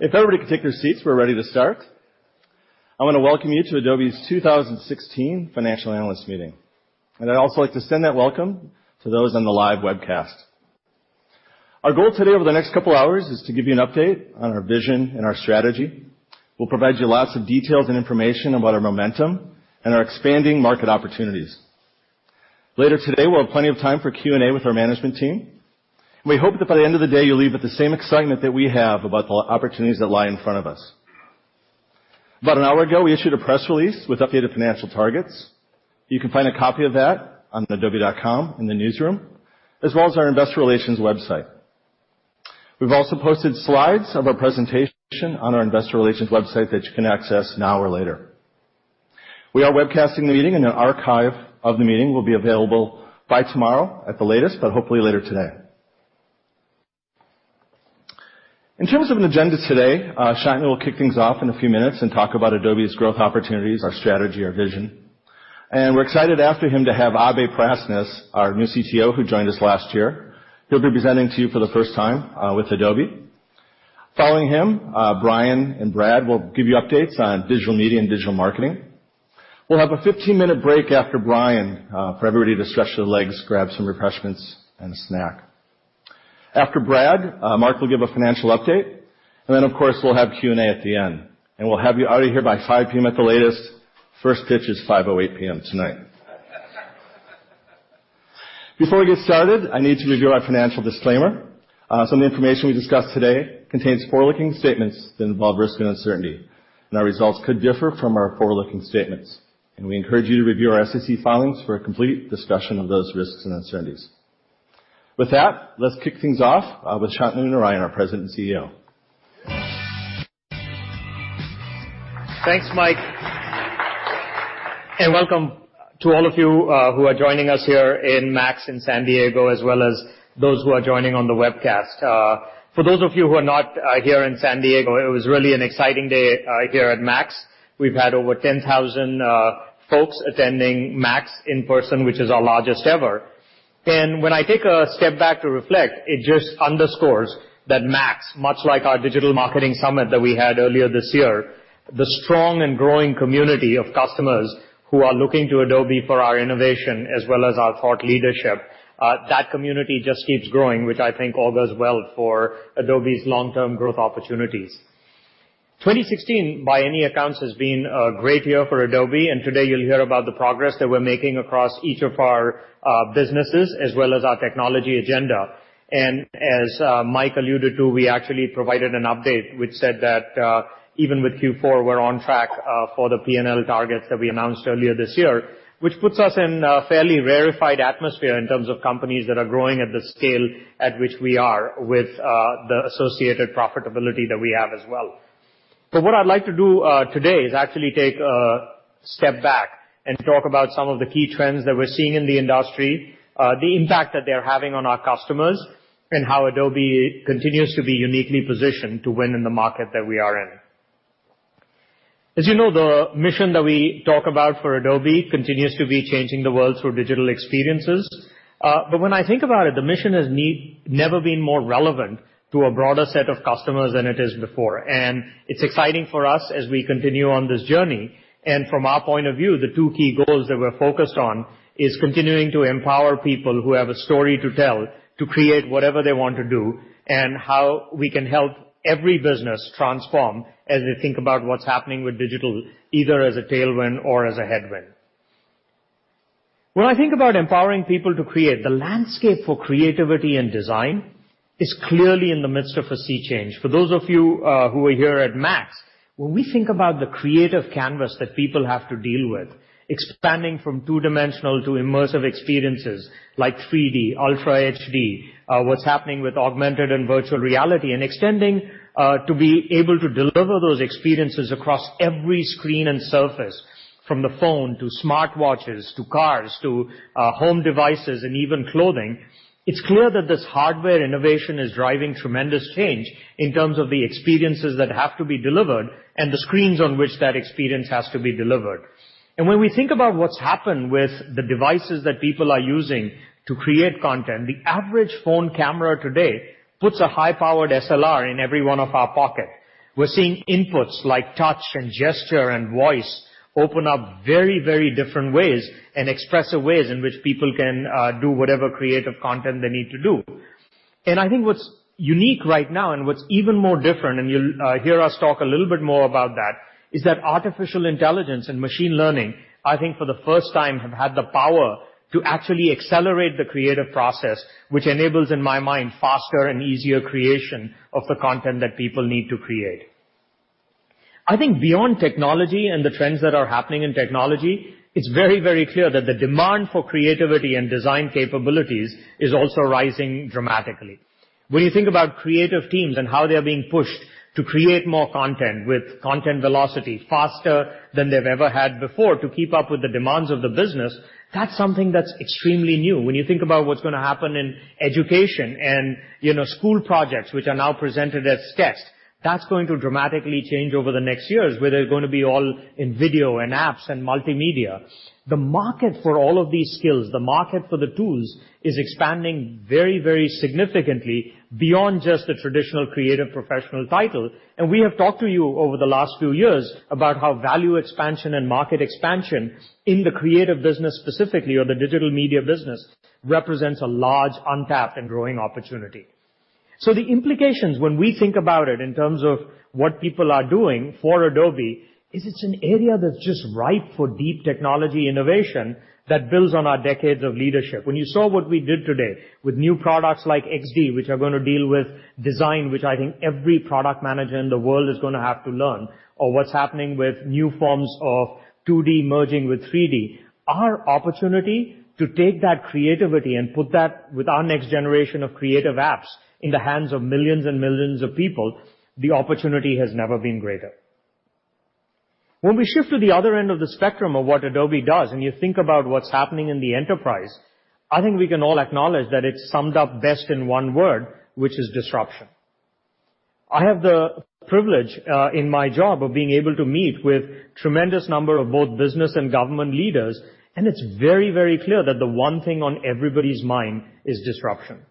If everybody could take their seats, we're ready to start. I want to welcome you to Adobe's 2016 Financial Analyst Meeting. I'd also like to send that welcome to those on the live webcast. Our goal today over the next couple of hours is to give you an update on our vision and our strategy. We'll provide you lots of details and information about our momentum and our expanding market opportunities. Later today, we'll have plenty of time for Q&A with our management team. We hope that by the end of the day, you'll leave with the same excitement that we have about the opportunities that lie in front of us. About an hour ago, we issued a press release with updated financial targets. You can find a copy of that on adobe.com in the newsroom, as well as our investor relations website. We've also posted slides of our presentation on our investor relations website that you can access now or later. We are webcasting the meeting, an archive of the meeting will be available by tomorrow at the latest, but hopefully later today. In terms of an agenda today, Shantanu will kick things off in a few minutes and talk about Adobe's growth opportunities, our strategy, our vision. We're excited after him to have Abhay Parasnis, our new CTO, who joined us last year. He'll be presenting to you for the first time with Adobe. Following him, Bryan and Brad will give you updates on Digital Media and Digital Marketing. We'll have a 15-minute break after Bryan for everybody to stretch their legs, grab some refreshments, and a snack. After Brad, Mark will give a financial update, then, of course, we'll have Q&A at the end. We'll have you out of here by 5:00 P.M. at the latest. First pitch is 5:08 P.M. tonight. Before we get started, I need to review our financial disclaimer. Some of the information we discuss today contains forward-looking statements that involve risk and uncertainty, our results could differ from our forward-looking statements, we encourage you to review our SEC filings for a complete discussion of those risks and uncertainties. With that, let's kick things off with Shantanu Narayen, our President and Chief Executive Officer. Thanks, Mike. Welcome to all of you who are joining us here in MAX in San Diego, as well as those who are joining on the webcast. For those of you who are not here in San Diego, it was really an exciting day here at MAX. We've had over 10,000 folks attending MAX in person, which is our largest ever. When I take a step back to reflect, it just underscores that MAX, much like our Adobe Summit that we had earlier this year, the strong and growing community of customers who are looking to Adobe for our innovation as well as our thought leadership, that community just keeps growing, which I think all goes well for Adobe's long-term growth opportunities. 2016, by any accounts, has been a great year for Adobe. Today you'll hear about the progress that we're making across each of our businesses as well as our technology agenda. As Mike alluded to, we actually provided an update which said that even with Q4, we're on track for the P&L targets that we announced earlier this year, which puts us in a fairly rarefied atmosphere in terms of companies that are growing at the scale at which we are with the associated profitability that we have as well. What I'd like to do today is actually take a step back and talk about some of the key trends that we're seeing in the industry, the impact that they're having on our customers, and how Adobe continues to be uniquely positioned to win in the market that we are in. As you know, the mission that we talk about for Adobe continues to be changing the world through digital experiences. When I think about it, the mission has never been more relevant to a broader set of customers than it is before. It's exciting for us as we continue on this journey. From our point of view, the two key goals that we're focused on is continuing to empower people who have a story to tell to create whatever they want to do, and how we can help every business transform as they think about what's happening with digital, either as a tailwind or as a headwind. When I think about empowering people to create, the landscape for creativity and design is clearly in the midst of a sea change. For those of you who are here at MAX, when we think about the creative canvas that people have to deal with, expanding from two-dimensional to immersive experiences like 3D, Ultra HD, what's happening with augmented and virtual reality, and extending to be able to deliver those experiences across every screen and surface, from the phone to smartwatches, to cars, to home devices, and even clothing. It's clear that this hardware innovation is driving tremendous change in terms of the experiences that have to be delivered and the screens on which that experience has to be delivered. When we think about what's happened with the devices that people are using to create content, the average phone camera today puts a high-powered SLR in every one of our pocket. We're seeing inputs like touch and gesture and voice open up very different ways and expressive ways in which people can do whatever creative content they need to do. I think what's unique right now and what's even more different, and you'll hear us talk a little bit more about that, is that artificial intelligence and machine learning, I think for the first time, have had the power to actually accelerate the creative process, which enables, in my mind, faster and easier creation of the content that people need to create. I think beyond technology and the trends that are happening in technology, it's very clear that the demand for creativity and design capabilities is also rising dramatically. When you think about creative teams and how they are being pushed to create more content with content velocity faster than they've ever had before to keep up with the demands of the business, that's something that's extremely new. When you think about what's going to happen in education and school projects, which are now presented as text, that's going to dramatically change over the next years, where they're going to be all in video and apps and multimedia. The market for all of these skills, the market for the tools, is expanding very significantly beyond just the traditional creative professional title. We have talked to you over the last few years about how value expansion and market expansion in the creative business specifically or the Digital Media business represents a large untapped and growing opportunity. The implications when we think about it in terms of what people are doing for Adobe, is it's an area that's just ripe for deep technology innovation that builds on our decades of leadership. When you saw what we did today with new products like XD, which are going to deal with design, which I think every product manager in the world is going to have to learn, or what's happening with new forms of 2D merging with 3D, our opportunity to take that creativity and put that with our next generation of creative apps in the hands of millions and millions of people, the opportunity has never been greater. When we shift to the other end of the spectrum of what Adobe does, you think about what's happening in the enterprise, I think we can all acknowledge that it's summed up best in one word, which is disruption. I have the privilege in my job of being able to meet with tremendous number of both business and government leaders, it's very, very clear that the one thing on everybody's mind is disruption.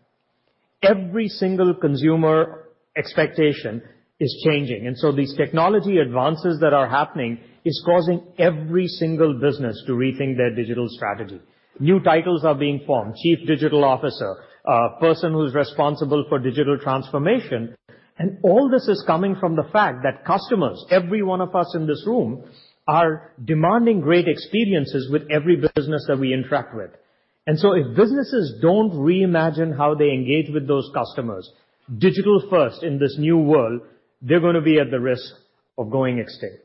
Every single consumer expectation is changing, these technology advances that are happening is causing every single business to rethink their digital strategy. New titles are being formed, chief digital officer, a person who's responsible for digital transformation. All this is coming from the fact that customers, every one of us in this room, are demanding great experiences with every business that we interact with. If businesses don't reimagine how they engage with those customers, digital first in this new world, they're going to be at the risk of going extinct.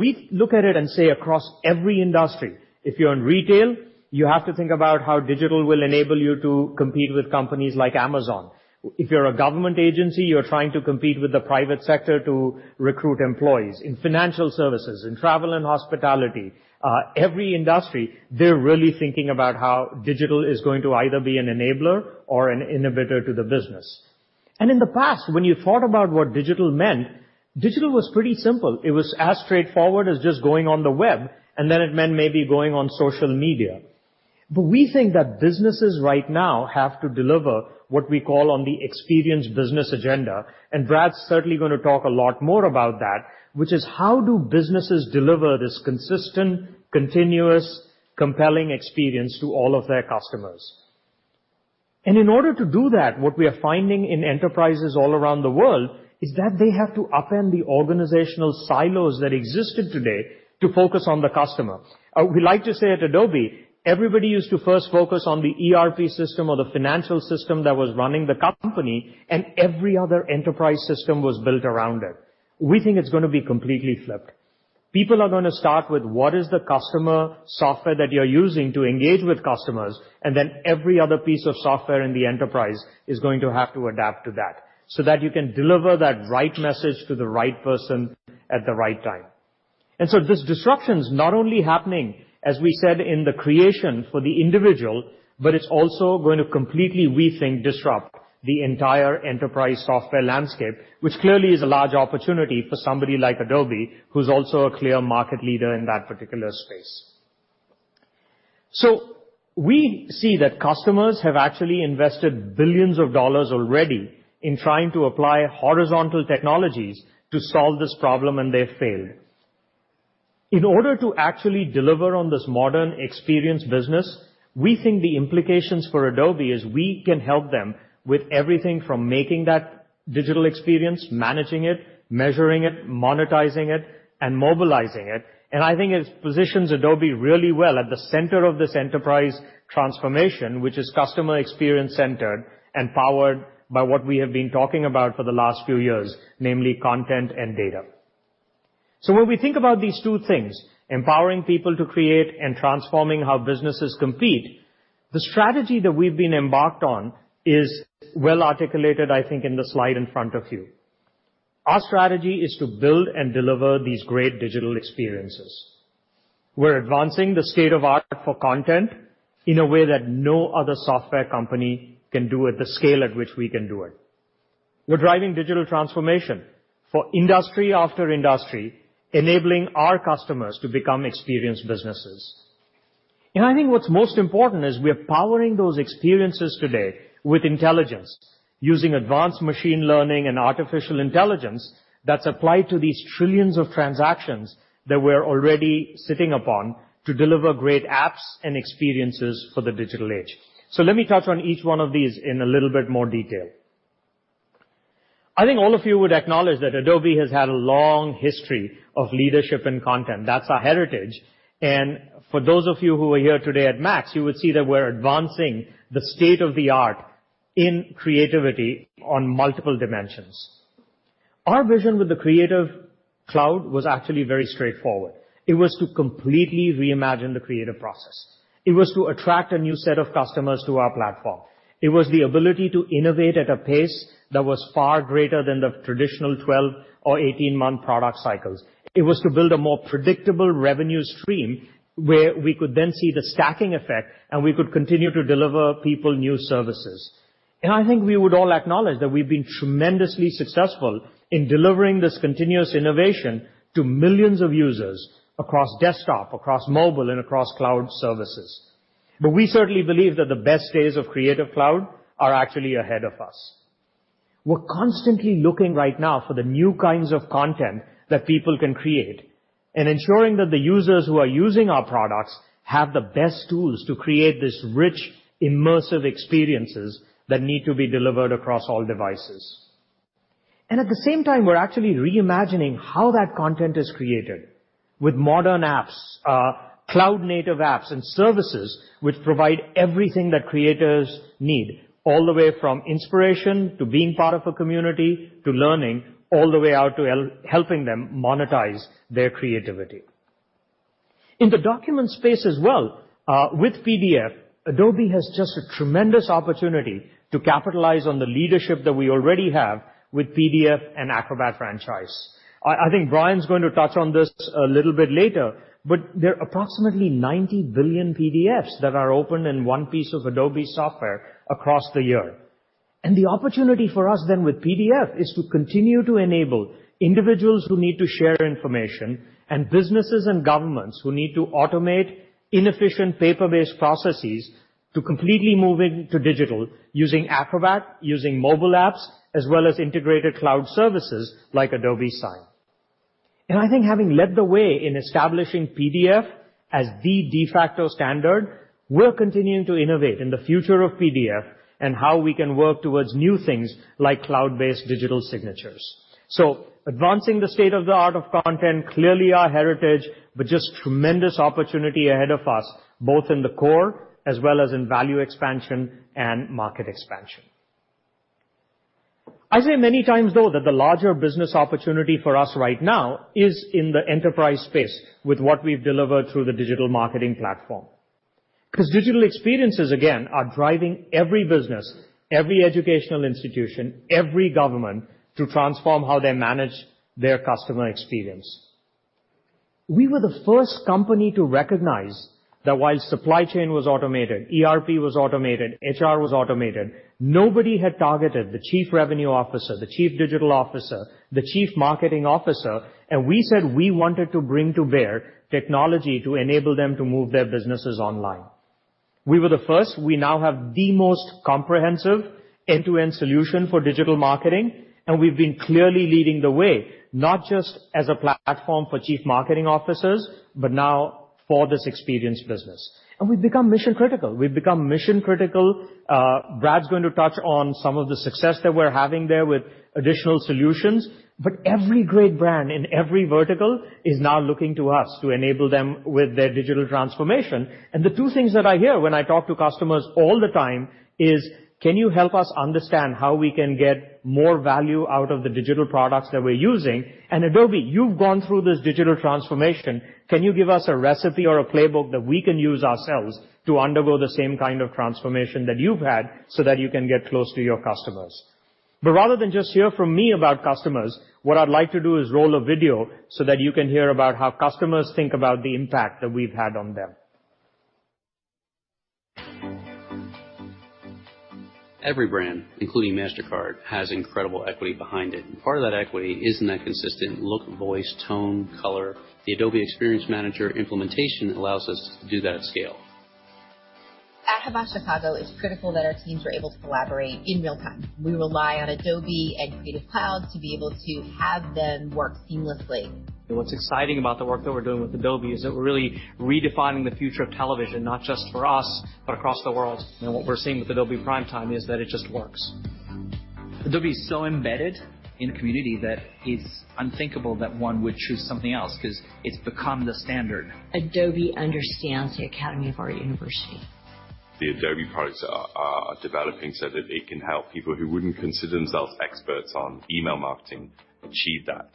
We look at it and say across every industry, if you're in retail, you have to think about how digital will enable you to compete with companies like Amazon. If you're a government agency, you're trying to compete with the private sector to recruit employees. In financial services, in travel and hospitality, every industry, they're really thinking about how digital is going to either be an enabler or an inhibitor to the business. In the past, when you thought about what digital meant, digital was pretty simple. It was as straightforward as just going on the web, then it meant maybe going on social media. We think that businesses right now have to deliver what we call on the experience business agenda, and Brad's certainly going to talk a lot more about that, which is how do businesses deliver this consistent, continuous, compelling experience to all of their customers? In order to do that, what we are finding in enterprises all around the world is that they have to upend the organizational silos that existed today to focus on the customer. We like to say at Adobe, everybody used to first focus on the ERP system or the financial system that was running the company, and every other enterprise system was built around it. We think it's going to be completely flipped. People are going to start with what is the customer software that you're using to engage with customers, then every other piece of software in the enterprise is going to have to adapt to that, so that you can deliver that right message to the right person at the right time. This disruption's not only happening, as we said, in the creation for the individual, but it's also going to completely rethink, disrupt the entire enterprise software landscape, which clearly is a large opportunity for somebody like Adobe, who's also a clear market leader in that particular space. We see that customers have actually invested $billions already in trying to apply horizontal technologies to solve this problem, and they've failed. In order to actually deliver on this modern experience business, we think the implications for Adobe is we can help them with everything from making that digital experience, managing it, measuring it, monetizing it, and mobilizing it. I think it positions Adobe really well at the center of this enterprise transformation, which is customer experience centered and powered by what we have been talking about for the last few years, namely content and data. When we think about these two things, empowering people to create and transforming how businesses compete, the strategy that we've been embarked on is well articulated, I think, in the slide in front of you. Our strategy is to build and deliver these great digital experiences. We're advancing the state of art for content in a way that no other software company can do at the scale at which we can do it. We're driving digital transformation for industry after industry, enabling our customers to become experienced businesses. I think what's most important is we are powering those experiences today with intelligence using advanced machine learning and artificial intelligence that's applied to these trillions of transactions that we're already sitting upon to deliver great apps and experiences for the digital age. Let me touch on each one of these in a little bit more detail. I think all of you would acknowledge that Adobe has had a long history of leadership and content. That's our heritage. For those of you who are here today at MAX, you would see that we're advancing the state-of-the-art in creativity on multiple dimensions. Our vision with the Creative Cloud was actually very straightforward. It was to completely reimagine the creative process. It was to attract a new set of customers to our platform. It was the ability to innovate at a pace that was far greater than the traditional 12 or 18-month product cycles. It was to build a more predictable revenue stream where we could then see the stacking effect, and we could continue to deliver people new services. I think we would all acknowledge that we've been tremendously successful in delivering this continuous innovation to millions of users across desktop, across mobile, and across cloud services. We certainly believe that the best days of Creative Cloud are actually ahead of us. We're constantly looking right now for the new kinds of content that people can create ensuring that the users who are using our products have the best tools to create these rich, immersive experiences that need to be delivered across all devices. At the same time, we're actually reimagining how that content is created with modern apps, cloud-native apps, and services which provide everything that creators need, all the way from inspiration to being part of a community, to learning, all the way out to helping them monetize their creativity. In the document space as well, with PDF, Adobe has just a tremendous opportunity to capitalize on the leadership that we already have with PDF and Acrobat franchise. I think Bryan's going to touch on this a little bit later, there are approximately 90 billion PDFs that are opened in one piece of Adobe software across the year. The opportunity for us with PDF is to continue to enable individuals who need to share information and businesses and governments who need to automate inefficient paper-based processes to completely move into digital using Acrobat, using mobile apps, as well as integrated cloud services like Adobe Sign. I think having led the way in establishing PDF as the de facto standard, we're continuing to innovate in the future of PDF and how we can work towards new things like cloud-based digital signatures. Advancing the state-of-the-art of content, clearly our heritage, just tremendous opportunity ahead of us, both in the core as well as in value expansion and market expansion. I say many times, though, that the larger business opportunity for us right now is in the enterprise space with what we've delivered through the digital marketing platform. Digital experiences, again, are driving every business, every educational institution, every government to transform how they manage their customer experience. We were the first company to recognize that while supply chain was automated, ERP was automated, HR was automated, nobody had targeted the Chief Revenue Officer, the Chief Digital Officer, the Chief Marketing Officer, we said we wanted to bring to bear technology to enable them to move their businesses online. We were the first. We now have the most comprehensive end-to-end solution for digital marketing, we've been clearly leading the way, not just as a platform for Chief Marketing Officers, but now for this experience business. We've become mission-critical. Brad's going to touch on some of the success that we're having there with additional solutions, every great brand in every vertical is now looking to us to enable them with their digital transformation. The two things that I hear when I talk to customers all the time is, "Can you help us understand how we can get more value out of the digital products that we're using?" "Adobe, you've gone through this digital transformation. Can you give us a recipe or a playbook that we can use ourselves to undergo the same kind of transformation that you've had so that you can get close to your customers?" Rather than just hear from me about customers, what I'd like to do is roll a video so that you can hear about how customers think about the impact that we've had on them. Every brand, including Mastercard, has incredible equity behind it, part of that equity is in that consistent look, voice, tone, color. The Adobe Experience Manager implementation allows us to do that at scale. At Harpo Chicago, it's critical that our teams are able to collaborate in real time. We rely on Adobe and Creative Cloud to be able to have them work seamlessly. What's exciting about the work that we're doing with Adobe is that we're really redefining the future of television, not just for us, but across the world. What we're seeing with Adobe Primetime is that it just works. Adobe is so embedded in the community that it's unthinkable that one would choose something else, because it's become the standard. Adobe understands the Academy of Art University. The Adobe products are developing so that it can help people who wouldn't consider themselves experts on email marketing achieve that.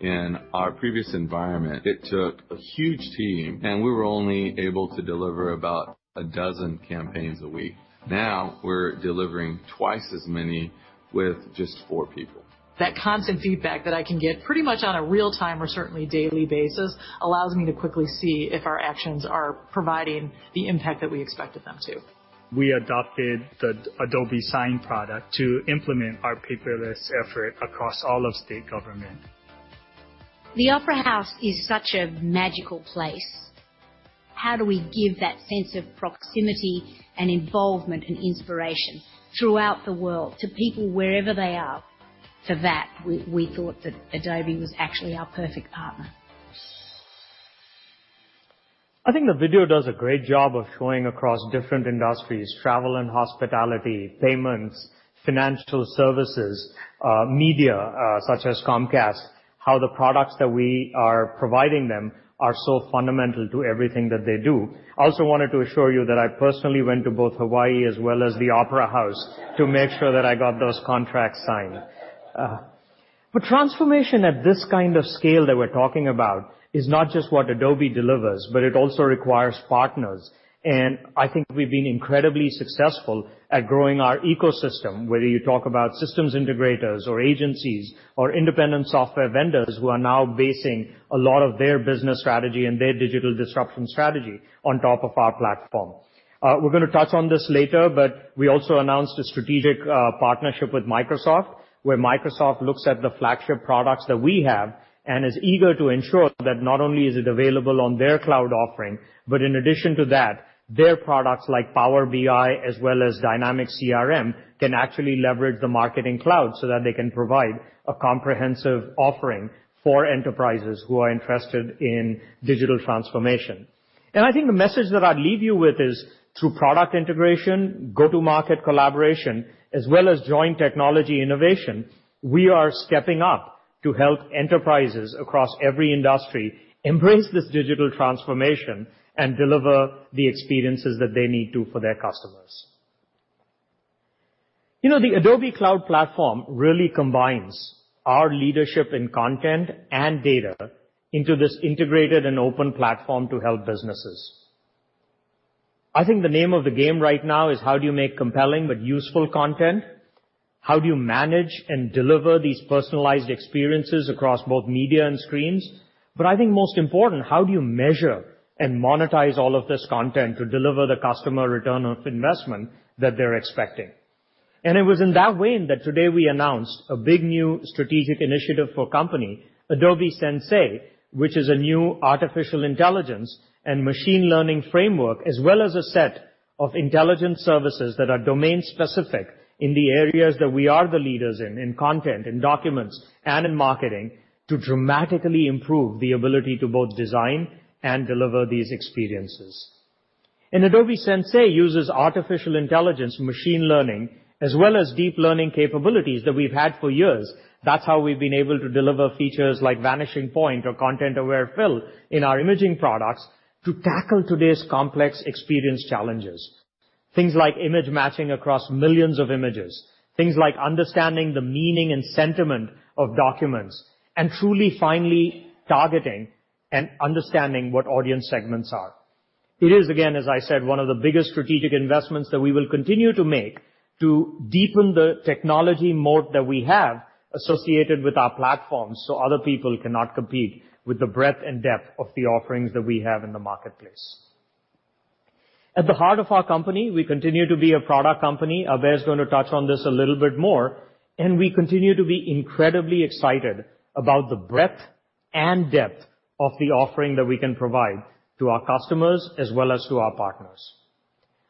In our previous environment, it took a huge team, and we were only able to deliver about a dozen campaigns a week. Now we're delivering twice as many with just four people. That constant feedback that I can get pretty much on a real time or certainly daily basis allows me to quickly see if our actions are providing the impact that we expected them to. We adopted the Adobe Sign product to implement our paperless effort across all of state government. The Opera House is such a magical place. How do we give that sense of proximity and involvement and inspiration throughout the world to people wherever they are? We thought that Adobe was actually our perfect partner. I think the video does a great job of showing across different industries, travel and hospitality, payments, financial services, media, such as Comcast, how the products that we are providing them are so fundamental to everything that they do. I also wanted to assure you that I personally went to both Hawaii as well as the Opera House to make sure that I got those contracts signed. Transformation at this kind of scale that we're talking about is not just what Adobe delivers, but it also requires partners. I think we've been incredibly successful at growing our ecosystem, whether you talk about systems integrators or agencies or independent software vendors who are now basing a lot of their business strategy and their digital disruption strategy on top of our platform. We're going to touch on this later, we also announced a strategic partnership with Microsoft, where Microsoft looks at the flagship products that we have and is eager to ensure that not only is it available on their cloud offering, but in addition to that, their products like Power BI as well as Dynamics CRM can actually leverage the Marketing Cloud so that they can provide a comprehensive offering for enterprises who are interested in digital transformation. I think the message that I'd leave you with is through product integration, go-to-market collaboration, as well as joint technology innovation, we are stepping up to help enterprises across every industry embrace this digital transformation and deliver the experiences that they need to for their customers. The Adobe Cloud Platform really combines our leadership in content and data into this integrated and open platform to help businesses. I think the name of the game right now is how do you make compelling but useful content? How do you manage and deliver these personalized experiences across both media and screens? I think most important, how do you measure and monetize all of this content to deliver the customer return of investment that they're expecting? It was in that vein that today we announced a big new strategic initiative for company, Adobe Sensei, which is a new artificial intelligence and machine learning framework, as well as a set of intelligent services that are domain-specific in the areas that we are the leaders in content, in documents, and in marketing, to dramatically improve the ability to both design and deliver these experiences. Adobe Sensei uses artificial intelligence, machine learning, as well as deep learning capabilities that we've had for years. That's how we've been able to deliver features like Vanishing Point or Content-Aware Fill in our imaging products to tackle today's complex experience challenges. Things like image matching across millions of images, things like understanding the meaning and sentiment of documents, and truly, finally, targeting and understanding what audience segments are. It is, again, as I said, one of the biggest strategic investments that we will continue to make to deepen the technology moat that we have associated with our platforms so other people cannot compete with the breadth and depth of the offerings that we have in the marketplace. At the heart of our company, we continue to be a product company. Abhay is going to touch on this a little bit more, we continue to be incredibly excited about the breadth and depth of the offering that we can provide to our customers as well as to our partners.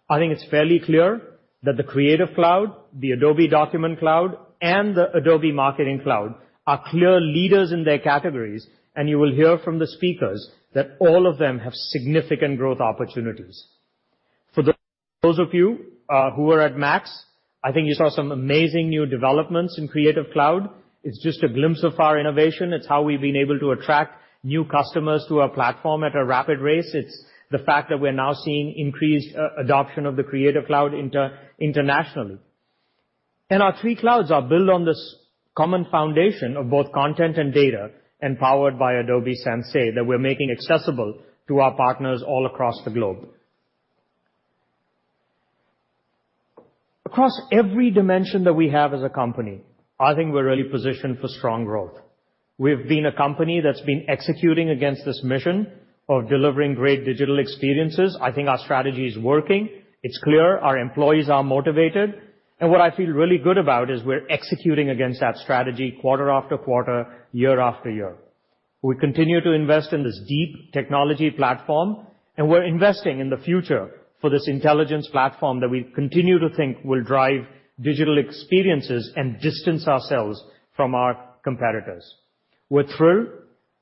I think it's fairly clear that the Creative Cloud, the Adobe Document Cloud, and the Adobe Marketing Cloud are clear leaders in their categories, you will hear from the speakers that all of them have significant growth opportunities. For those of you who were at MAX, I think you saw some amazing new developments in Creative Cloud. It's just a glimpse of our innovation. It's how we've been able to attract new customers to our platform at a rapid rate. It's the fact that we're now seeing increased adoption of the Creative Cloud internationally. Our 3 clouds are built on this common foundation of both content and data, empowered by Adobe Sensei, that we're making accessible to our partners all across the globe. Across every dimension that we have as a company, I think we're really positioned for strong growth. We've been a company that's been executing against this mission of delivering great digital experiences. I think our strategy is working. It's clear our employees are motivated. What I feel really good about is we're executing against that strategy quarter after quarter, year after year. We continue to invest in this deep technology platform, we're investing in the future for this intelligence platform that we continue to think will drive digital experiences and distance ourselves from our competitors. We're thrilled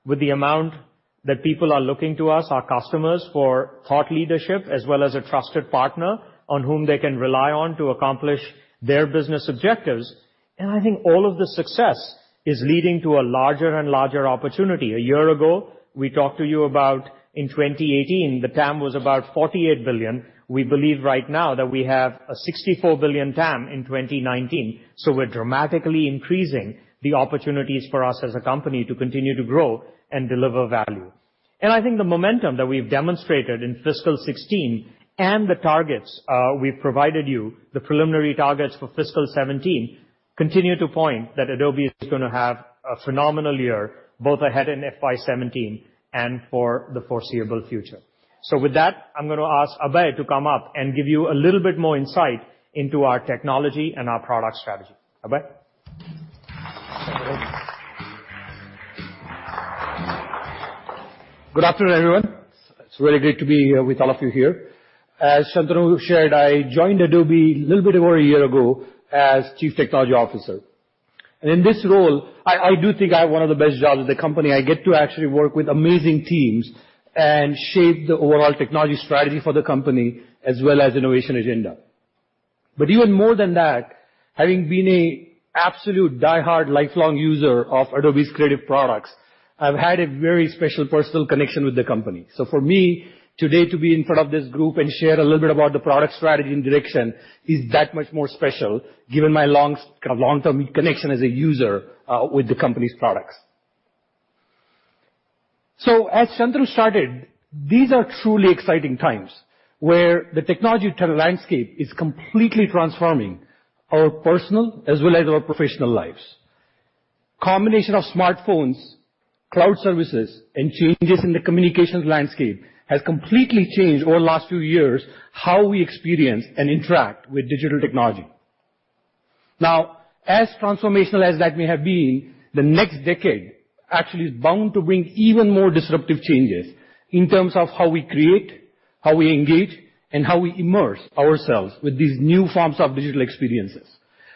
with the amount that people are looking to us, our customers, for thought leadership, as well as a trusted partner on whom they can rely on to accomplish their business objectives. I think all of the success is leading to a larger and larger opportunity. A year ago, we talked to you about in 2018, the TAM was about $48 billion. We believe right now that we have a $64 billion TAM in 2019, so we're dramatically increasing the opportunities for us as a company to continue to grow and deliver value. I think the momentum that we've demonstrated in fiscal 2016 and the targets we've provided you, the preliminary targets for fiscal 2017, continue to point that Adobe is going to have a phenomenal year, both ahead in FY 2017 and for the foreseeable future. With that, I'm going to ask Abhay to come up and give you a little bit more insight into our technology and our product strategy. Abhay. Good afternoon, everyone. It's really great to be here with all of you here. As Shantanu shared, I joined Adobe a little bit over a year ago as Chief Technology Officer. In this role, I do think I have one of the best jobs at the company. I get to actually work with amazing teams and shape the overall technology strategy for the company, as well as innovation agenda. Even more than that, having been an absolute diehard lifelong user of Adobe's creative products, I've had a very special personal connection with the company. For me, today, to be in front of this group and share a little bit about the product strategy and direction is that much more special given my long-term connection as a user with the company's products. As Shantanu started, these are truly exciting times where the technology landscape is completely transforming our personal as well as our professional lives. Combination of smartphones, cloud services, and changes in the communications landscape has completely changed over the last few years how we experience and interact with digital technology. As transformational as that may have been, the next decade actually is bound to bring even more disruptive changes in terms of how we create, how we engage, and how we immerse ourselves with these new forms of digital experiences.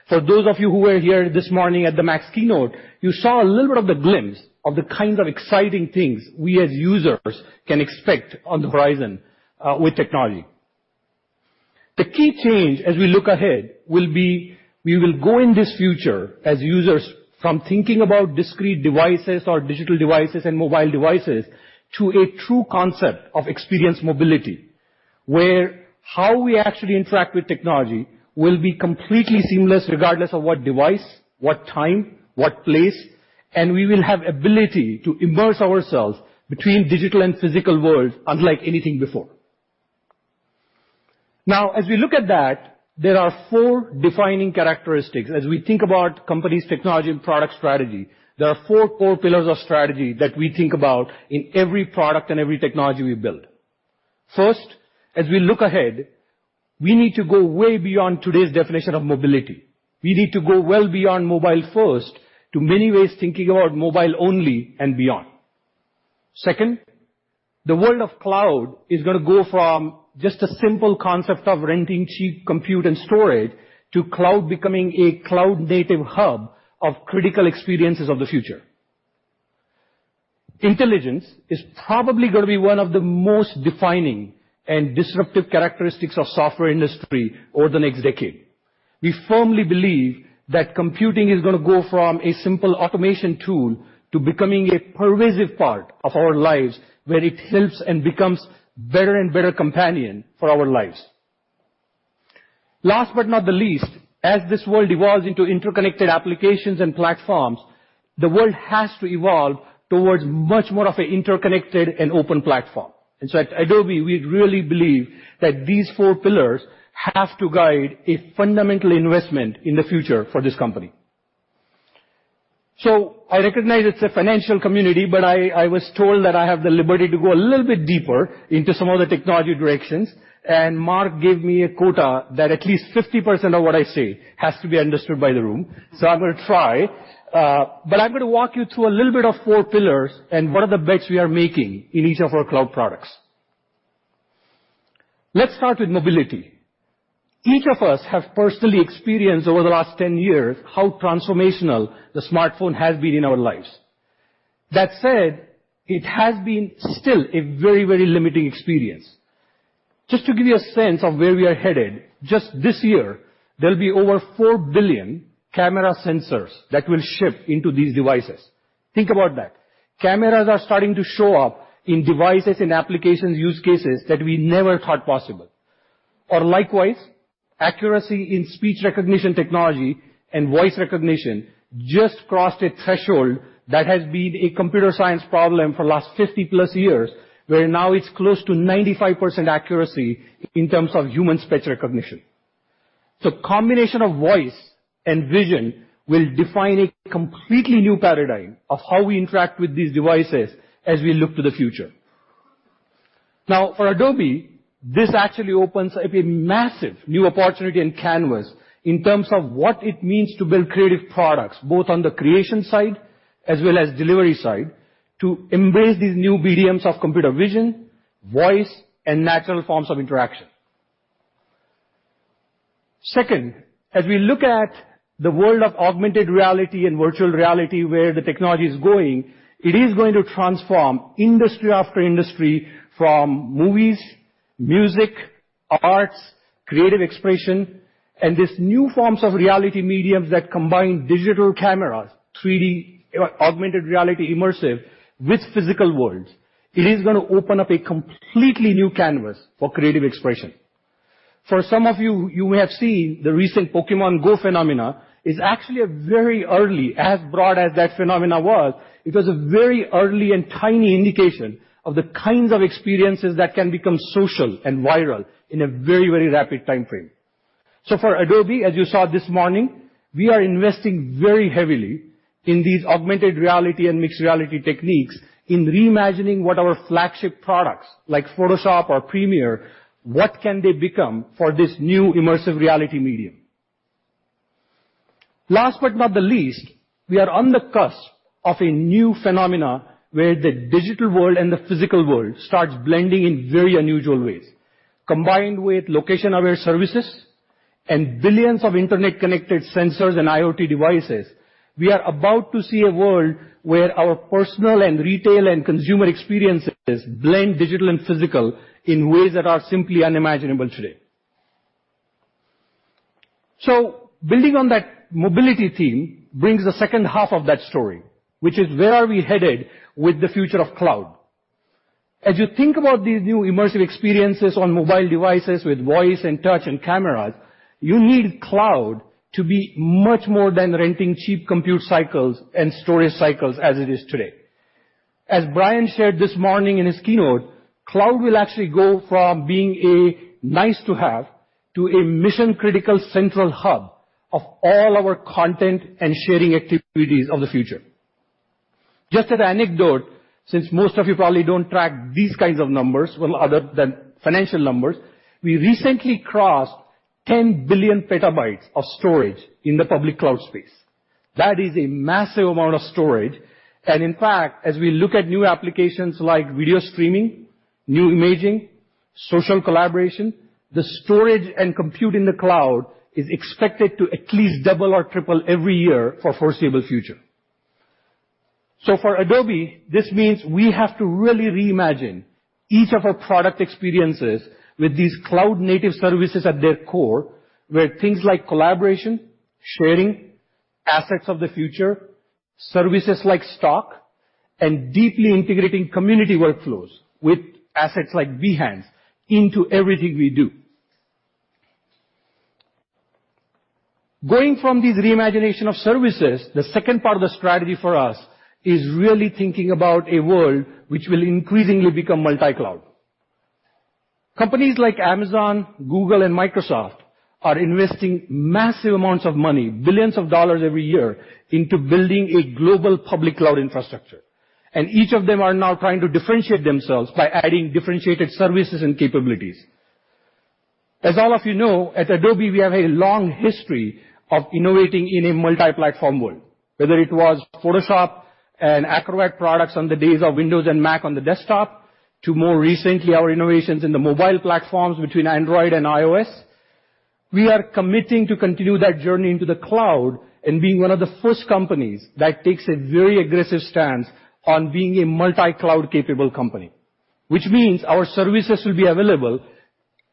For those of you who were here this morning at the MAX keynote, you saw a little bit of the glimpse of the kind of exciting things we, as users, can expect on the horizon with technology. The key change as we look ahead will be, we will go in this future, as users, from thinking about discrete devices or digital devices and mobile devices, to a true concept of experience mobility, where how we actually interact with technology will be completely seamless, regardless of what device, what time, what place, and we will have ability to immerse ourselves between digital and physical world unlike anything before. As we look at that, there are four defining characteristics. As we think about company's technology and product strategy, there are four core pillars of strategy that we think about in every product and every technology we build. First, as we look ahead, we need to go way beyond today's definition of mobility. We need to go well beyond mobile first to many ways thinking about mobile only and beyond. Second, the world of cloud is going to go from just a simple concept of renting cheap compute and storage to cloud becoming a cloud native hub of critical experiences of the future. Intelligence is probably going to be one of the most defining and disruptive characteristics of software industry over the next decade. We firmly believe that computing is going to go from a simple automation tool to becoming a pervasive part of our lives, where it helps and becomes better and better companion for our lives. Last but not the least, as this world evolves into interconnected applications and platforms, the world has to evolve towards much more of an interconnected and open platform. At Adobe, we really believe that these four pillars have to guide a fundamental investment in the future for this company. I recognize it's a financial community, but I was told that I have the liberty to go a little bit deeper into some of the technology directions. Mark gave me a quota that at least 50% of what I say has to be understood by the room. I'm going to try, but I'm going to walk you through a little bit of four pillars and what are the bets we are making in each of our cloud products. Let's start with mobility. Each of us have personally experienced over the last 10 years how transformational the smartphone has been in our lives. That said, it has been still a very limiting experience. Just to give you a sense of where we are headed, just this year, there'll be over 4 billion camera sensors that will ship into these devices. Think about that. Cameras are starting to show up in devices, in applications, use cases that we never thought possible. Likewise, accuracy in speech recognition technology and voice recognition just crossed a threshold that has been a computer science problem for the last 50-plus years, where now it's close to 95% accuracy in terms of human speech recognition. Combination of voice and vision will define a completely new paradigm of how we interact with these devices as we look to the future. Now, for Adobe, this actually opens up a massive new opportunity and canvas in terms of what it means to build creative products, both on the creation side as well as delivery side, to embrace these new mediums of computer vision, voice, and natural forms of interaction. Second, as we look at the world of augmented reality and virtual reality, where the technology is going, it is going to transform industry after industry, from movies, music, arts, creative expression, and these new forms of reality mediums that combine digital cameras, 3D, augmented reality immersive with physical worlds. It is going to open up a completely new canvas for creative expression. For some of you may have seen the recent Pokémon GO phenomena, is actually a very early, as broad as that phenomena was, it was a very early and tiny indication of the kinds of experiences that can become social and viral in a very rapid timeframe. For Adobe, as you saw this morning, we are investing very heavily in these augmented reality and mixed reality techniques in reimagining what our flagship products like Photoshop or Premiere, what can they become for this new immersive reality medium. Last but not the least, we are on the cusp of a new phenomena where the digital world and the physical world starts blending in very unusual ways. Combined with location-aware services and billions of internet-connected sensors and IoT devices, we are about to see a world where our personal and retail and consumer experiences blend digital and physical in ways that are simply unimaginable today. Building on that mobility theme brings the second half of that story, which is where are we headed with the future of cloud. As you think about these new immersive experiences on mobile devices with voice and touch and cameras, you need cloud to be much more than renting cheap compute cycles and storage cycles as it is today. As Bryan shared this morning in his keynote, cloud will actually go from being a nice to have to a mission-critical central hub of all our content and sharing activities of the future. Just an anecdote, since most of you probably don't track these kinds of numbers, well, other than financial numbers, we recently crossed [10 billion petabytes] of storage in the public cloud space. That is a massive amount of storage. In fact, as we look at new applications like video streaming, new imaging, social collaboration, the storage and compute in the cloud is expected to at least double or triple every year for foreseeable future. For Adobe, this means we have to really reimagine each of our product experiences with these cloud-native services at their core, where things like collaboration, sharing, assets of the future, services like Stock, and deeply integrating community workflows with assets like Behance into everything we do. Going from this reimagination of services, the second part of the strategy for us is really thinking about a world which will increasingly become multi-cloud. Companies like Amazon, Google, and Microsoft are investing massive amounts of money, billions of dollars every year, into building a global public cloud infrastructure. Each of them are now trying to differentiate themselves by adding differentiated services and capabilities. As all of you know, at Adobe, we have a long history of innovating in a multi-platform world. Whether it was Photoshop and Acrobat products on the days of Windows and Mac on the desktop, to more recently, our innovations in the mobile platforms between Android and iOS. We are committing to continue that journey into the cloud and being one of the first companies that takes a very aggressive stance on being a multi-cloud capable company. Which means our services will be available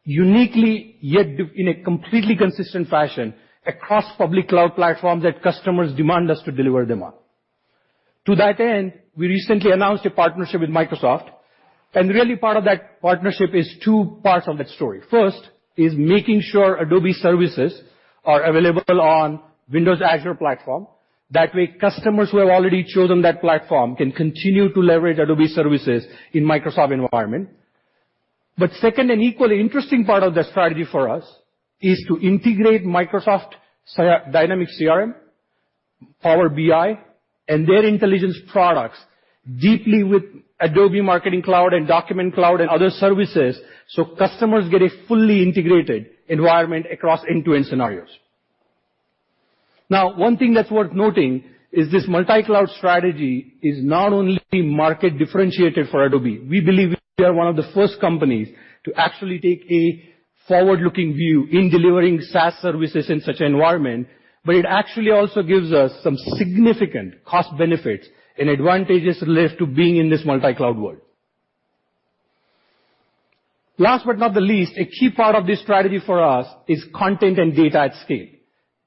uniquely, yet in a completely consistent fashion across public cloud platforms that customers demand us to deliver them on. To that end, we recently announced a partnership with Microsoft, really part of that partnership is two parts of that story. First is making sure Adobe services are available on Windows Azure platform. That way, customers who have already chosen that platform can continue to leverage Adobe services in Microsoft environment. Second, and equally interesting part of that strategy for us is to integrate Microsoft Dynamics CRM, Power BI, and their intelligence products deeply with Adobe Marketing Cloud and Document Cloud and other services so customers get a fully integrated environment across end-to-end scenarios. One thing that's worth noting is this multi-cloud strategy is not only market differentiated for Adobe. We believe we are one of the first companies to actually take a forward-looking view in delivering SaaS services in such environment, but it actually also gives us some significant cost benefits and advantages left to being in this multi-cloud world. Last but not the least, a key part of this strategy for us is content and data at scale.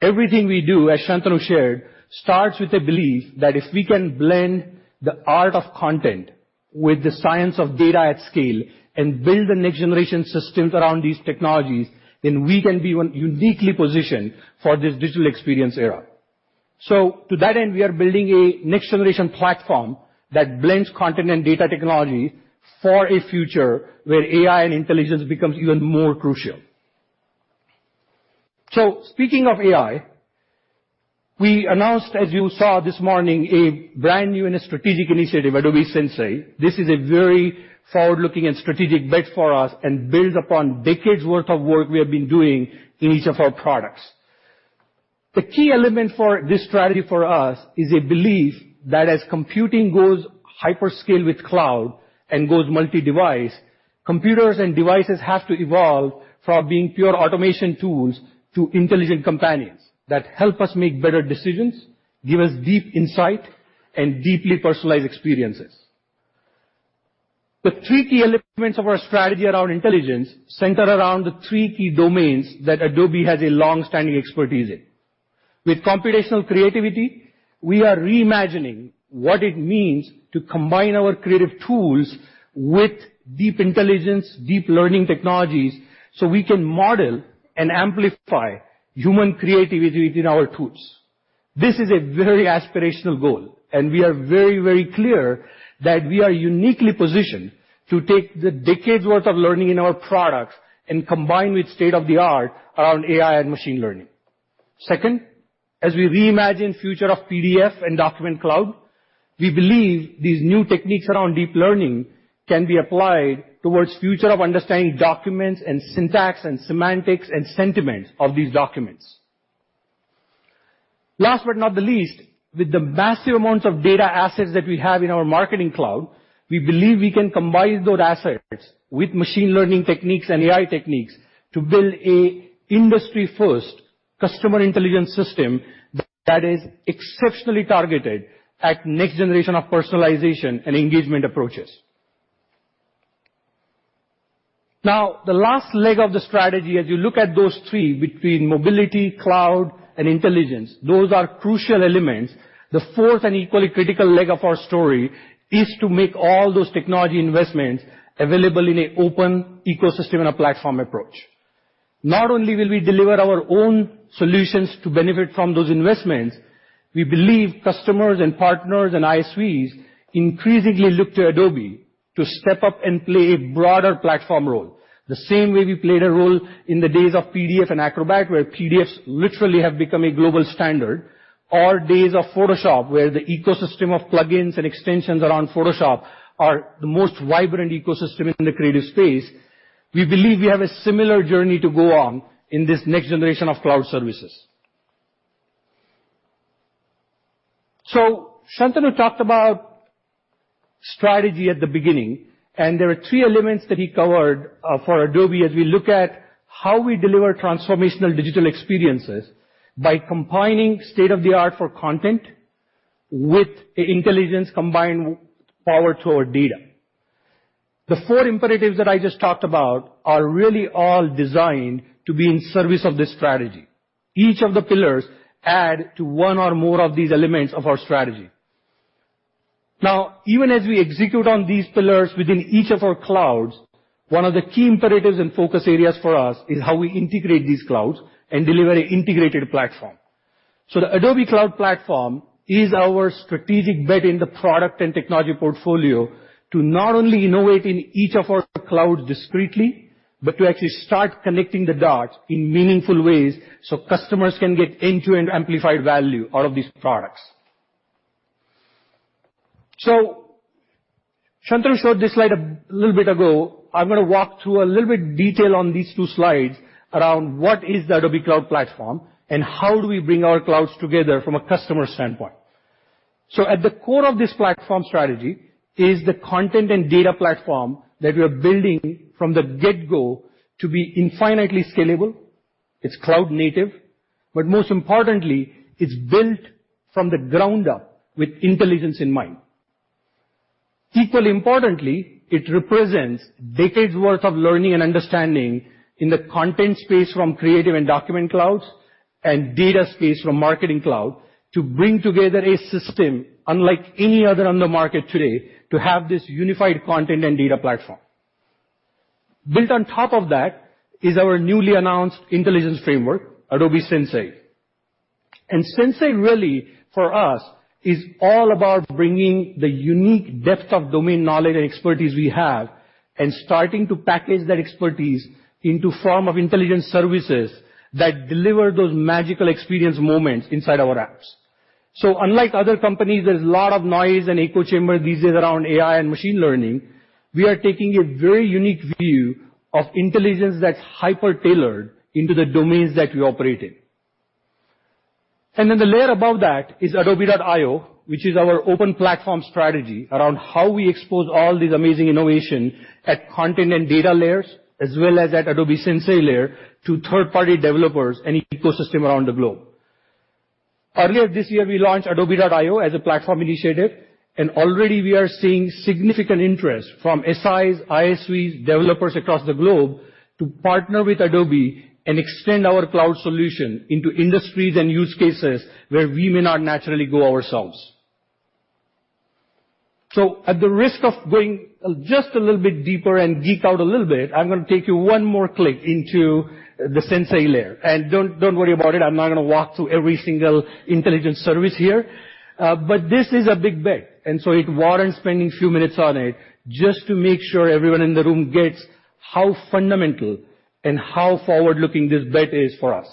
Everything we do, as Shantanu shared, starts with a belief that if we can blend the art of content with the science of data at scale and build the next generation systems around these technologies, then we can be uniquely positioned for this digital experience era. To that end, we are building a next generation platform that blends content and data technology for a future where AI and intelligence becomes even more crucial. Speaking of AI, we announced, as you saw this morning, a brand new and a strategic initiative, Adobe Sensei. This is a very forward-looking and strategic bet for us and build upon decades worth of work we have been doing in each of our products. The key element for this strategy for us is a belief that as computing goes hyperscale with cloud and goes multi-device, computers and devices have to evolve from being pure automation tools to intelligent companions that help us make better decisions, give us deep insight, and deeply personalized experiences. The three key elements of our strategy around intelligence center around the three key domains that Adobe has a long-standing expertise in. With computational creativity, we are reimagining what it means to combine our creative tools with deep intelligence, deep learning technologies, so we can model and amplify human creativity within our tools. This is a very aspirational goal, we are very, very clear that we are uniquely positioned to take the decades worth of learning in our products and combine with state-of-the-art around AI and machine learning. Second, as we reimagine future of PDF and Document Cloud, we believe these new techniques around deep learning can be applied towards future of understanding documents and syntax and semantics and sentiments of these documents. Last but not the least, with the massive amounts of data assets that we have in our Marketing Cloud, we believe we can combine those assets with machine learning techniques and AI techniques to build an industry-first customer intelligence system that is exceptionally targeted at next generation of personalization and engagement approaches. The last leg of the strategy, as you look at those three, between mobility, cloud, and intelligence, those are crucial elements. The fourth and equally critical leg of our story is to make all those technology investments available in an open ecosystem and a platform approach. Not only will we deliver our own solutions to benefit from those investments, we believe customers and partners and ISVs increasingly look to Adobe to step up and play a broader platform role. The same way we played a role in the days of PDF and Acrobat, where PDFs literally have become a global standard, or days of Photoshop, where the ecosystem of plugins and extensions around Photoshop are the most vibrant ecosystem in the creative space. We believe we have a similar journey to go on in this next generation of cloud services. Shantanu talked about strategy at the beginning, and there are three elements that he covered for Adobe as we look at how we deliver transformational digital experiences by combining state-of-the-art for content with intelligence combined power to our data. The four imperatives that I just talked about are really all designed to be in service of this strategy. Each of the pillars add to one or more of these elements of our strategy. Even as we execute on these pillars within each of our clouds, one of the key imperatives and focus areas for us is how we integrate these clouds and deliver an integrated platform. The Adobe Cloud Platform is our strategic bet in the product and technology portfolio to not only innovate in each of our clouds discretely, but to actually start connecting the dots in meaningful ways so customers can get end-to-end amplified value out of these products. Shantanu showed this slide a little bit ago. I'm going to walk through a little bit detail on these two slides around what is the Adobe Cloud Platform and how do we bring our clouds together from a customer standpoint. At the core of this platform strategy is the content and data platform that we are building from the get-go to be infinitely scalable. It's cloud native, but most importantly, it's built from the ground up with intelligence in mind. Equally importantly, it represents decades worth of learning and understanding in the content space from Creative and Document Clouds, and data space from Marketing Cloud to bring together a system unlike any other on the market today to have this unified content and data platform. Built on top of that is our newly announced intelligence framework, Adobe Sensei. Sensei really for us is all about bringing the unique depth of domain knowledge and expertise we have and starting to package that expertise into form of intelligence services that deliver those magical experience moments inside our apps. Unlike other companies, there's a lot of noise and echo chamber these days around AI and machine learning. We are taking a very unique view of intelligence that's hyper-tailored into the domains that we operate in. The layer above that is Adobe I/O, which is our open platform strategy around how we expose all these amazing innovation at content and data layers, as well as at Adobe Sensei layer to third-party developers and ecosystem around the globe. Earlier this year, we launched Adobe I/O as a platform initiative, already we are seeing significant interest from SIs, ISVs, developers across the globe to partner with Adobe and extend our cloud solution into industries and use cases where we may not naturally go ourselves. At the risk of going just a little bit deeper and geek out a little bit, I'm going to take you one more click into the Sensei layer. Don't worry about it, I'm not going to walk through every single intelligence service here. This is a big bet, so it warrants spending a few minutes on it just to make sure everyone in the room gets how fundamental and how forward-looking this bet is for us.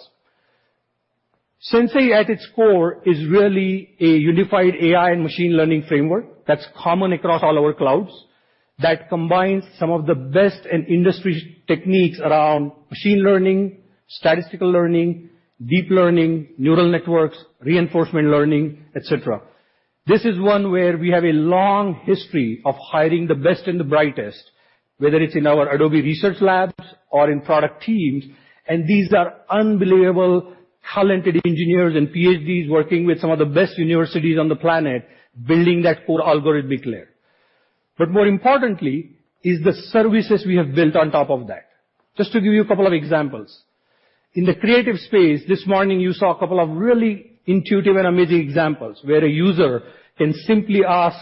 Sensei at its core is really a unified AI and machine learning framework that's common across all our clouds that combines some of the best in industry techniques around machine learning, statistical learning, deep learning, neural networks, reinforcement learning, et cetera. This is one where we have a long history of hiring the best and the brightest, whether it's in our Adobe research labs or in product teams, these are unbelievable talented engineers and PhDs working with some of the best universities on the planet, building that core algorithmic layer. More importantly is the services we have built on top of that. Just to give you a couple of examples. In the creative space, this morning you saw a couple of really intuitive and amazing examples where a user can simply ask,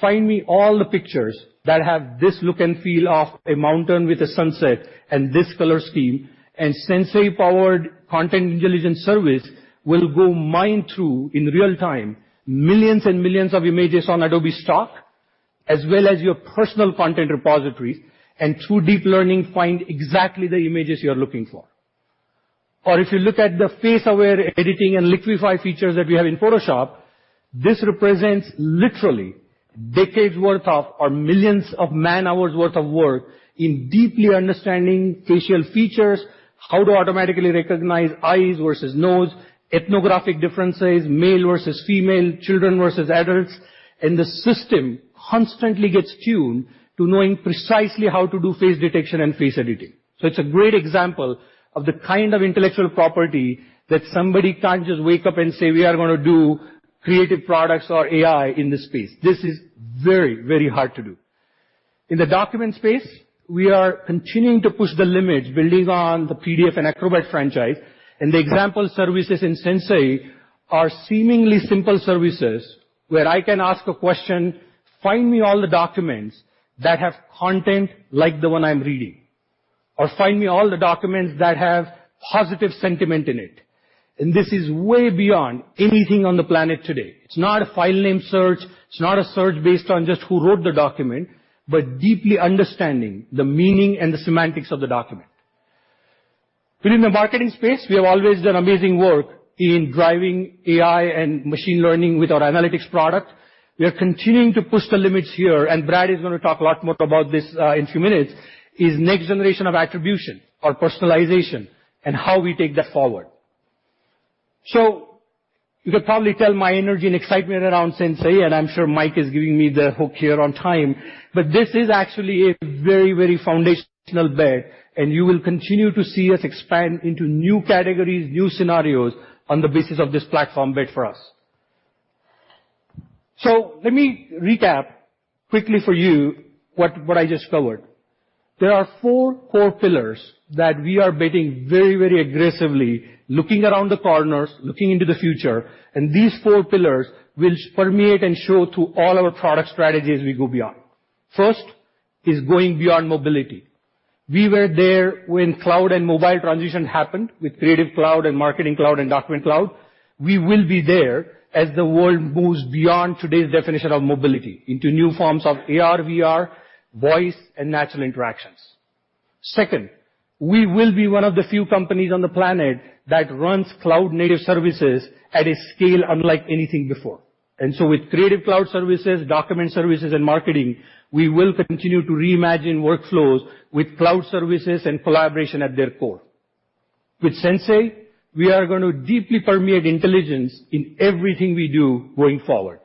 "Find me all the pictures that have this look and feel of a mountain with a sunset and this color scheme," and Sensei-powered content intelligence service will go mine through in real time, millions and millions of images on Adobe Stock, as well as your personal content repositories, and through deep learning, find exactly the images you're looking for. Or if you look at the face-aware editing and liquify features that we have in Photoshop, this represents literally decades worth of, or millions of man-hours worth of work in deeply understanding facial features, how to automatically recognize eyes versus nose, ethnographic differences, male versus female, children versus adults, and the system constantly gets tuned to knowing precisely how to do face detection and face editing. It's a great example of the kind of intellectual property that somebody can't just wake up and say, "We are going to do creative products or AI in this space." This is very, very hard to do. In the document space, we are continuing to push the limits, building on the PDF and Acrobat franchise, and the example services in Sensei are seemingly simple services where I can ask a question, "Find me all the documents that have content like the one I'm reading," or "Find me all the documents that have positive sentiment in it." This is way beyond anything on the planet today. It's not a file name search, it's not a search based on just who wrote the document, but deeply understanding the meaning and the semantics of the document. Within the marketing space, we have always done amazing work in driving AI and machine learning with our analytics product. We are continuing to push the limits here, and Brad is going to talk a lot more about this in a few minutes, is next generation of attribution or personalization, and how we take that forward. You can probably tell my energy and excitement around Sensei, and I'm sure Mike is giving me the hook here on time, but this is actually a very, very foundational bet, and you will continue to see us expand into new categories, new scenarios on the basis of this platform bet for us. Let me recap quickly for you what I just covered. There are four core pillars that we are betting very, very aggressively, looking around the corners, looking into the future, and these four pillars will permeate and show through all our product strategies we go beyond. First is going beyond mobility. We were there when Creative Cloud and Marketing Cloud and Document Cloud transition happened. We will be there as the world moves beyond today's definition of mobility into new forms of AR, VR, voice, and natural interactions. Second, we will be one of the few companies on the planet that runs cloud-native services at a scale unlike anything before. With Creative Cloud services, Document services, and Marketing, we will continue to reimagine workflows with cloud services and collaboration at their core. With Sensei, we are going to deeply permeate intelligence in everything we do going forward.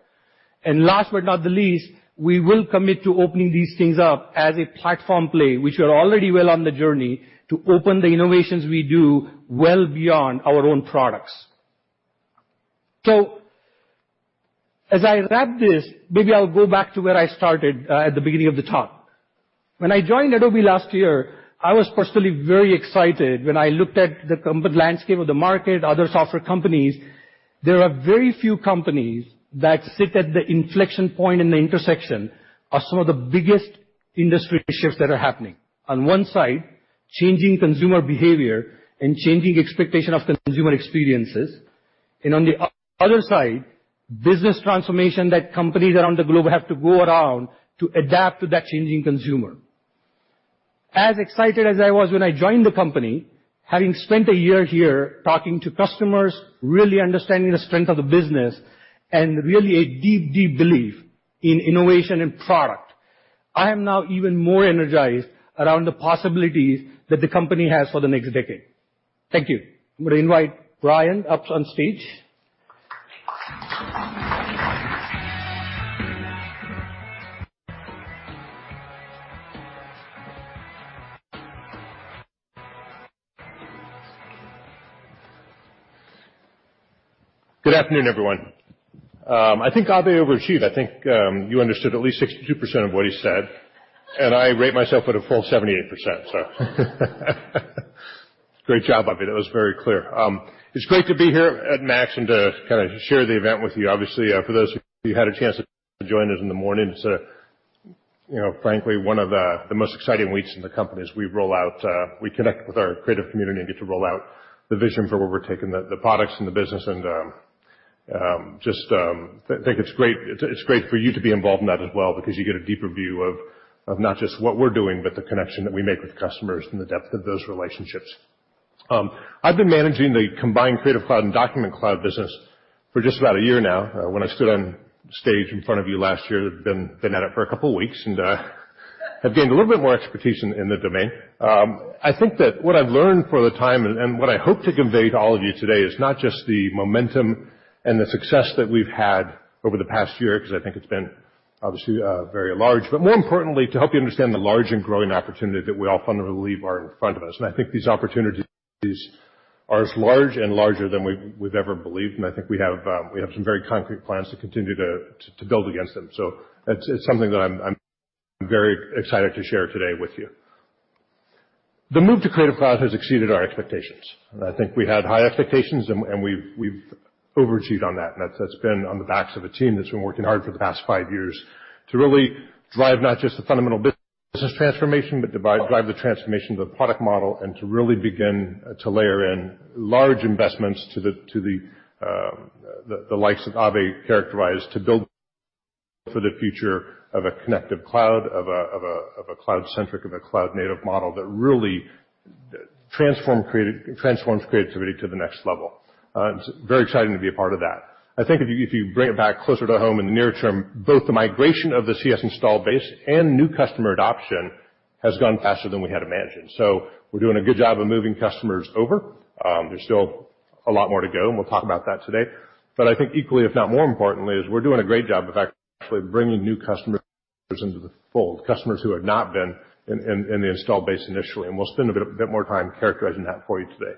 Last but not the least, we will commit to opening these things up as a platform play. We are already well on the journey to open the innovations we do well beyond our own products. As I wrap this, maybe I'll go back to where I started at the beginning of the talk. When I joined Adobe last year, I was personally very excited when I looked at the competitive landscape of the market, other software companies. There are very few companies that sit at the inflection point in the intersection of some of the biggest industry shifts that are happening. On one side, changing consumer behavior and changing expectation of consumer experiences, and on the other side, business transformation that companies around the globe have to go around to adapt to that changing consumer. As excited as I was when I joined the company, having spent a year here talking to customers, really understanding the strength of the business, and really a deep belief in innovation and product, I am now even more energized around the possibilities that the company has for the next decade. Thank you. I'm going to invite Bryan up on stage. Good afternoon, everyone. I think Abhay overachieved. I think you understood at least 62% of what he said, and I rate myself at a full 78%. Great job, Abhay. That was very clear. It's great to be here at MAX and to kind of share the event with you. Obviously, for those of you who had a chance to join us in the morning, it's frankly, one of the most exciting weeks in the company as we roll out, we connect with our creative community and get to roll out the vision for where we're taking the products and the business and just think it's great for you to be involved in that as well because you get a deeper view of not just what we're doing, but the connection that we make with customers and the depth of those relationships. I've been managing the combined Creative Cloud and Document Cloud business for just about a year now. When I stood on stage in front of you last year, been at it for a couple of weeks, and have gained a little bit more expertise in the domain. I think that what I've learned for the time and what I hope to convey to all of you today is not just the momentum and the success that we've had over the past year, because I think it's been obviously very large. More importantly, to help you understand the large and growing opportunity that we all fundamentally believe are in front of us. I think these opportunities are as large and larger than we've ever believed, and I think we have some very concrete plans to continue to build against them. That's something that I'm very excited to share today with you. The move to Creative Cloud has exceeded our expectations. I think we had high expectations and we've overachieved on that. That's been on the backs of a team that's been working hard for the past five years to really drive not just the fundamental business transformation, but drive the transformation of the product model and to really begin to layer in large investments to the likes that Abhay characterized, to build for the future of a connective cloud, of a cloud-centric, of a cloud-native model that really transforms creativity to the next level. It's very exciting to be a part of that. I think if you bring it back closer to home in the near term, both the migration of the CS install base and new customer adoption has gone faster than we had imagined. We're doing a good job of moving customers over. There's still a lot more to go, and we'll talk about that today. I think equally, if not more importantly, is we're doing a great job of actually bringing new customers into the fold, customers who have not been in the install base initially, and we'll spend a bit more time characterizing that for you today.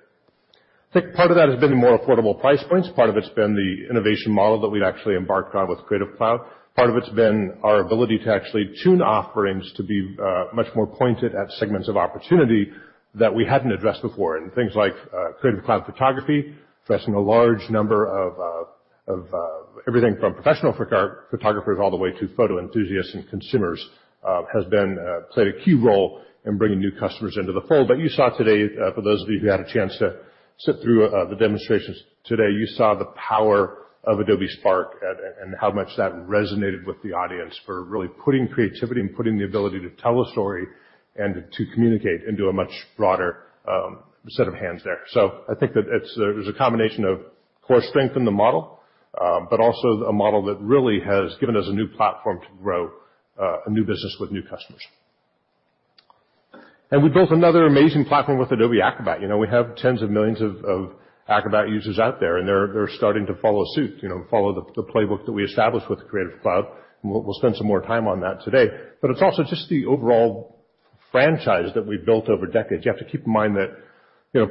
I think part of that has been the more affordable price points. Part of it's been the innovation model that we've actually embarked on with Creative Cloud. Part of it's been our ability to actually tune offerings to be much more pointed at segments of opportunity that we hadn't addressed before, in things like Creative Cloud Photography, addressing a large number of everything from professional photographers all the way to photo enthusiasts and consumers, has played a key role in bringing new customers into the fold. You saw today, for those of you who had a chance to sit through the demonstrations today, you saw the power of Adobe Spark and how much that resonated with the audience for really putting creativity and putting the ability to tell a story and to communicate into a much broader set of hands there. I think that it was a combination of core strength in the model, but also a model that really has given us a new platform to grow a new business with new customers. We built another amazing platform with Adobe Acrobat. We have tens of millions of Acrobat users out there, and they're starting to follow suit, follow the playbook that we established with Creative Cloud, and we'll spend some more time on that today. It's also just the overall franchise that we've built over decades. You have to keep in mind that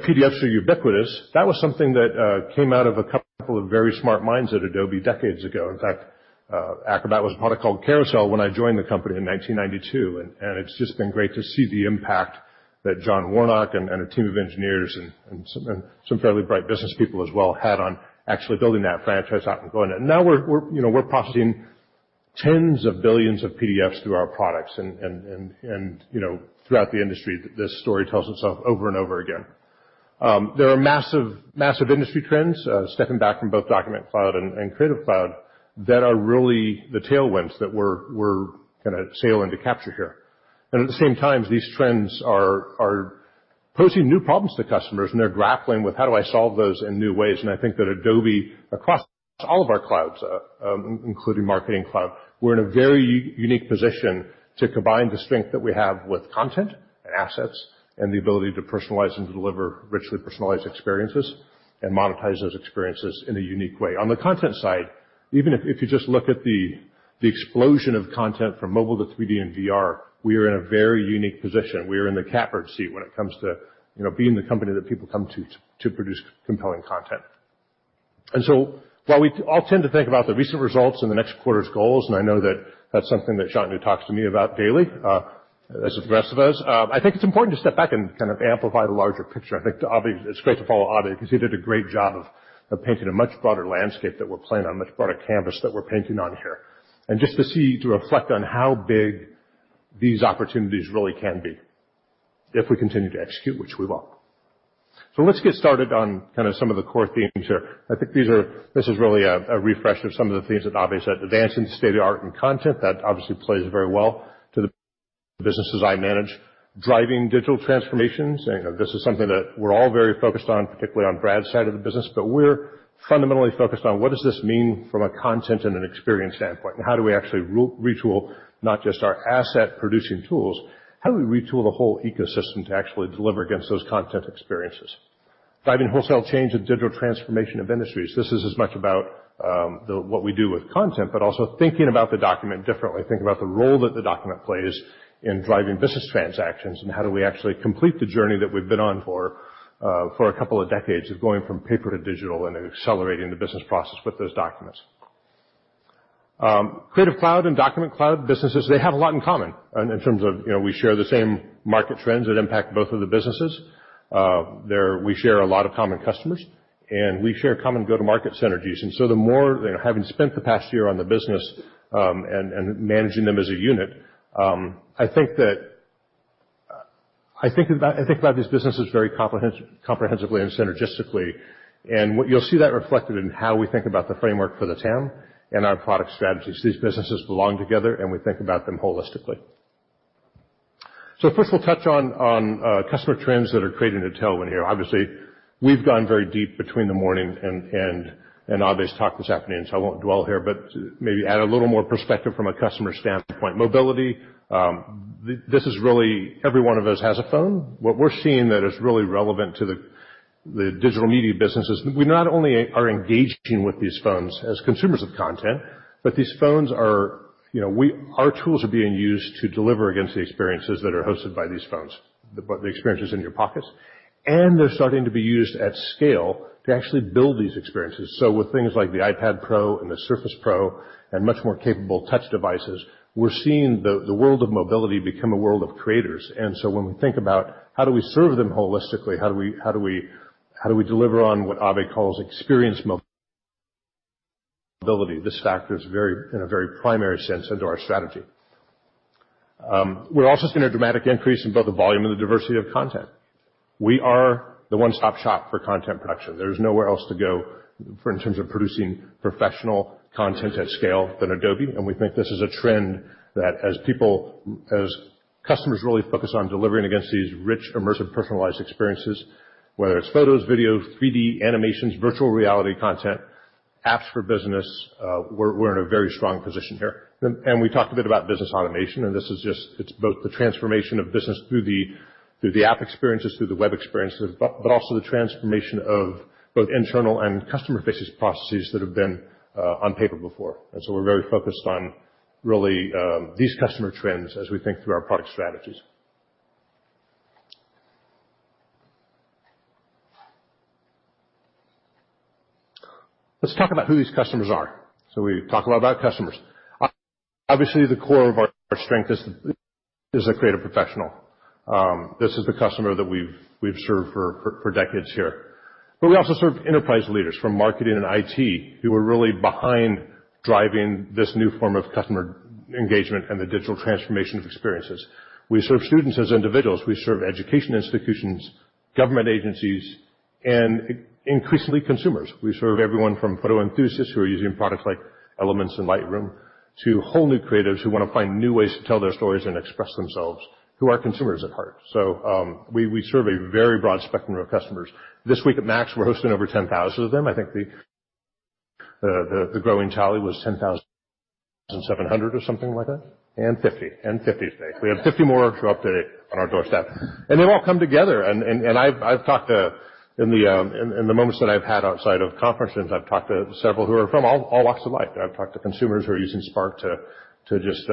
PDFs are ubiquitous. That was something that came out of a couple of very smart minds at Adobe decades ago. In fact, Acrobat was a product called Carousel when I joined the company in 1992, and it's just been great to see the impact that John Warnock and a team of engineers and some fairly bright business people as well had on actually building that franchise out and growing it. Now we're processing tens of billions of PDFs through our products and throughout the industry, this story tells itself over and over again. There are massive industry trends, stepping back from both Document Cloud and Creative Cloud, that are really the tailwinds that we're going to sail in to capture here. At the same time, these trends are posing new problems to customers, and they're grappling with how do I solve those in new ways? I think that Adobe, across all of our clouds, including Marketing Cloud, we're in a very unique position to combine the strength that we have with content and assets, and the ability to personalize and deliver richly personalized experiences and monetize those experiences in a unique way. On the content side, even if you just look at the explosion of content from mobile to 3D and VR, we are in a very unique position. We are in the catbird seat when it comes to being the company that people come to produce compelling content. While we all tend to think about the recent results and the next quarter's goals, I know that that's something that Shantanu talks to me about daily, as with the rest of us, I think it's important to step back and kind of amplify the larger picture. I think it's great to follow Abhay because he did a great job of painting a much broader landscape that we're playing on, a much broader canvas that we're painting on here. Just to see, to reflect on how big these opportunities really can be if we continue to execute, which we will. Let's get started on kind of some of the core themes here. I think this is really a refresh of some of the themes that Abhay said. Advancing state of the art and content, that obviously plays very well to the businesses I manage. Driving digital transformations, this is something that we're all very focused on, particularly on Brad's side of the business. We're fundamentally focused on what does this mean from a content and an experience standpoint, and how do we actually retool not just our asset producing tools, how do we retool the whole ecosystem to actually deliver against those content experiences? Driving wholesale change and digital transformation of industries. This is as much about what we do with content, but also thinking about the document differently. Think about the role that the document plays in driving business transactions, and how do we actually complete the journey that we've been on for a couple of decades of going from paper to digital and accelerating the business process with those documents. Creative Cloud and Document Cloud businesses, they have a lot in common in terms of we share the same market trends that impact both of the businesses. We share a lot of common customers, and we share common go-to-market synergies. Having spent the past year on the business and managing them as a unit, I think about these businesses very comprehensively and synergistically. You'll see that reflected in how we think about the framework for the TAM and our product strategies. These businesses belong together, we think about them holistically. First we'll touch on customer trends that are creating a tailwind here. Obviously, we've gone very deep between the morning and Abhay's talk this afternoon, I won't dwell here, but maybe add a little more perspective from a customer standpoint. Mobility, every one of us has a phone. What we're seeing that is really relevant to the digital media business is we not only are engaging with these phones as consumers of content, but our tools are being used to deliver against the experiences that are hosted by these phones, the experiences in your pockets. They're starting to be used at scale to actually build these experiences. With things like the iPad Pro and the Surface Pro and much more capable touch devices, we're seeing the world of mobility become a world of creators. When we think about how do we serve them holistically, how do we deliver on what Abhay calls experience mobility? This factors in a very primary sense into our strategy. We're also seeing a dramatic increase in both the volume and the diversity of content. We are the one-stop shop for content production. There is nowhere else to go in terms of producing professional content at scale than Adobe. We think this is a trend that as customers really focus on delivering against these rich, immersive, personalized experiences, whether it's photos, video, 3D animations, virtual reality content, apps for business, we're in a very strong position here. We talked a bit about business automation, it's both the transformation of business through the app experiences, through the web experiences, but also the transformation of both internal and customer-facing processes that have been on paper before. We're very focused on really these customer trends as we think through our product strategies. Let's talk about who these customers are. We talk a lot about customers. Obviously, the core of our strength is the creative professional. This is the customer that we've served for decades here. We also serve enterprise leaders from marketing and IT who are really behind driving this new form of customer engagement and the digital transformation of experiences. We serve students as individuals. We serve education institutions, government agencies, and increasingly consumers. We serve everyone from photo enthusiasts who are using products like Elements and Lightroom to whole new creatives who want to find new ways to tell their stories and express themselves who are consumers at heart. We serve a very broad spectrum of customers. This week at MAX, we're hosting over 10,000 of them. I think the growing tally was 10,700 or something like that. 50 today. We have 50 more to update on our doorstep, they've all come together. In the moments that I've had outside of conferences, I've talked to several who are from all walks of life. I've talked to consumers who are using Spark to just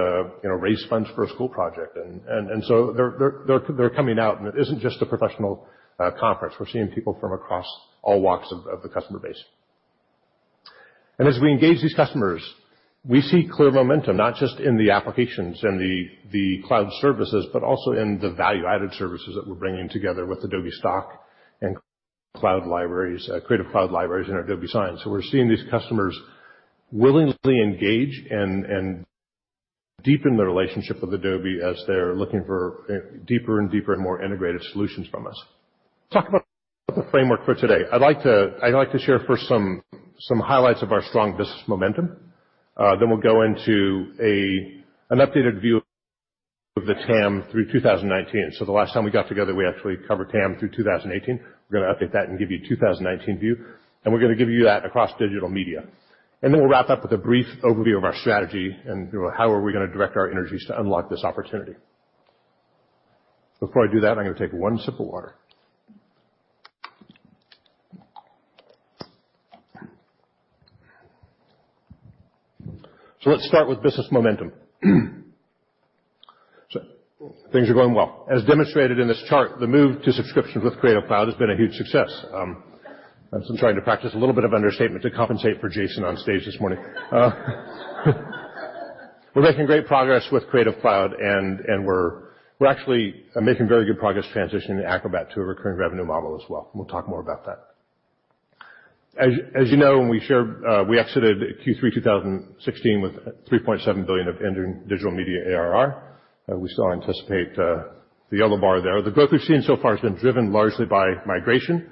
raise funds for a school project. They're coming out, it isn't just a professional conference. We're seeing people from across all walks of the customer base. As we engage these customers, we see clear momentum, not just in the applications and the cloud services, but also in the value-added services that we're bringing together with Adobe Stock and Creative Cloud Libraries and Adobe Sign. We're seeing these customers willingly engage and deepen their relationship with Adobe as they're looking for deeper and deeper and more integrated solutions from us. Talk about the framework for today. I'd like to share first some highlights of our strong business momentum. We'll go into an updated view of the TAM through 2019. The last time we got together, we actually covered TAM through 2018. We're going to update that and give you a 2019 view, and we're going to give you that across digital media. We'll wrap up with a brief overview of our strategy and how are we going to direct our energies to unlock this opportunity. Before I do that, I'm going to take one sip of water. Let's start with business momentum. Things are going well. As demonstrated in this chart, the move to subscriptions with Creative Cloud has been a huge success. I'm trying to practice a little bit of understatement to compensate for Jason on stage this morning. We're making great progress with Creative Cloud, and we're actually making very good progress transitioning Acrobat to a recurring revenue model as well. We'll talk more about that. As you know, when we exited Q3 2016 with $3.7 billion of entering digital media ARR, we still anticipate the yellow bar there. The growth we've seen so far has been driven largely by migration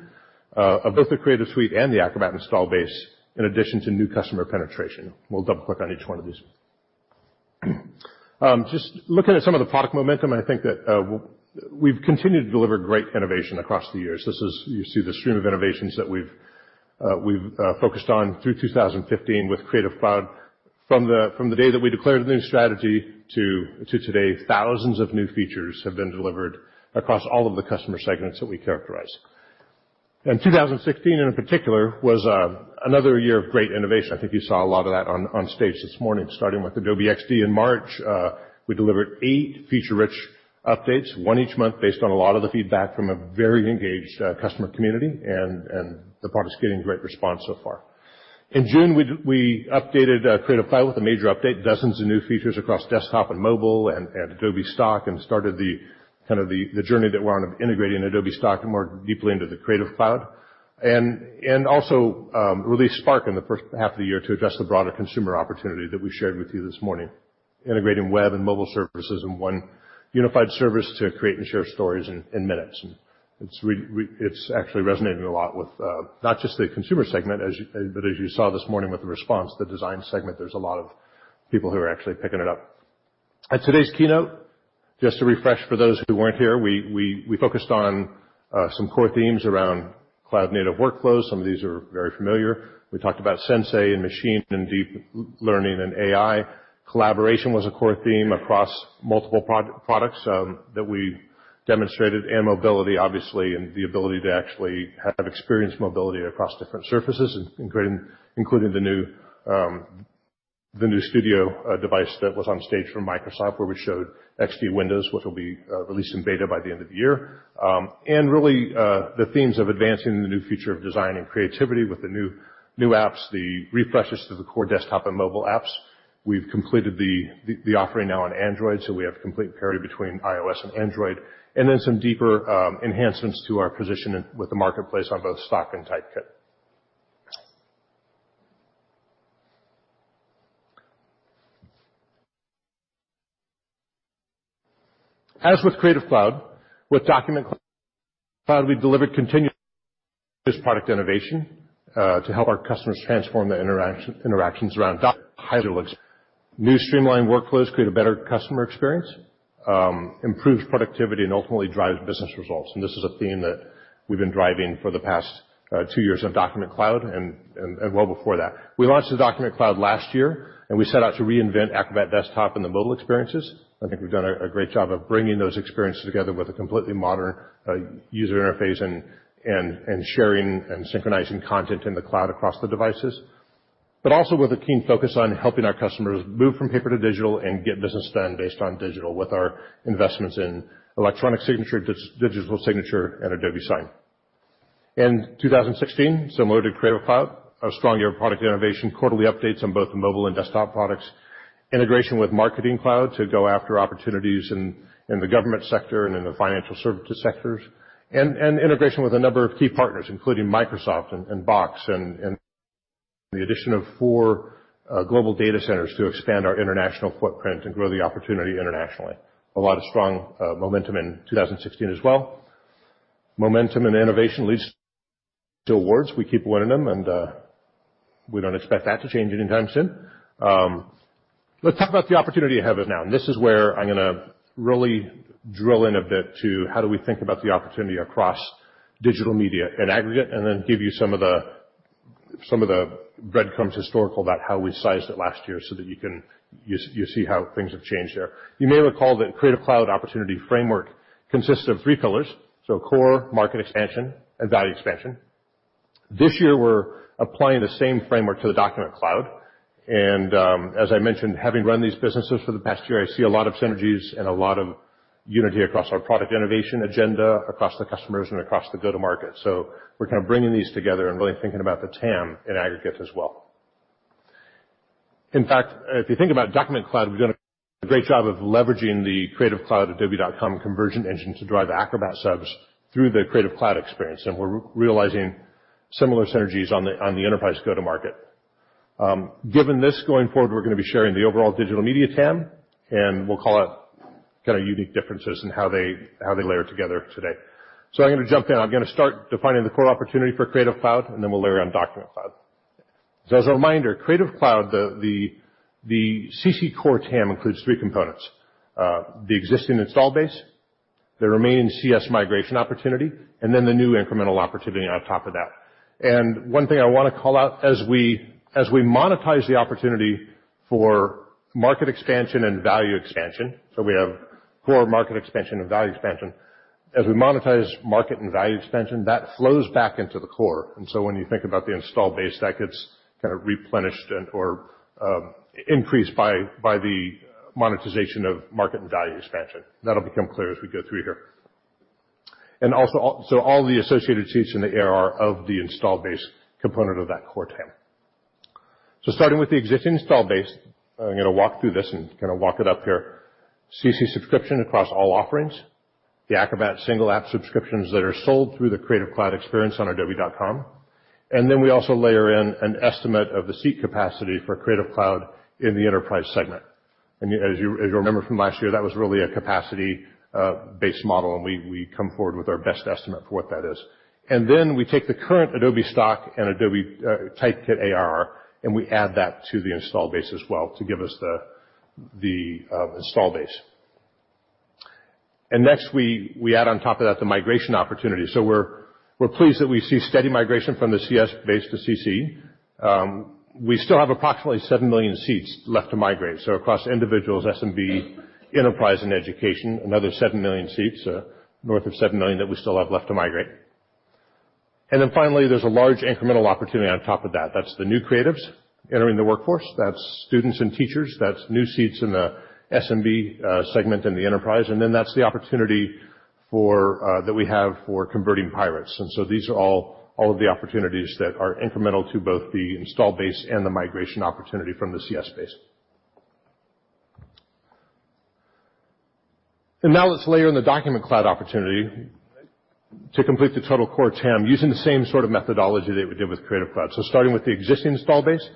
of both the Creative Suite and the Acrobat install base, in addition to new customer penetration. We'll double click on each one of these. Just looking at some of the product momentum, I think that we've continued to deliver great innovation across the years. You see the stream of innovations that we've focused on through 2015 with Creative Cloud. From the day that we declared a new strategy to today, thousands of new features have been delivered across all of the customer segments that we characterize. 2016, in particular, was another year of great innovation. I think you saw a lot of that on stage this morning, starting with Adobe XD in March. We delivered eight feature-rich updates, one each month based on a lot of the feedback from a very engaged customer community, and the product is getting great response so far. In June, we updated Creative Cloud with a major update, dozens of new features across desktop and mobile and Adobe Stock, and started the kind of the journey that we're on of integrating Adobe Stock more deeply into the Creative Cloud. Also released Spark in the first half of the year to address the broader consumer opportunity that we shared with you this morning, integrating web and mobile services in one unified service to create and share stories in minutes. It's actually resonating a lot with not just the consumer segment, but as you saw this morning with the response, the design segment, there's a lot of people who are actually picking it up. At today's keynote, just to refresh for those who weren't here, we focused on some core themes around cloud-native workflows. Some of these are very familiar. We talked about Sensei and machine and deep learning and AI. Collaboration was a core theme across multiple products that we demonstrated, mobility, obviously, and the ability to actually have experienced mobility across different surfaces, including the new Studio device that was on stage from Microsoft, where we showed XD Windows, which will be released in beta by the end of the year. Really the themes of advancing the new future of design and creativity with the new apps, the refreshes to the core desktop and mobile apps. We've completed the offering now on Android, so we have complete parity between iOS and Android, then some deeper enhancements to our position with the marketplace on both Stock and Typekit. As with Creative Cloud, with Document Cloud, we've delivered continuous product innovation to help our customers transform their interactions around document-heavy workflows. New streamlined workflows create a better customer experience, improves productivity, and ultimately drives business results. This is a theme that we've been driving for the past two years of Document Cloud and well before that. We launched the Document Cloud last year, we set out to reinvent Acrobat desktop and the mobile experiences. I think we've done a great job of bringing those experiences together with a completely modern user interface and sharing and synchronizing content in the cloud across the devices. Also with a keen focus on helping our customers move from paper to digital and get business done based on digital with our investments in electronic signature, digital signature, and Adobe Sign. In 2016, similar to Creative Cloud, a strong year of product innovation, quarterly updates on both the mobile and desktop products, integration with Marketing Cloud to go after opportunities in the government sector and in the financial services sectors, integration with a number of key partners, including Microsoft and Box, and the addition of four global data centers to expand our international footprint and grow the opportunity internationally. A lot of strong momentum in 2016 as well. Momentum and innovation leads to awards. We keep winning them, and we don't expect that to change anytime soon. Let's talk about the opportunity ahead of it now. This is where I'm going to really drill in a bit to how do we think about the opportunity across digital media in aggregate, then give you some of the breadcrumbs historical about how we sized it last year so that you see how things have changed there. You may recall that Creative Cloud opportunity framework consists of three pillars. Core, market expansion, and value expansion. This year, we're applying the same framework to the Document Cloud. As I mentioned, having run these businesses for the past year, I see a lot of synergies and a lot of unity across our product innovation agenda, across the customers, and across the go-to-market. We're kind of bringing these together and really thinking about the TAM in aggregate as well. In fact, if you think about Document Cloud, we've done a great job of leveraging the Creative Cloud adobe.com conversion engine to drive Acrobat service through the Creative Cloud experience. We're realizing similar synergies on the enterprise go-to-market. Given this going forward, we're going to be sharing the overall digital media TAM, and we'll call out kind of unique differences in how they layer together today. I'm going to jump in. I'm going to start defining the core opportunity for Creative Cloud, and then we'll layer on Document Cloud. As a reminder, Creative Cloud, the CC core TAM includes three components. The existing install base, the remaining CS migration opportunity, and then the new incremental opportunity on top of that. One thing I want to call out, as we monetize the opportunity for market expansion and value expansion, so we have core market expansion and value expansion. As we monetize market and value expansion, that flows back into the core. When you think about the install base, that gets kind of replenished or increased by the monetization of market and value expansion. That'll become clear as we go through here. Also all the associated seats in the ARR of the install base component of that core TAM. Starting with the existing install base, I'm going to walk through this and kind of walk it up here. CC subscription across all offerings, the Acrobat single app subscriptions that are sold through the Creative Cloud experience on adobe.com. We also layer in an estimate of the seat capacity for Creative Cloud in the enterprise segment. As you remember from last year, that was really a capacity-based model, and we come forward with our best estimate for what that is. We take the current Adobe Stock and Adobe Typekit ARR, and we add that to the install base as well to give us the install base. Next, we add on top of that the migration opportunity. We're pleased that we see steady migration from the CS base to CC. We still have approximately seven million seats left to migrate. Across individuals, SMB, enterprise, and education, another seven million seats, north of seven million that we still have left to migrate. Finally, there's a large incremental opportunity on top of that. That's the new creatives entering the workforce. That's students and teachers. That's new seats in the SMB segment in the enterprise, and then that's the opportunity that we have for converting pirates. These are all of the opportunities that are incremental to both the install base and the migration opportunity from the CS base. Now let's layer in the Document Cloud opportunity to complete the total core TAM using the same sort of methodology that we did with Creative Cloud. Starting with the existing install base,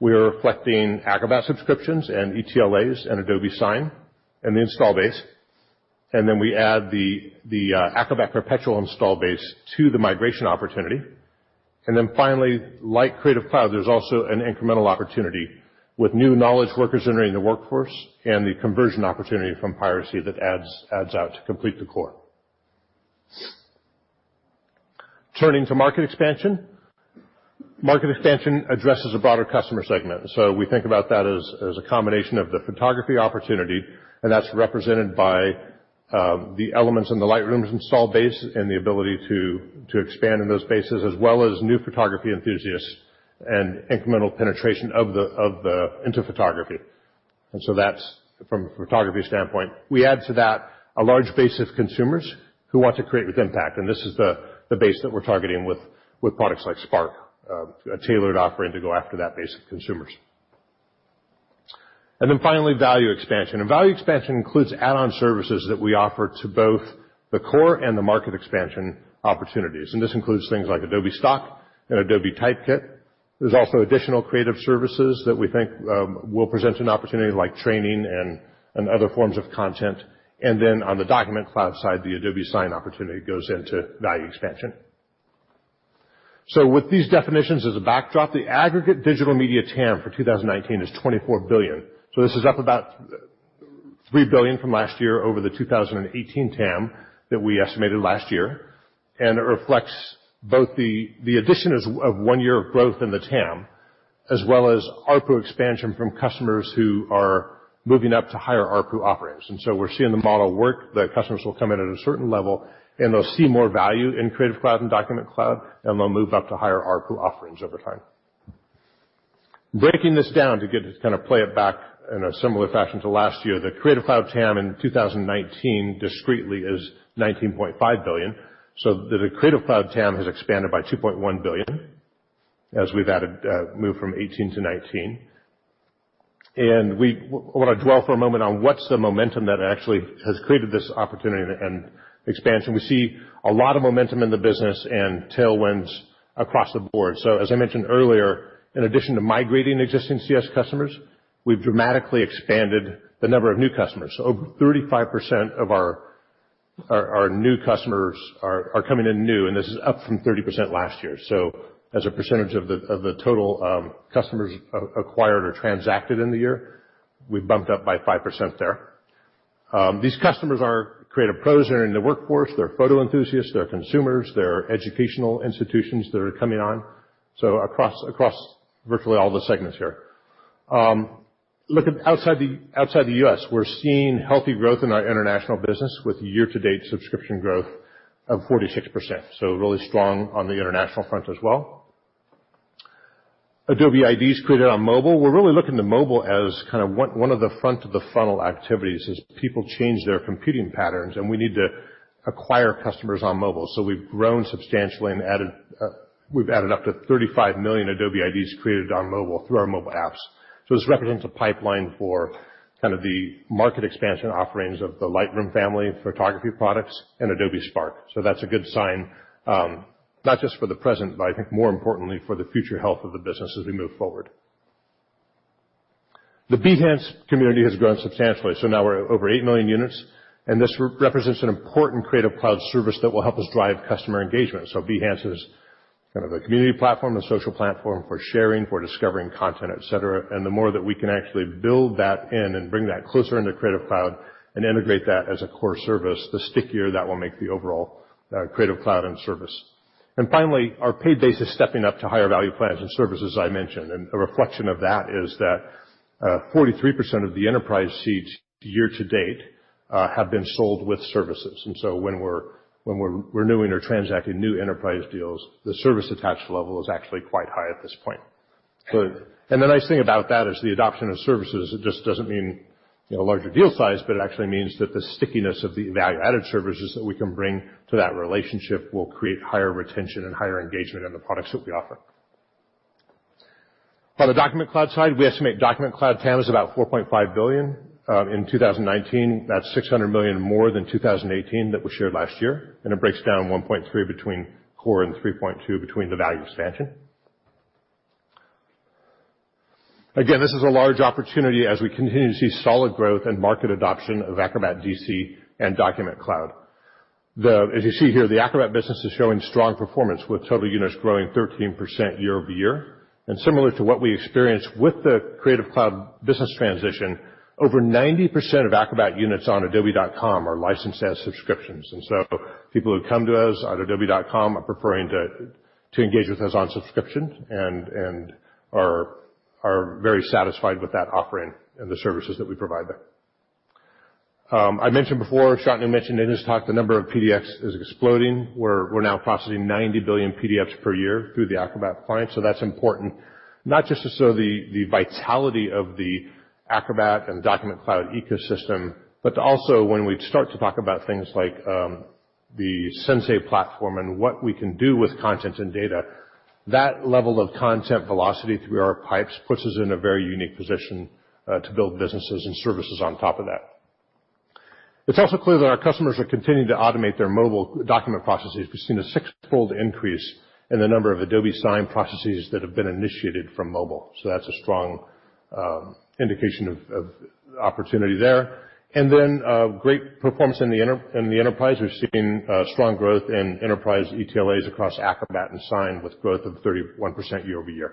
we are reflecting Acrobat subscriptions and ETLAs and Adobe Sign in the install base. We add the Acrobat perpetual install base to the migration opportunity. Finally, like Creative Cloud, there's also an incremental opportunity with new knowledge workers entering the workforce and the conversion opportunity from piracy that adds out to complete the core. Turning to market expansion. Market expansion addresses a broader customer segment. We think about that as a combination of the photography opportunity, and that's represented by the Elements in the Lightroom install base and the ability to expand in those bases, as well as new photography enthusiasts and incremental penetration into photography. That's from a photography standpoint. We add to that a large base of consumers who want to create with impact, and this is the base that we're targeting with products like Adobe Spark, a tailored offering to go after that base of consumers. Finally, value expansion. Value expansion includes add-on services that we offer to both the core and the market expansion opportunities. This includes things like Adobe Stock and Adobe Typekit. There's also additional creative services that we think will present an opportunity, like training and other forms of content. On the Document Cloud side, the Adobe Sign opportunity goes into value expansion. With these definitions as a backdrop, the aggregate digital media TAM for 2019 is $24 billion. This is up about $3 billion from last year over the 2018 TAM that we estimated last year. It reflects both the addition of one year of growth in the TAM, as well as ARPU expansion from customers who are moving up to higher ARPU offerings. We're seeing the model work, that customers will come in at a certain level, and they'll see more value in Creative Cloud and Document Cloud, and they'll move up to higher ARPU offerings over time. Breaking this down to kind of play it back in a similar fashion to last year, the Creative Cloud TAM in 2019 discreetly is $19.5 billion. The Creative Cloud TAM has expanded by $2.1 billion as we've moved from 2018 to 2019. We want to dwell for a moment on what's the momentum that actually has created this opportunity and expansion. We see a lot of momentum in the business and tailwinds across the board. As I mentioned earlier, in addition to migrating existing CS customers, we've dramatically expanded the number of new customers. 35% of our new customers are coming in new, and this is up from 30% last year. As a percentage of the total customers acquired or transacted in the year, we bumped up by 5% there. These customers are creative pros that are in the workforce, they're photo enthusiasts, they're consumers, they're educational institutions that are coming on. Across virtually all the segments here. Looking outside the U.S., we're seeing healthy growth in our international business with year-to-date subscription growth of 46%. Really strong on the international front as well. Adobe IDs created on mobile. We're really looking to mobile as kind of one of the front of the funnel activities as people change their computing patterns, and we need to acquire customers on mobile. We've grown substantially and we've added up to 35 million Adobe IDs created on mobile through our mobile apps. This represents a pipeline for kind of the market expansion offerings of the Lightroom family of photography products and Adobe Spark. That's a good sign, not just for the present, but I think more importantly for the future health of the business as we move forward. The Behance community has grown substantially. Now we're over 8 million units. This represents an important Creative Cloud service that will help us drive customer engagement. Behance is kind of a community platform, a social platform for sharing, for discovering content, et cetera. The more that we can actually build that in and bring that closer into Creative Cloud and integrate that as a core service, the stickier that will make the overall Creative Cloud end service. Finally, our paid base is stepping up to higher value plans and services, as I mentioned. A reflection of that is that 43% of the enterprise seats year to date have been sold with services. When we're renewing or transacting new enterprise deals, the service attach level is actually quite high at this point. The nice thing about that is the adoption of services. It just doesn't mean larger deal size, but it actually means that the stickiness of the value-added services that we can bring to that relationship will create higher retention and higher engagement in the products that we offer. On the Document Cloud side, we estimate Document Cloud TAM is about $4.5 billion in 2019. That's $600 million more than 2018 that was shared last year. It breaks down $1.3 billion between core and $3.2 billion between the value expansion. This is a large opportunity as we continue to see solid growth and market adoption of Acrobat DC and Document Cloud. As you see here, the Acrobat business is showing strong performance with total units growing 13% year-over-year. Similar to what we experienced with the Creative Cloud business transition, over 90% of Acrobat units on adobe.com are licensed as subscriptions. People who come to us on adobe.com are preferring to engage with us on subscription and are very satisfied with that offering and the services that we provide there. I mentioned before, Shantanu mentioned in his talk, the number of PDFs is exploding. We're now processing 90 billion PDFs per year through the Acrobat client. That's important, not just to show the vitality of the Acrobat and Document Cloud ecosystem, but also when we start to talk about things like the Sensei platform and what we can do with content and data. That level of content velocity through our pipes puts us in a very unique position to build businesses and services on top of that. It's also clear that our customers are continuing to automate their mobile document processes. We've seen a sixfold increase in the number of Adobe Sign processes that have been initiated from mobile. That's a strong indication of opportunity there. Then great performance in the enterprise. We've seen strong growth in enterprise ETLAs across Acrobat and Sign with growth of 31% year-over-year.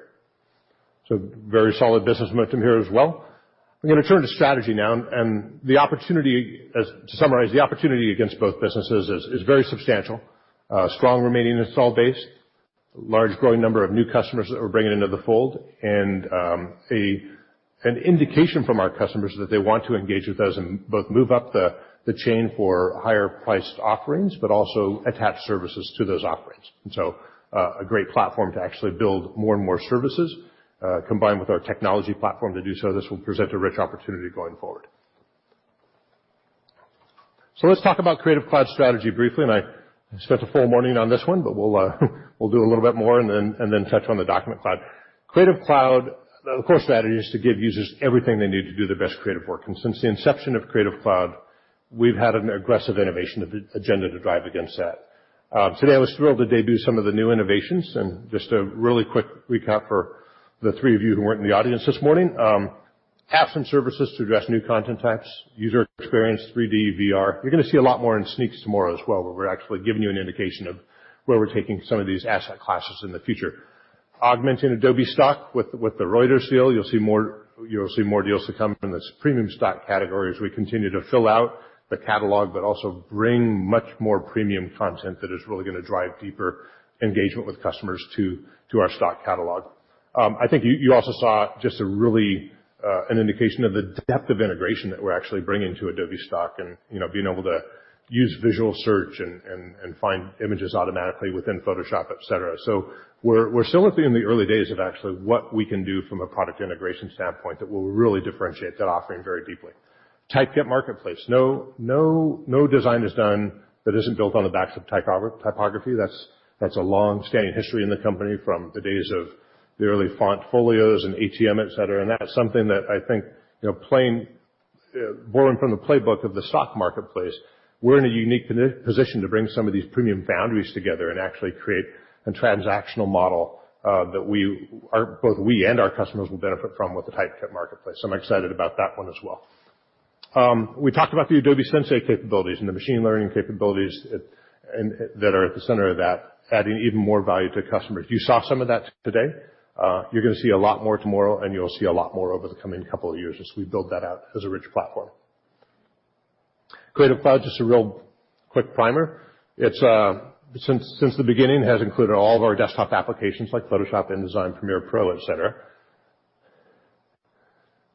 Very solid business momentum here as well. I'm going to turn to strategy now. To summarize, the opportunity against both businesses is very substantial. A strong remaining install base, large growing number of new customers that we're bringing into the fold, and an indication from our customers that they want to engage with us and both move up the chain for higher priced offerings, but also attach services to those offerings. a great platform to actually build more and more services combined with our technology platform to do so, this will present a rich opportunity going forward. Let's talk about Creative Cloud strategy briefly, I spent a full morning on this one, but we'll do a little bit more and then touch on the Document Cloud. Creative Cloud, the core strategy is to give users everything they need to do their best creative work. Since the inception of Creative Cloud, we've had an aggressive innovation agenda to drive against that. Today I was thrilled to debut some of the new innovations and just a really quick recap for the three of you who weren't in the audience this morning. Apps and services to address new content types, user experience, 3D, VR. You're going to see a lot more in Sneaks tomorrow as well, where we're actually giving you an indication of where we're taking some of these asset classes in the future. Augmenting Adobe Stock with the Reuters deal. You'll see more deals to come from this premium stock category as we continue to fill out the catalog, but also bring much more premium content that is really going to drive deeper engagement with customers to our stock catalog. I think you also saw just really an indication of the depth of integration that we're actually bringing to Adobe Stock and being able to use visual search and find images automatically within Photoshop, et cetera. We're still in the early days of actually what we can do from a product integration standpoint that will really differentiate that offering very deeply. Typekit Marketplace. No design is done that isn't built on the backs of typography. That's a long-standing history in the company from the days of the early font folios and ATM, et cetera, that's something that I think borrowing from the playbook of the stock marketplace, we're in a unique position to bring some of these premium boundaries together and actually create a transactional model that both we and our customers will benefit from with the Typekit Marketplace. I'm excited about that one as well. We talked about the Adobe Sensei capabilities and the machine learning capabilities that are at the center of that, adding even more value to customers. You saw some of that today. You're going to see a lot more tomorrow, and you'll see a lot more over the coming couple of years as we build that out as a rich platform. Creative Cloud, just a real quick primer. Since the beginning, has included all of our desktop applications like Photoshop, InDesign, Premiere Pro, et cetera.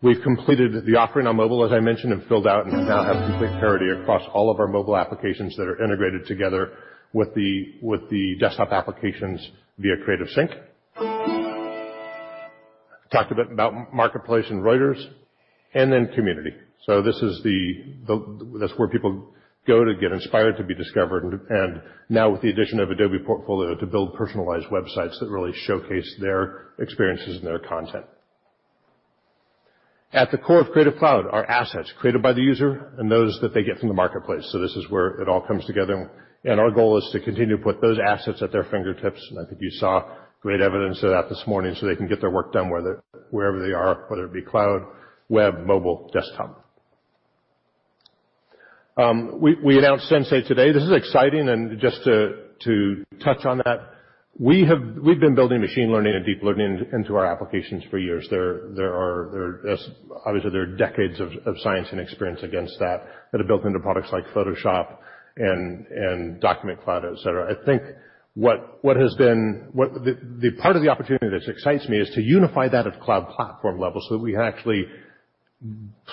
We've completed the offering on mobile, as I mentioned, and filled out, and now have complete parity across all of our mobile applications that are integrated together with the desktop applications via Creative Sync. I talked a bit about Marketplace and Reuters, and then Community. That's where people go to get inspired to be discovered, and now with the addition of Adobe Portfolio, to build personalized websites that really showcase their experiences and their content. At the core of Creative Cloud are assets created by the user and those that they get from the marketplace. This is where it all comes together, our goal is to continue to put those assets at their fingertips, I think you saw great evidence of that this morning, they can get their work done wherever they are, whether it be cloud, web, mobile, desktop. We announced Adobe Sensei today. This is exciting and just to touch on that, we've been building machine learning and deep learning into our applications for years. Obviously, there are decades of science and experience against that that are built into products like Photoshop and Document Cloud, et cetera. The part of the opportunity that excites me is to unify that at cloud platform level so that we can actually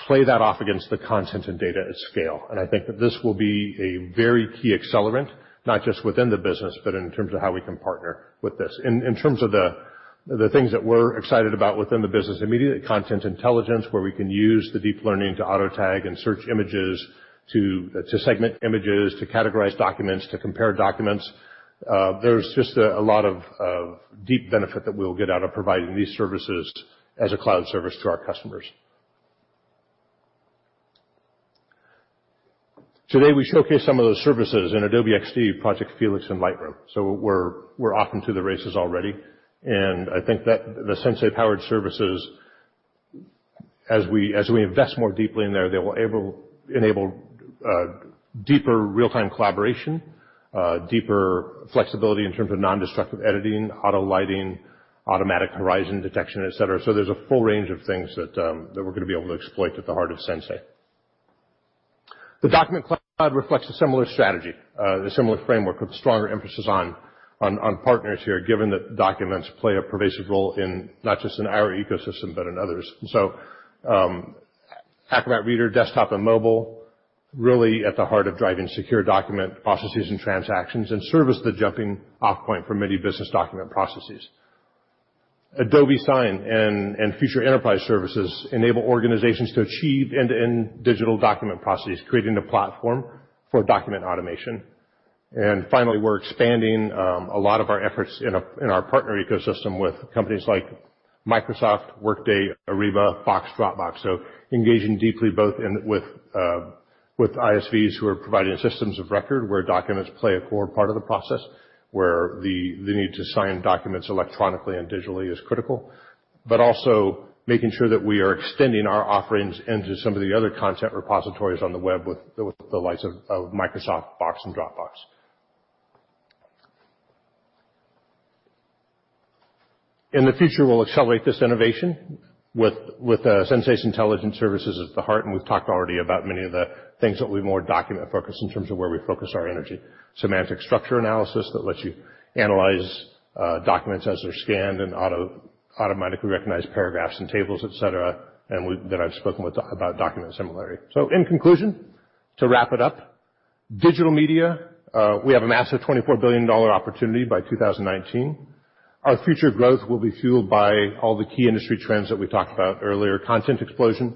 play that off against the content and data at scale. That this will be a very key accelerant, not just within the business, but in terms of how we can partner with this. In terms of the things that we're excited about within the business immediately, content intelligence, where we can use the deep learning to auto-tag and search images, to segment images, to categorize documents, to compare documents. There's just a lot of deep benefit that we'll get out of providing these services as a cloud service to our customers. Today we showcased some of those services in Adobe XD, Project Felix, and Lightroom. We're off into the races already, that the Adobe Sensei-powered services, as we invest more deeply in there, they will enable deeper real-time collaboration, deeper flexibility in terms of non-destructive editing, auto lighting, automatic horizon detection, et cetera. There's a full range of things that we're going to be able to exploit at the heart of Adobe Sensei. The Document Cloud reflects a similar strategy, a similar framework with stronger emphasis on partners here, given that documents play a pervasive role in not just in our ecosystem, but in others. Acrobat Reader, desktop and mobile, really at the heart of driving secure document processes and transactions and service the jumping off point for many business document processes. Adobe Sign and future enterprise services enable organizations to achieve end-to-end digital document processes, creating a platform for document automation. Finally, we're expanding a lot of our efforts in our partner ecosystem with companies like Microsoft, Workday, Ariba, Box, Dropbox. Engaging deeply both with ISVs who are providing systems of record where documents play a core part of the process, where the need to sign documents electronically and digitally is critical. Also making sure that we are extending our offerings into some of the other content repositories on the web with the likes of Microsoft, Box, and Dropbox. In the future, we'll accelerate this innovation with Adobe Sensei's intelligent services at the heart, we've talked already about many of the things that will be more document-focused in terms of where we focus our energy. Semantic structure analysis that lets you analyze documents as they're scanned and automatically recognize paragraphs and tables, et cetera, that I've spoken about document similarity. In conclusion, to wrap it up, digital media, we have a massive $24 billion opportunity by 2019. Our future growth will be fueled by all the key industry trends that we talked about earlier, content explosion,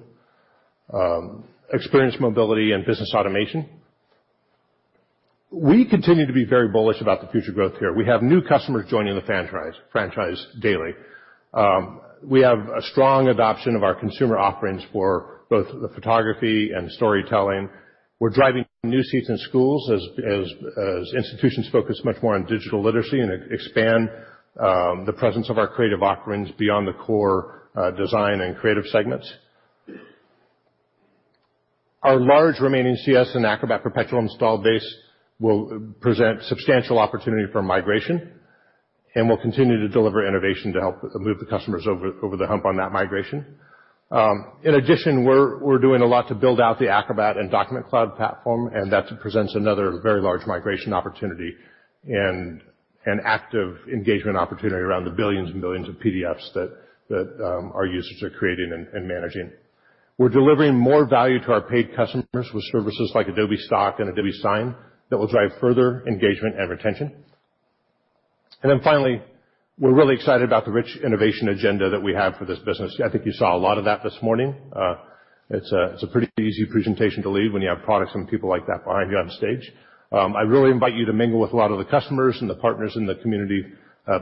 experience mobility, and business automation. We continue to be very bullish about the future growth here. We have new customers joining the franchise daily. We have a strong adoption of our consumer offerings for both the photography and storytelling. We're driving new seats in schools as institutions focus much more on digital literacy and expand the presence of our creative offerings beyond the core design and creative segments. Our large remaining CS and Acrobat perpetual install base will present substantial opportunity for migration, and we'll continue to deliver innovation to help move the customers over the hump on that migration. In addition, we're doing a lot to build out the Acrobat and Document Cloud platform, and that presents another very large migration opportunity and an active engagement opportunity around the billions and billions of PDFs that our users are creating and managing. We're delivering more value to our paid customers with services like Adobe Stock and Adobe Sign that will drive further engagement and retention. Finally, we're really excited about the rich innovation agenda that we have for this business. I think you saw a lot of that this morning. It's a pretty easy presentation to lead when you have products and people like that behind you on stage. I really invite you to mingle with a lot of the customers and the partners in the community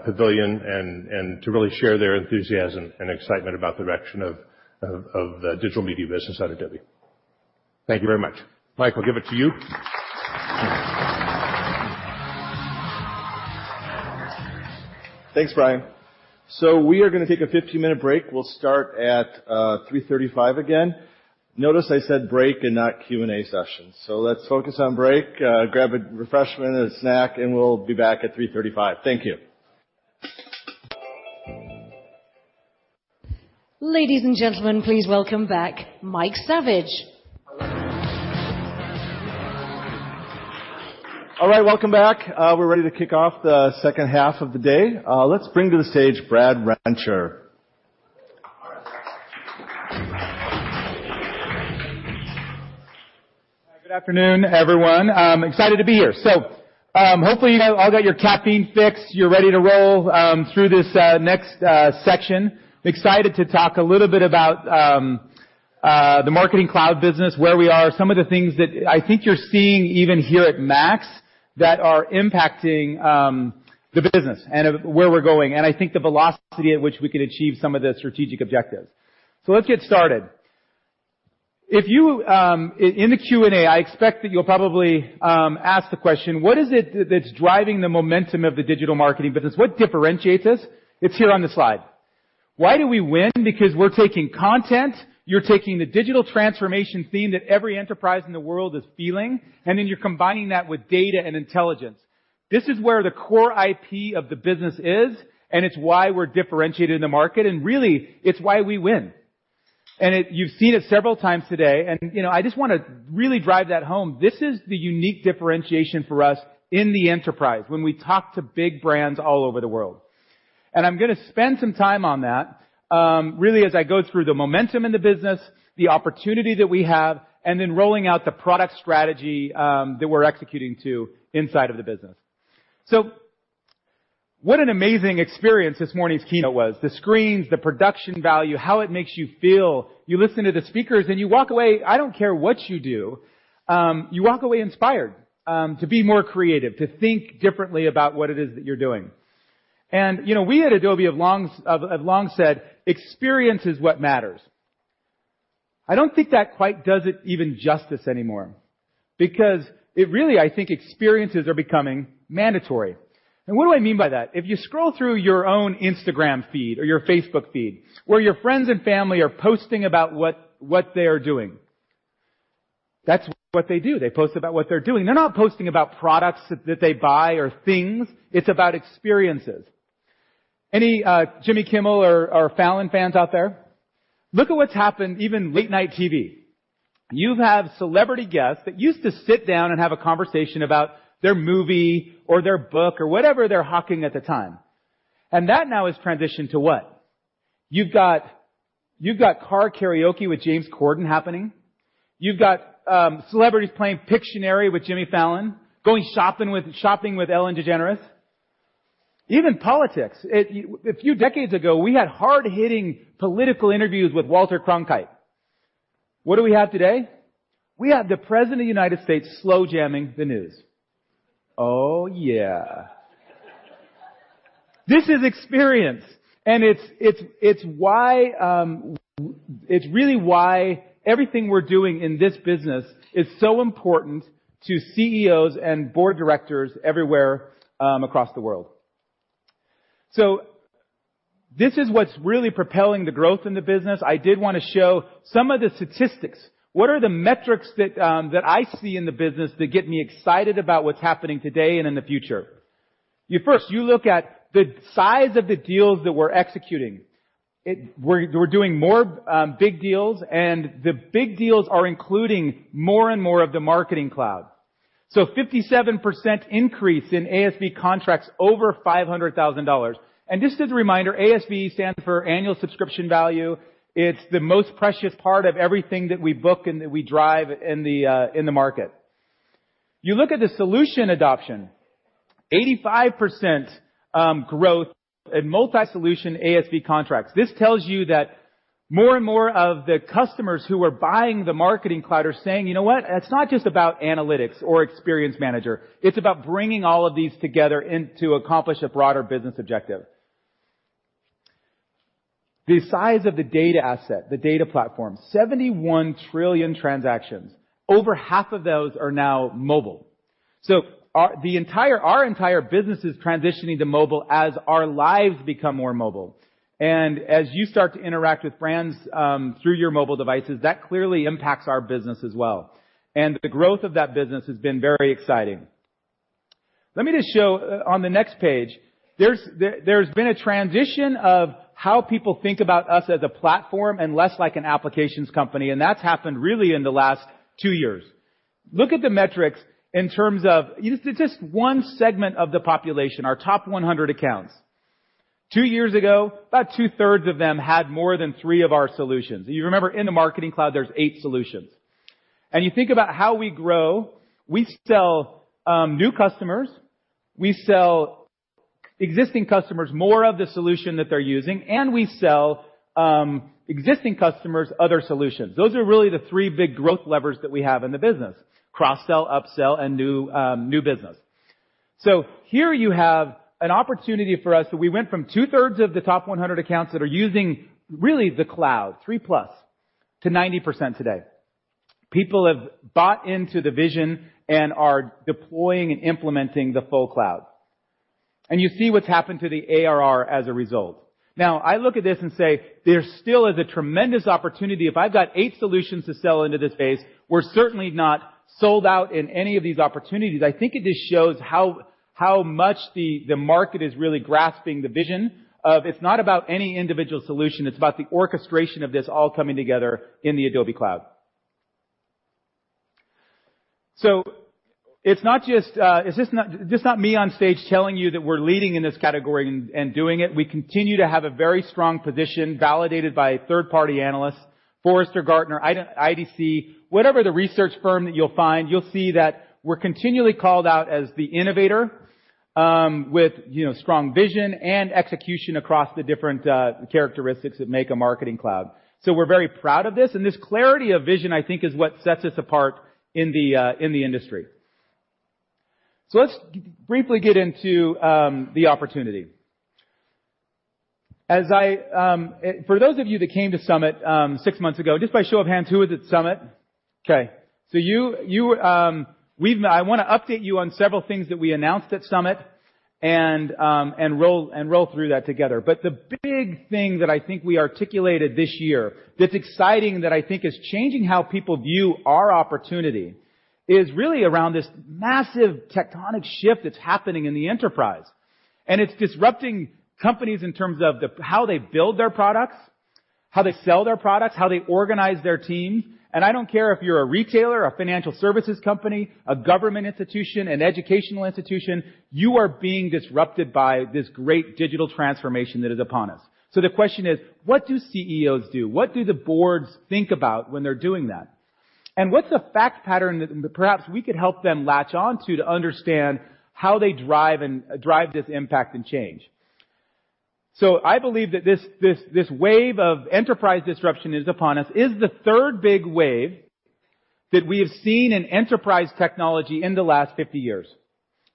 pavilion and to really share their enthusiasm and excitement about the direction of the digital media business at Adobe. Thank you very much. Mike, I'll give it to you. Thanks, Bryan. We are going to take a 15-minute break. We'll start at 3:35 P.M. again. Notice I said break and not Q&A session. Let's focus on break. Grab a refreshment and a snack, and we'll be back at 3:35 P.M. Thank you. Ladies and gentlemen, please welcome back Mike Saviage. All right. Welcome back. We're ready to kick off the second half of the day. Let's bring to the stage Brad Rencher. Good afternoon, everyone. I'm excited to be here. Hopefully, you all got your caffeine fix. You're ready to roll through this next section. Excited to talk a little bit about the Marketing Cloud business, where we are, some of the things that I think you're seeing even here at MAX that are impacting the business, and where we're going, and I think the velocity at which we could achieve some of the strategic objectives. Let's get started. In the Q&A, I expect that you'll probably ask the question, what is it that's driving the momentum of the digital marketing business? What differentiates us? It's here on the slide. Why do we win? Because we're taking content, you're taking the digital transformation theme that every enterprise in the world is feeling, and then you're combining that with data and intelligence. This is where the core IP of the business is, and it's why we're differentiated in the market, and really, it's why we win. You've seen it several times today, and I just want to really drive that home. This is the unique differentiation for us in the enterprise when we talk to big brands all over the world. I'm going to spend some time on that, really as I go through the momentum in the business, the opportunity that we have, and then rolling out the product strategy that we're executing to inside of the business. What an amazing experience this morning's keynote was. The screens, the production value, how it makes you feel. You listen to the speakers, you walk away, I don't care what you do, you walk away inspired to be more creative, to think differently about what it is that you're doing. We at Adobe have long said, "Experience is what matters." I don't think that quite does it even justice anymore, because really, I think experiences are becoming mandatory. What do I mean by that? If you scroll through your own Instagram feed or your Facebook feed, where your friends and family are posting about what they are doing. That's what they do. They post about what they're doing. They're not posting about products that they buy or things. It's about experiences. Any Jimmy Kimmel or Fallon fans out there? Look at what's happened, even late-night TV. You have celebrity guests that used to sit down and have a conversation about their movie or their book or whatever they were hawking at the time. That now has transitioned to what? You've got car karaoke with James Corden happening. You've got celebrities playing Pictionary with Jimmy Fallon, going shopping with Ellen DeGeneres. Even politics. A few decades ago, we had hard-hitting political interviews with Walter Cronkite. What do we have today? We have the President of the United States slow jamming the news. Oh, yeah. This is experience. It's really why everything we're doing in this business is so important to CEOs and board directors everywhere across the world. This is what's really propelling the growth in the business. I did want to show some of the statistics. What are the metrics that I see in the business that get me excited about what's happening today and in the future? First, you look at the size of the deals that we're executing. We're doing more big deals, the big deals are including more and more of the Marketing Cloud. 57% increase in ASV contracts over $500,000. Just as a reminder, ASV stands for annual subscription value. It's the most precious part of everything that we book and that we drive in the market. You look at the solution adoption, 85% growth in multi-solution ASV contracts. This tells you that more and more of the customers who are buying the Marketing Cloud are saying, "You know what? It's not just about analytics or Experience Manager. It's about bringing all of these together in to accomplish a broader business objective." The size of the data asset, the data platform, 71 trillion transactions. Over half of those are now mobile. Our entire business is transitioning to mobile as our lives become more mobile. As you start to interact with brands through your mobile devices, that clearly impacts our business as well. The growth of that business has been very exciting. Let me just show on the next page, there's been a transition of how people think about us as a platform and less like an applications company, that's happened really in the last two years. Look at the metrics in terms of just one segment of the population, our top 100 accounts. Two years ago, about two-thirds of them had more than three of our solutions. You remember in the Marketing Cloud, there's eight solutions. You think about how we grow, we sell new customers, we sell existing customers more of the solution that they're using, and we sell existing customers other solutions. Those are really the three big growth levers that we have in the business, cross-sell, up-sell, and new business. Here you have an opportunity for us that we went from two-thirds of the top 100 accounts that are using really the cloud, three plus, to 90% today. People have bought into the vision and are deploying and implementing the full cloud. You see what's happened to the ARR as a result. Now, I look at this and say, there still is a tremendous opportunity. If I've got eight solutions to sell into this space, we're certainly not sold out in any of these opportunities. I think it just shows how much the market is really grasping the vision of it's not about any individual solution, it's about the orchestration of this all coming together in the Adobe Cloud. It's not just me on stage telling you that we're leading in this category and doing it. We continue to have a very strong position validated by third-party analysts, Forrester, Gartner, IDC. Whatever the research firm that you'll find, you'll see that we're continually called out as the innovator, with strong vision and execution across the different characteristics that make a Marketing Cloud. We're very proud of this, and this clarity of vision, I think, is what sets us apart in the industry. Let's briefly get into the opportunity. For those of you that came to Summit, six months ago, just by show of hands, who was at Summit? Okay, I want to update you on several things that we announced at Summit and roll through that together. The big thing that I think we articulated this year that's exciting, that I think is changing how people view our opportunity, is really around this massive tectonic shift that's happening in the enterprise. It's disrupting companies in terms of how they build their products, how they sell their products, how they organize their teams. I don't care if you're a retailer, a financial services company, a government institution, an educational institution, you are being disrupted by this great digital transformation that is upon us. The question is, what do CEOs do? What do the boards think about when they're doing that? What's the fact pattern that perhaps we could help them latch on to understand how they drive this impact and change? I believe that this wave of enterprise disruption is upon us is the third big wave that we have seen in enterprise technology in the last 50 years.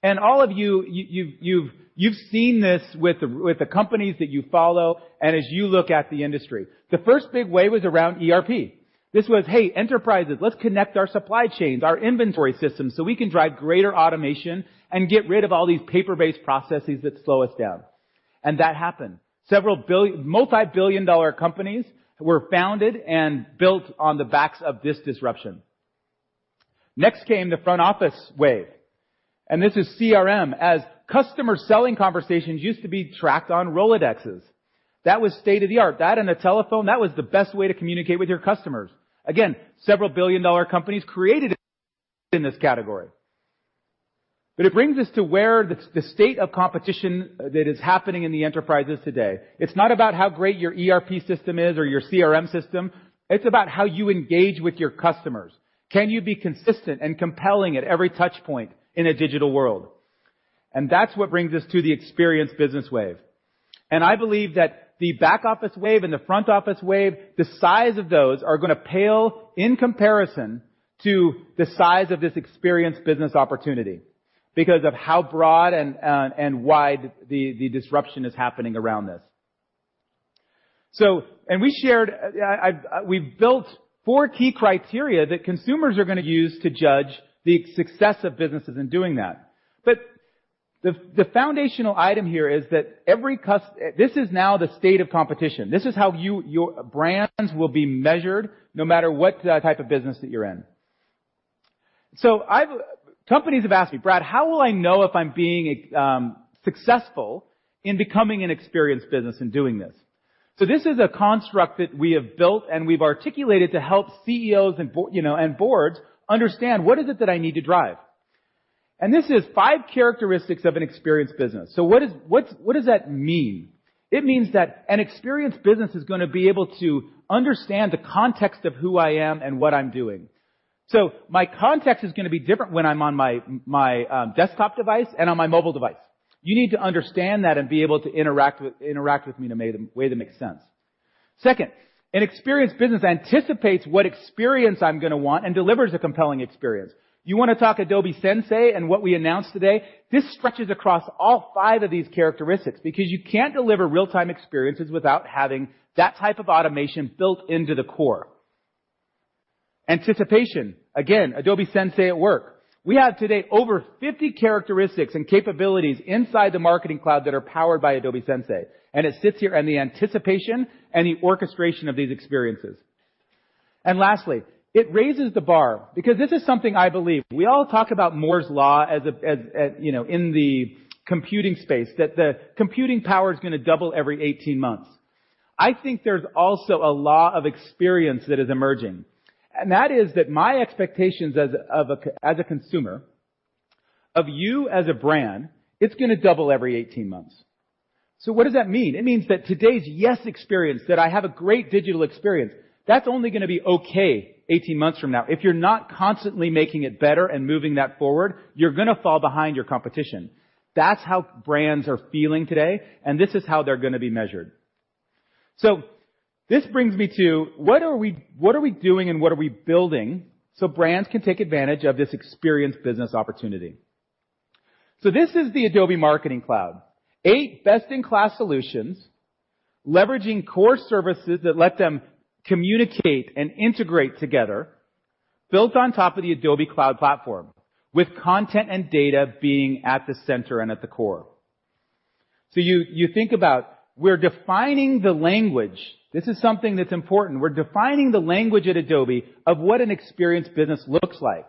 All of you've seen this with the companies that you follow and as you look at the industry. The first big wave was around ERP. This was, "Hey, enterprises, let's connect our supply chains, our inventory systems, so we can drive greater automation and get rid of all these paper-based processes that slow us down." That happened. Several multi-billion-dollar companies were founded and built on the backs of this disruption. Next came the front office wave, and this is CRM, as customer selling conversations used to be tracked on Rolodexes. That was state-of-the-art. That and a telephone, that was the best way to communicate with your customers. Again, several billion-dollar companies created in this category. It brings us to where the state of competition that is happening in the enterprises today. It's not about how great your ERP system is or your CRM system. It's about how you engage with your customers. Can you be consistent and compelling at every touch point in a digital world? That's what brings us to the experience business wave. I believe that the back office wave and the front office wave, the size of those are going to pale in comparison to the size of this experience business opportunity because of how broad and wide the disruption is happening around this. We've built four key criteria that consumers are going to use to judge the success of businesses in doing that. The foundational item here is that this is now the state of competition. This is how your brands will be measured no matter what type of business that you're in. Companies have asked me, "Brad, how will I know if I'm being successful in becoming an experience business in doing this?" This is a construct that we have built, and we've articulated to help CEOs and boards understand what is it that I need to drive. This is five characteristics of an experience business. What does that mean? It means that an experience business is going to be able to understand the context of who I am and what I'm doing. My context is going to be different when I'm on my desktop device and on my mobile device. You need to understand that and be able to interact with me in a way that makes sense. Second, an experience business anticipates what experience I'm going to want and delivers a compelling experience. You want to talk Adobe Sensei and what we announced today? This stretches across all five of these characteristics because you can't deliver real-time experiences without having that type of automation built into the core. Anticipation, again, Adobe Sensei at work. We have today over 50 characteristics and capabilities inside the Marketing Cloud that are powered by Adobe Sensei, and it sits here in the anticipation and the orchestration of these experiences. Lastly, it raises the bar because this is something I believe. We all talk about Moore's law in the computing space, that the computing power is going to double every 18 months. I think there's also a law of experience that is emerging. That is that my expectations as a consumer of you as a brand, it's going to double every 18 months. What does that mean? It means that today's yes experience, that I have a great digital experience, that's only going to be okay 18 months from now. If you're not constantly making it better and moving that forward, you're going to fall behind your competition. That's how brands are feeling today, and this is how they're going to be measured. This brings me to, what are we doing and what are we building so brands can take advantage of this experience business opportunity? This is the Adobe Marketing Cloud. Eight best-in-class solutions, leveraging core services that let them communicate and integrate together, built on top of the Adobe Cloud Platform, with content and data being at the center and at the core. You think about, we're defining the language. This is something that's important. We're defining the language at Adobe of what an experience business looks like.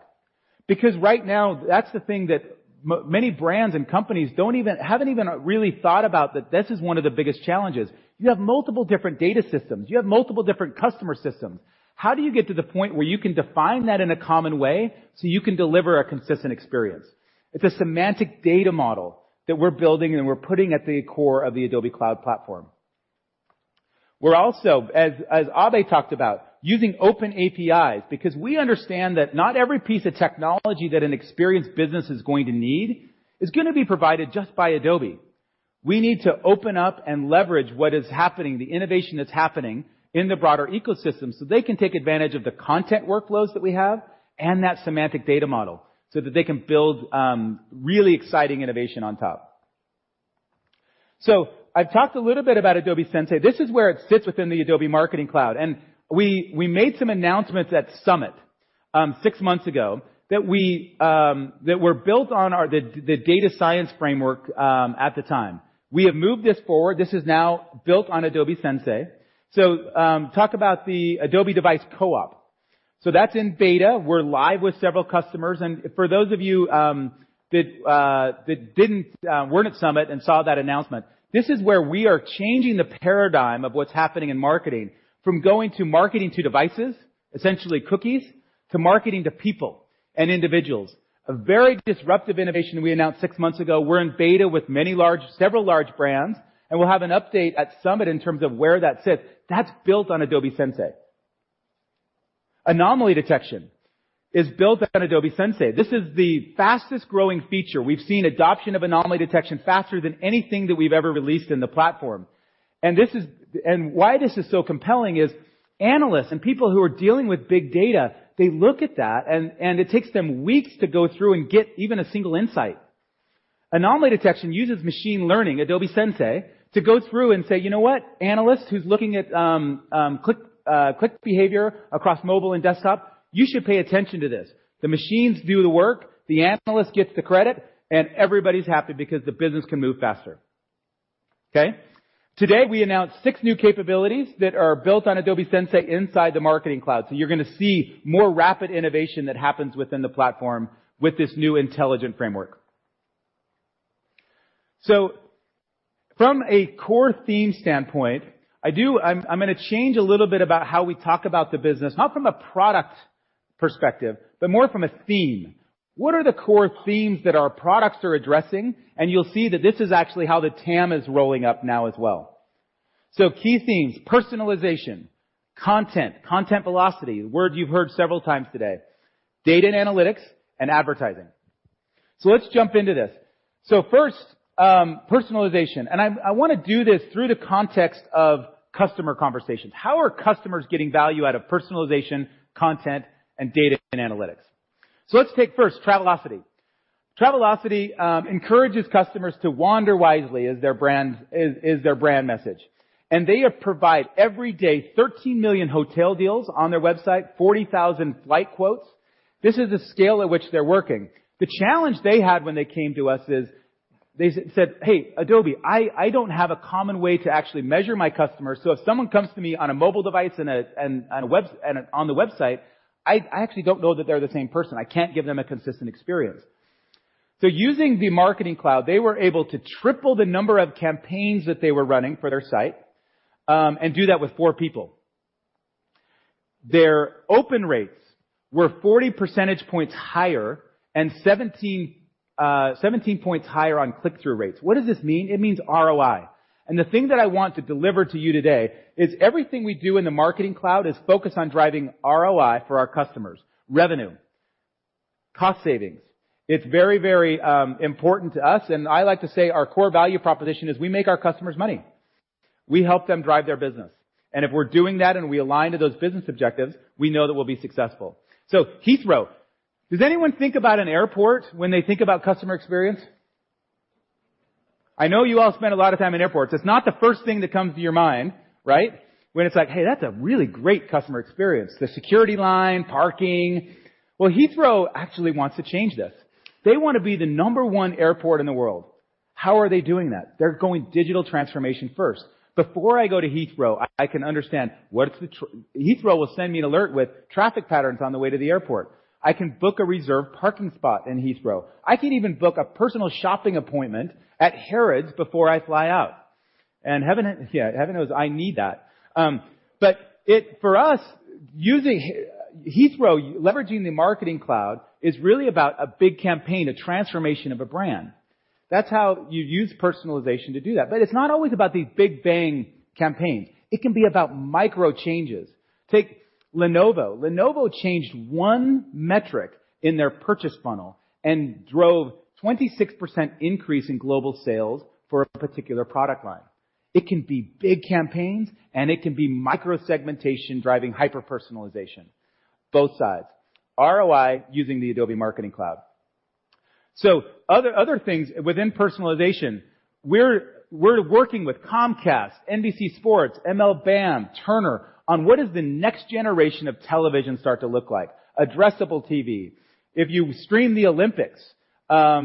Right now, that's the thing that many brands and companies haven't even really thought about, that this is one of the biggest challenges. You have multiple different data systems. You have multiple different customer systems. How do you get to the point where you can define that in a common way so you can deliver a consistent experience? It's a semantic data model that we're building and we're putting at the core of the Adobe Cloud Platform. We're also, as Abhay talked about, using open APIs because we understand that not every piece of technology that an experience business is going to need is going to be provided just by Adobe. We need to open up and leverage what is happening, the innovation that's happening in the broader ecosystem, so they can take advantage of the content workflows that we have and that semantic data model so that they can build really exciting innovation on top. I've talked a little bit about Adobe Sensei. This is where it sits within the Adobe Marketing Cloud. We made some announcements at Summit, six months ago, that were built on the data science framework at the time. We have moved this forward. This is now built on Adobe Sensei. Talk about the Adobe Device Co-Op. That's in beta. We're live with several customers. For those of you that weren't at Summit and saw that announcement, this is where we are changing the paradigm of what's happening in marketing, from going to marketing to devices, essentially cookies, to marketing to people and individuals. A very disruptive innovation we announced six months ago. We're in beta with several large brands. We'll have an update at Summit in terms of where that sits. That's built on Adobe Sensei. Anomaly detection is built on Adobe Sensei. This is the fastest-growing feature. We've seen adoption of anomaly detection faster than anything that we've ever released in the platform. Why this is so compelling is analysts and people who are dealing with big data, they look at that and it takes them weeks to go through and get even a single insight. Anomaly detection uses machine learning, Adobe Sensei, to go through and say, "You know what? Analyst who's looking at click behavior across mobile and desktop, you should pay attention to this." The machines do the work, the analyst gets the credit. Everybody's happy because the business can move faster. Okay? Today, we announced six new capabilities that are built on Adobe Sensei inside the Marketing Cloud. You're going to see more rapid innovation that happens within the platform with this new intelligent framework. From a core theme standpoint, I'm going to change a little bit about how we talk about the business, not from a product perspective, but more from a theme. What are the core themes that our products are addressing? You'll see that this is actually how the TAM is rolling up now as well. key themes, personalization, content velocity, a word you've heard several times today, data and analytics, and advertising. Let's jump into this. First, personalization. I want to do this through the context of customer conversations. How are customers getting value out of personalization, content, and data and analytics? Let's take first, Travelocity. Travelocity encourages customers to wander wisely, is their brand message. They provide, every day, 13 million hotel deals on their website, 40,000 flight quotes. This is the scale at which they're working. The challenge they had when they came to us is they said, "Hey, Adobe, I don't have a common way to actually measure my customers. If someone comes to me on a mobile device and on the website, I actually don't know that they're the same person. I can't give them a consistent experience." Using the Marketing Cloud, they were able to triple the number of campaigns that they were running for their site, and do that with four people. Their open rates were 40 percentage points higher and 17 points higher on click-through rates. What does this mean? It means ROI. The thing that I want to deliver to you today is everything we do in the Marketing Cloud is focused on driving ROI for our customers, revenue, cost savings. It's very, very important to us, and I like to say our core value proposition is we make our customers money. We help them drive their business. If we're doing that and we align to those business objectives, we know that we'll be successful. Heathrow. Does anyone think about an airport when they think about customer experience? I know you all spend a lot of time in airports. It's not the first thing that comes to your mind, right? When it's like, "Hey, that's a really great customer experience." The security line, parking. Heathrow actually wants to change this. They want to be the number 1 airport in the world. How are they doing that? They're going digital transformation first. Before I go to Heathrow, I can understand what's the-- Heathrow will send me an alert with traffic patterns on the way to the airport. I can book a reserved parking spot in Heathrow. I can even book a personal shopping appointment at Harrods before I fly out. Heaven, yeah, heaven knows I need that. For us, Heathrow leveraging the Marketing Cloud is really about a big campaign, a transformation of a brand. That's how you use personalization to do that. It's not always about the big bang campaigns. It can be about micro changes. Take Lenovo. Lenovo changed one metric in their purchase funnel and drove 26% increase in global sales for a particular product line. It can be big campaigns, and it can be micro-segmentation driving hyper-personalization. Both sides. ROI using the Adobe Marketing Cloud. Other things within personalization, we're working with Comcast, NBC Sports, MLBAM, Turner, on what does the next generation of television start to look like? Addressable TV. If you streamed the Olympics,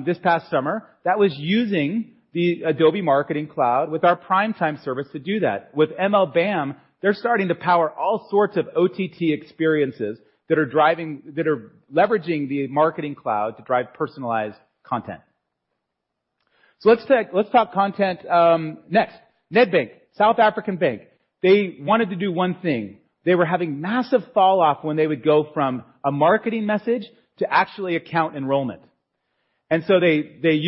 this past summer, that was using the Adobe Marketing Cloud with our Primetime service to do that. With MLBAM, they're starting to power all sorts of OTT experiences that are leveraging the Marketing Cloud to drive personalized content. Let's talk content next. Nedbank, South African bank, they wanted to do one thing. They were having massive falloff when they would go from a marketing message to actually account enrollment. They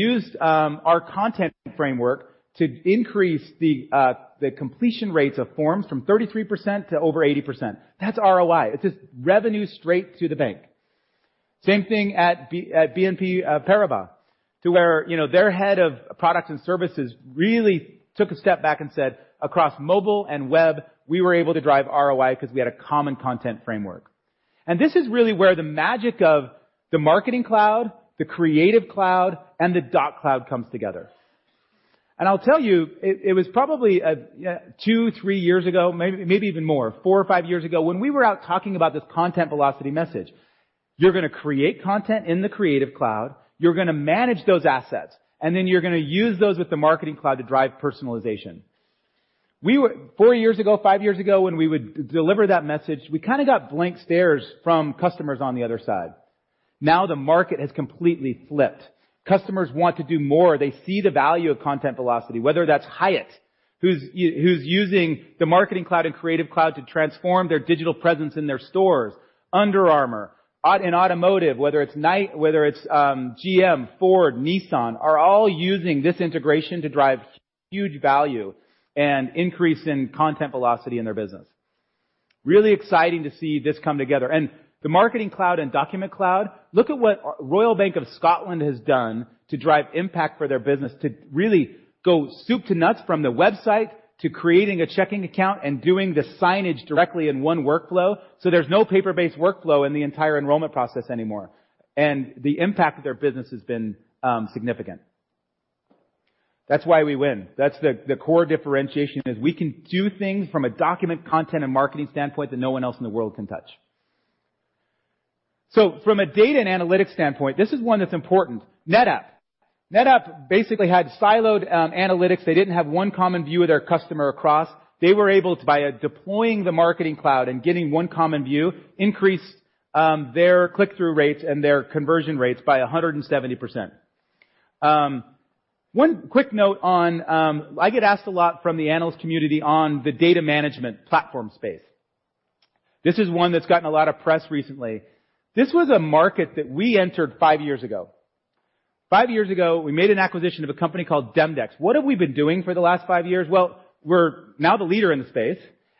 used our content framework to increase the completion rates of forms from 33% to over 80%. That's ROI. It's just revenue straight to the bank. Same thing at BNP Paribas, to where their head of products and services really took a step back and said, "Across mobile and web, we were able to drive ROI because we had a common content framework." This is really where the magic of the Marketing Cloud, the Creative Cloud, and the Doc Cloud comes together. I'll tell you, it was probably two, three years ago, maybe even more, four or five years ago, when we were out talking about this content velocity message. You're going to create content in the Creative Cloud, you're going to manage those assets, then you're going to use those with the Marketing Cloud to drive personalization. Four years ago, five years ago, when we would deliver that message, we kind of got blank stares from customers on the other side. Now the market has completely flipped. Customers want to do more. They see the value of content velocity, whether that's Hyatt, who's using the Marketing Cloud and Creative Cloud to transform their digital presence in their stores. Under Armour. In automotive, whether it's GM, Ford, Nissan, are all using this integration to drive huge value and increase in content velocity in their business. Really exciting to see this come together. The Marketing Cloud and Document Cloud, look at what Royal Bank of Scotland has done to drive impact for their business, to really go soup to nuts from the website, to creating a checking account and doing the signage directly in one workflow. There's no paper-based workflow in the entire enrollment process anymore. The impact of their business has been significant. That's why we win. That's the core differentiation, is we can do things from a document, content, and marketing standpoint that no one else in the world can touch. From a data and analytics standpoint, this is one that's important. NetApp. NetApp basically had siloed analytics. They didn't have one common view of their customer across. They were able to, by deploying the Marketing Cloud and getting one common view, increase their click-through rates and their conversion rates by 170%. One quick note on, I get asked a lot from the analyst community on the data management platform space. This is one that's gotten a lot of press recently. This was a market that we entered five years ago. Five years ago, we made an acquisition of a company called Demdex. What have we been doing for the last five years? Well, we're now the leader in the space,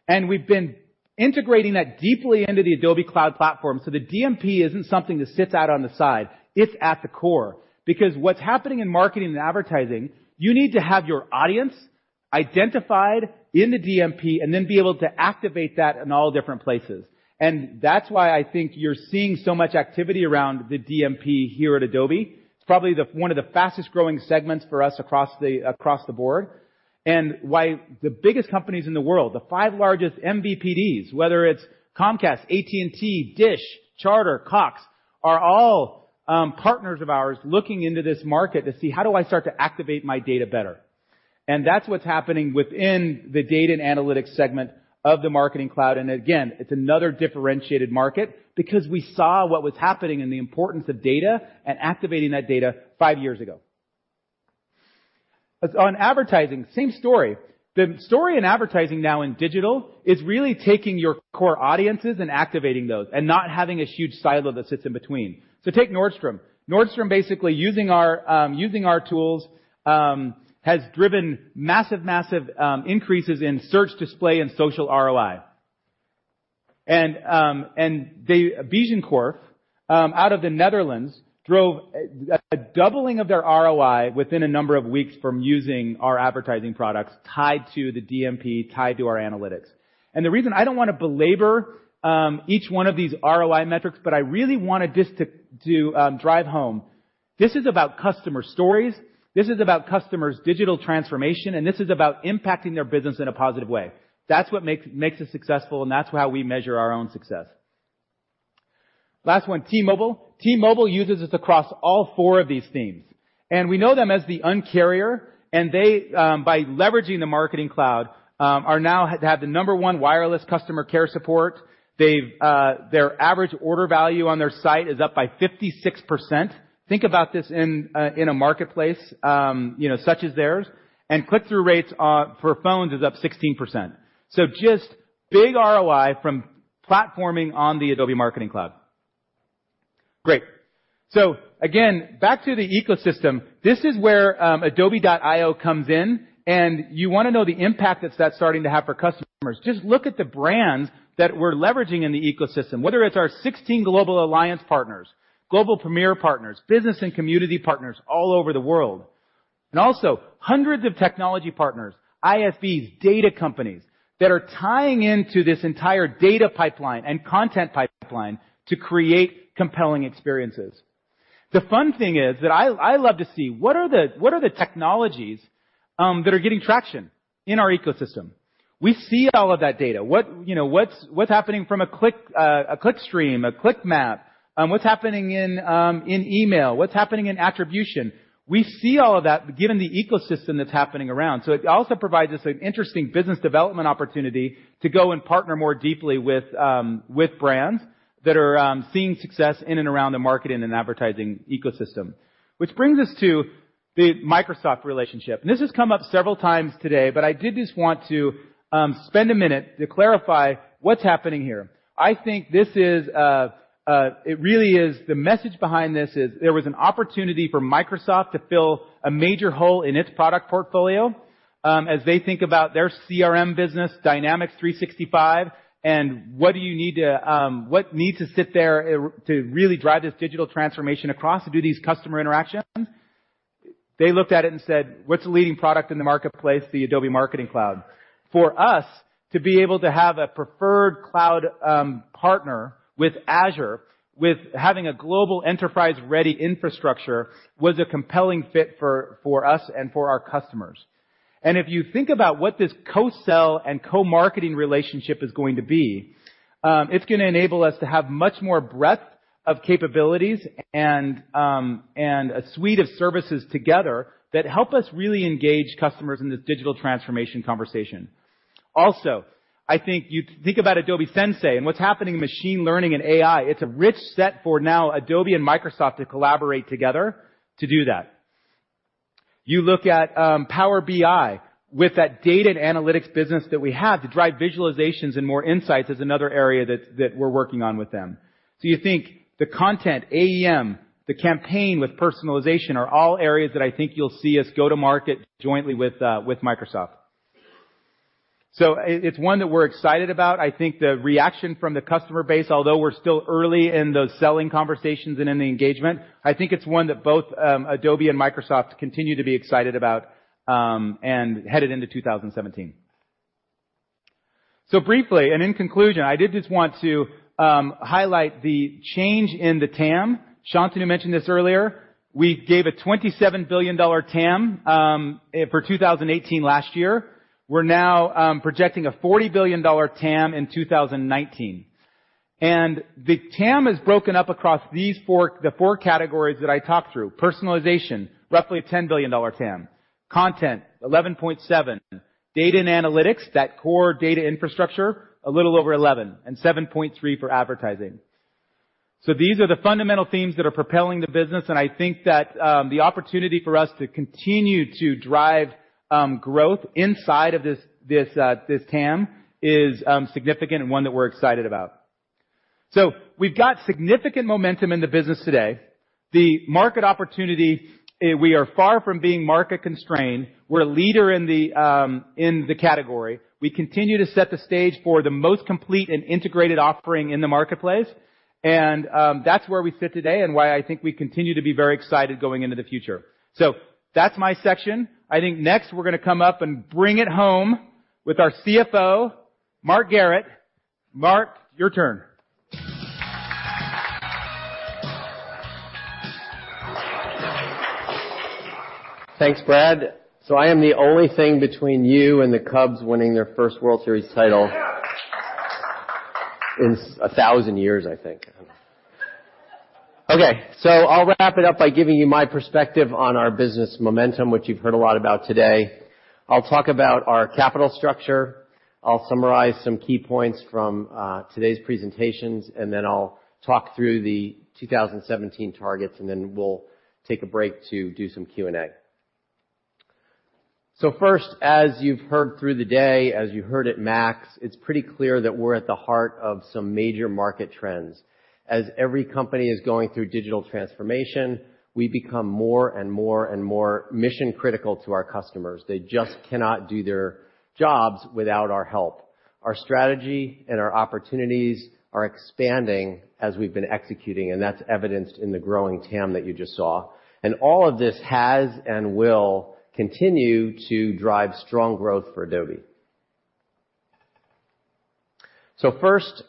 and we've been integrating that deeply into the Adobe Cloud Platform. The DMP isn't something that sits out on the side. It's at the core. Because what's happening in marketing and advertising, you need to have your audience identified in the DMP and then be able to activate that in all different places. That's why I think you're seeing so much activity around the DMP here at Adobe. It's probably one of the fastest-growing segments for us across the board. Why the biggest companies in the world, the five largest MVPDs, whether it's Comcast, AT&T, DISH, Charter, Cox, are all partners of ours looking into this market to see, how do I start to activate my data better? That's what's happening within the data and analytics segment of the Adobe Marketing Cloud. Again, it's another differentiated market because we saw what was happening and the importance of data and activating that data five years ago. On advertising, same story. The story in advertising now in digital is really taking your core audiences and activating those and not having a huge silo that sits in between. Take Nordstrom. Nordstrom basically, using our tools, has driven massive increases in search, display, and social ROI. de Bijenkorf, out of the Netherlands, drove a doubling of their ROI within a number of weeks from using our advertising products tied to the DMP, tied to our analytics. The reason, I don't want to belabor each one of these ROI metrics, but I really wanted this to drive home. This is about customer stories. This is about customers' digital transformation, and this is about impacting their business in a positive way. That's what makes us successful, and that's how we measure our own success. Last one, T-Mobile. T-Mobile uses us across all four of these themes. We know them as the Un-carrier, and they, by leveraging the Adobe Marketing Cloud, now have the number 1 wireless customer care support. Their average order value on their site is up by 56%. Think about this in a marketplace such as theirs. Click-through rates for phones is up 16%. Just big ROI from platforming on the Adobe Marketing Cloud. Great. Again, back to the ecosystem. This is where adobe.io comes in, and you want to know the impact that that's starting to have for customers. Just look at the brands that we're leveraging in the ecosystem, whether it's our 16 global alliance partners, global premier partners, business and community partners all over the world. Also hundreds of technology partners, ISVs, data companies that are tying into this entire data pipeline and content pipeline to create compelling experiences. The fun thing is that I love to see what are the technologies that are getting traction in our ecosystem. We see all of that data. What's happening from a clickstream, a click map? What's happening in email? What's happening in attribution? We see all of that given the ecosystem that's happening around. It also provides us an interesting business development opportunity to go and partner more deeply with brands that are seeing success in and around the marketing and advertising ecosystem. Which brings us to the Microsoft relationship. This has come up several times today, but I did just want to spend a minute to clarify what's happening here. I think the message behind this is there was an opportunity for Microsoft to fill a major hole in its product portfolio, as they think about their CRM business, Dynamics 365, and what needs to sit there to really drive this digital transformation across to do these customer interactions. They looked at it and said, "What's the leading product in the marketplace?" The Adobe Marketing Cloud. For us, to be able to have a preferred cloud partner with Azure, with having a global enterprise-ready infrastructure, was a compelling fit for us and for our customers. If you think about what this co-sell and co-marketing relationship is going to be, it's going to enable us to have much more breadth of capabilities and a suite of services together that help us really engage customers in this digital transformation conversation. Also, I think you think about Adobe Sensei and what's happening in machine learning and AI, it's a rich set for now Adobe and Microsoft to collaborate together to do that. You look at Power BI with that data and analytics business that we have to drive visualizations and more insights is another area that we're working on with them. You think the content, AEM, the campaign with personalization are all areas that I think you'll see us go to market jointly with Microsoft. It's one that we're excited about. I think the reaction from the customer base, although we're still early in those selling conversations and in the engagement, I think it's one that both Adobe and Microsoft continue to be excited about, and headed into 2017. Briefly, and in conclusion, I did just want to highlight the change in the TAM. Shantanu mentioned this earlier. We gave a $27 billion TAM for 2018 last year. We're now projecting a $40 billion TAM in 2019. The TAM is broken up across the four categories that I talked through. Personalization, roughly a $10 billion TAM. Content, $11.7. Data and analytics, that core data infrastructure, a little over $11, and $7.3 for advertising. These are the fundamental themes that are propelling the business, and I think that the opportunity for us to continue to drive growth inside of this TAM is significant and one that we're excited about. We've got significant momentum in the business today. The market opportunity, we are far from being market constrained. We're a leader in the category. We continue to set the stage for the most complete and integrated offering in the marketplace. That's where we sit today, and why I think we continue to be very excited going into the future. That's my section. I think next we're going to come up and bring it home with our CFO, Mark Garrett. Mark, your turn. Thanks, Brad. I am the only thing between you and the Cubs winning their first World Series title- in a thousand years, I think. Okay. I'll wrap it up by giving you my perspective on our business momentum, which you've heard a lot about today. I'll talk about our capital structure. I'll summarize some key points from today's presentations, and then I'll talk through the 2017 targets, and then we'll take a break to do some Q&A. First, as you've heard through the day, as you heard at MAX, it's pretty clear that we're at the heart of some major market trends. As every company is going through digital transformation, we become more and more and more mission critical to our customers. They just cannot do their jobs without our help. Our strategy and our opportunities are expanding as we've been executing, that's evidenced in the growing TAM that you just saw. All of this has and will continue to drive strong growth for Adobe. First,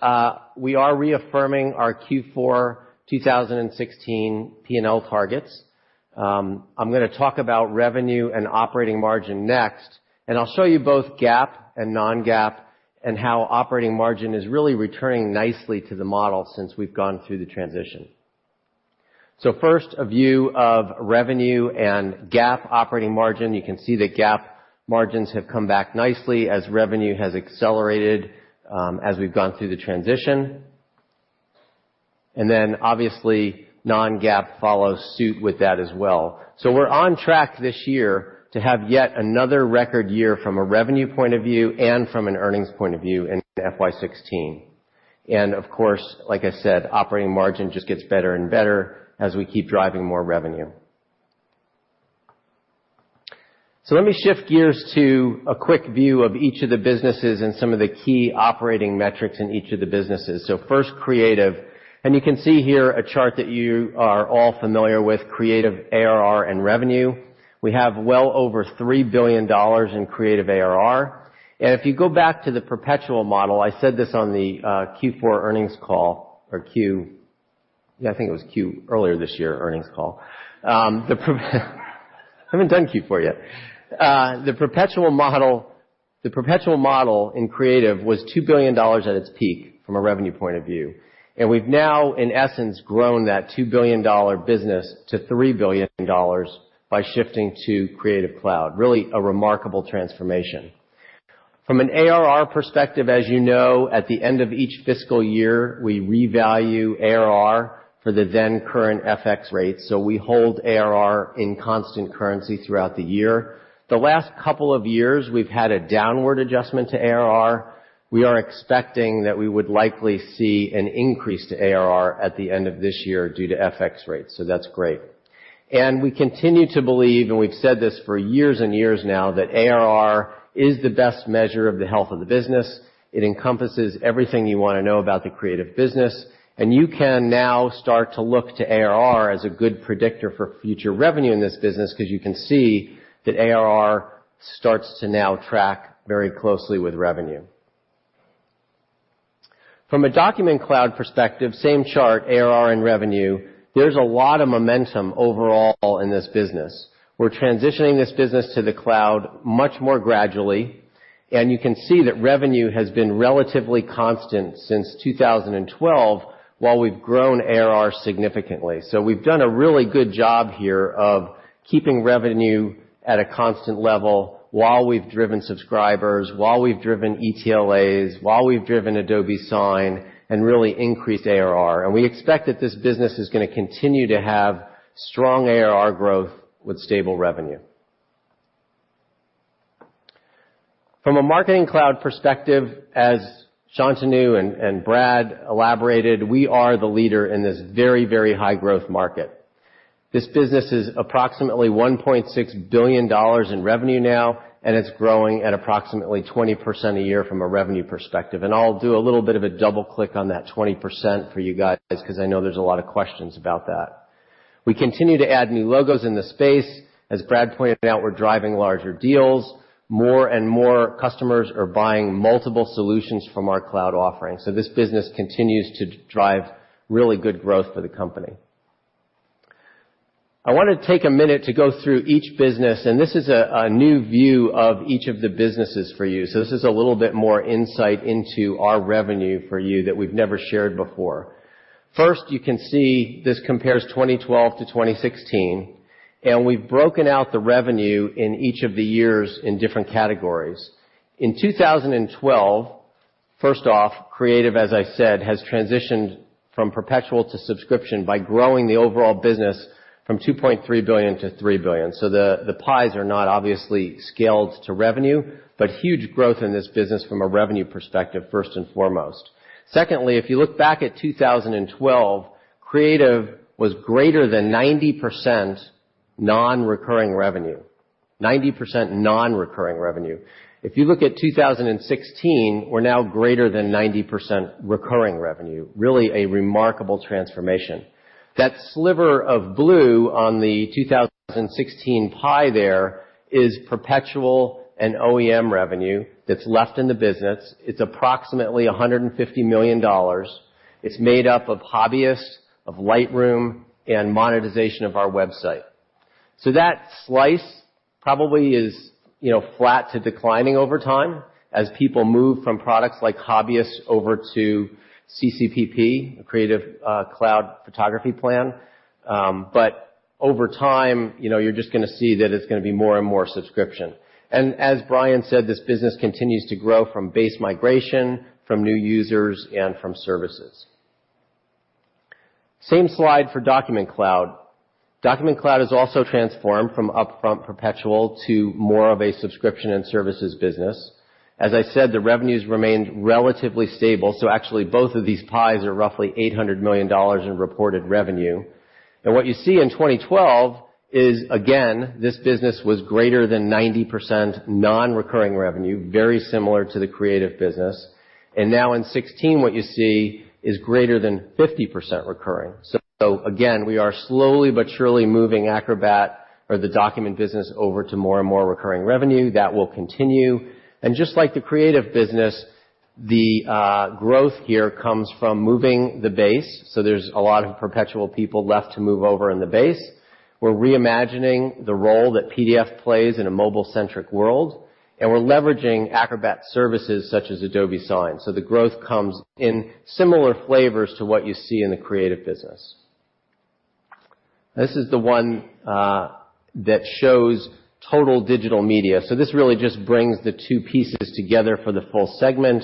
we are reaffirming our Q4 2016 P&L targets. I'm going to talk about revenue and operating margin next, and I'll show you both GAAP and non-GAAP and how operating margin is really returning nicely to the model since we've gone through the transition. First, a view of revenue and GAAP operating margin. You can see the GAAP margins have come back nicely as revenue has accelerated as we've gone through the transition. Then obviously, non-GAAP follows suit with that as well. We're on track this year to have yet another record year from a revenue point of view and from an earnings point of view in FY 2016. Of course, like I said, operating margin just gets better and better as we keep driving more revenue. Let me shift gears to a quick view of each of the businesses and some of the key operating metrics in each of the businesses. First, Creative. You can see here a chart that you are all familiar with, Creative ARR and revenue. We have well over $3 billion in Creative ARR. If you go back to the perpetual model, I said this on the Q4 earnings call or earlier this year earnings call. I haven't done Q4 yet. The perpetual model in Creative was $2 billion at its peak from a revenue point of view. We've now, in essence, grown that $2 billion business to $3 billion by shifting to Creative Cloud. Really, a remarkable transformation. From an ARR perspective, as you know, at the end of each fiscal year, we revalue ARR for the then current FX rate. We hold ARR in constant currency throughout the year. The last couple of years, we've had a downward adjustment to ARR. We are expecting that we would likely see an increase to ARR at the end of this year due to FX rates, so that's great. We continue to believe, and we've said this for years and years now, that ARR is the best measure of the health of the business. It encompasses everything you want to know about the Creative business, and you can now start to look to ARR as a good predictor for future revenue in this business because you can see that ARR starts to now track very closely with revenue. From a Document Cloud perspective, same chart, ARR and revenue, there's a lot of momentum overall in this business. We're transitioning this business to the cloud much more gradually, and you can see that revenue has been relatively constant since 2012 while we've grown ARR significantly. We've done a really good job here of keeping revenue at a constant level while we've driven subscribers, while we've driven ETLAs, while we've driven Adobe Sign, and really increased ARR. We expect that this business is going to continue to have strong ARR growth with stable revenue. From a Marketing Cloud perspective, as Shantanu and Brad elaborated, we are the leader in this very, very high growth market. This business is approximately $1.6 billion in revenue now, and it's growing at approximately 20% a year from a revenue perspective. I'll do a little bit of a double click on that 20% for you guys because I know there's a lot of questions about that. We continue to add new logos in the space. As Brad pointed out, we're driving larger deals. More and more customers are buying multiple solutions from our cloud offering. This business continues to drive really good growth for the company. I want to take a minute to go through each business. This is a new view of each of the businesses for you. This is a little bit more insight into our revenue for you that we've never shared before. First, you can see this compares 2012 to 2016. We've broken out the revenue in each of the years in different categories. In 2012, first off, Creative, as I said, has transitioned from perpetual to subscription by growing the overall business from $2.3 billion to $3 billion. The pies are not obviously scaled to revenue, but huge growth in this business from a revenue perspective, first and foremost. Secondly, if you look back at 2012, Creative was greater than 90% non-recurring revenue. 90% non-recurring revenue. If you look at 2016, we're now greater than 90% recurring revenue. Really a remarkable transformation. That sliver of blue on the 2016 pie there is perpetual and OEM revenue that's left in the business. It's approximately $150 million. It's made up of Hobbyist, of Lightroom, and monetization of our website. That slice probably is flat to declining over time as people move from products like Hobbyist over to CCPP, Creative Cloud Photography Plan. Over time, you're just going to see that it's going to be more and more subscription. As Bryan said, this business continues to grow from base migration, from new users, and from services. Same slide for Document Cloud. Document Cloud is also transformed from upfront perpetual to more of a subscription and services business. As I said, the revenues remained relatively stable. Actually both of these pies are roughly $800 million in reported revenue. What you see in 2012 is, again, this business was greater than 90% non-recurring revenue, very similar to the Creative business. Now in 2016, what you see is greater than 50% recurring. Again, we are slowly but surely moving Acrobat or the document business over to more and more recurring revenue. That will continue. Just like the Creative business, the growth here comes from moving the base. There's a lot of perpetual people left to move over in the base. We're reimagining the role that PDF plays in a mobile-centric world. We're leveraging Acrobat services such as Adobe Sign. The growth comes in similar flavors to what you see in the Creative business. This is the one that shows total digital media. This really just brings the two pieces together for the full segment.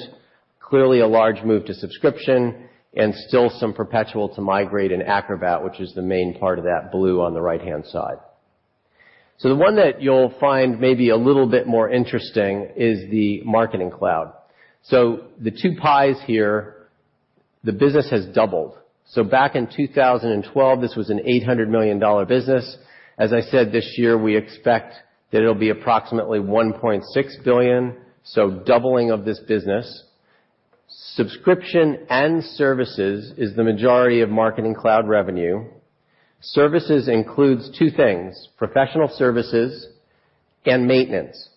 Clearly a large move to subscription and still some perpetual to migrate in Acrobat, which is the main part of that blue on the right-hand side. The one that you'll find maybe a little bit more interesting is the Marketing Cloud. The two pies here. The business has doubled. Back in 2012, this was an $800 million business. As I said, this year, we expect that it'll be approximately $1.6 billion, so doubling of this business. Subscription and services is the majority of Marketing Cloud revenue. Services includes two things, professional services and maintenance.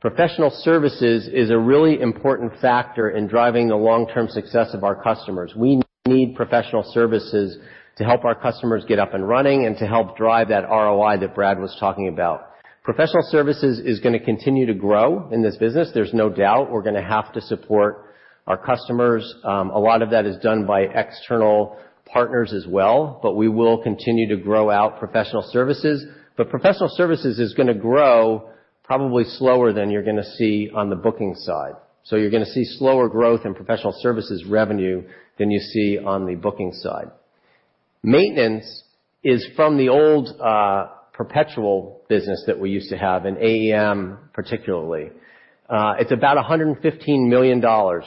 Professional services is a really important factor in driving the long-term success of our customers. We need professional services to help our customers get up and running and to help drive that ROI that Brad was talking about. Professional services is going to continue to grow in this business. There's no doubt we're going to have to support our customers. A lot of that is done by external partners as well, but we will continue to grow out professional services. Professional services is going to grow probably slower than you're going to see on the booking side. You're going to see slower growth in professional services revenue than you see on the booking side. Maintenance is from the old perpetual business that we used to have in AEM particularly. It's about $115 million,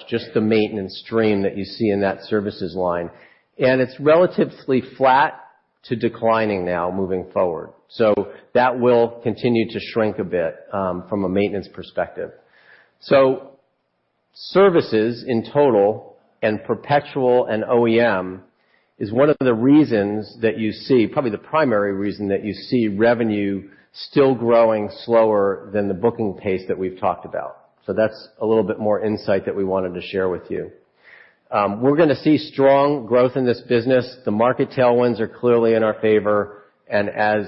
just the maintenance stream that you see in that services line, and it's relatively flat to declining now moving forward. That will continue to shrink a bit from a maintenance perspective. Services in total and perpetual and OEM is one of the reasons that you see, probably the primary reason that you see revenue still growing slower than the booking pace that we've talked about. That's a little bit more insight that we wanted to share with you. We're going to see strong growth in this business. The market tailwinds are clearly in our favor, and as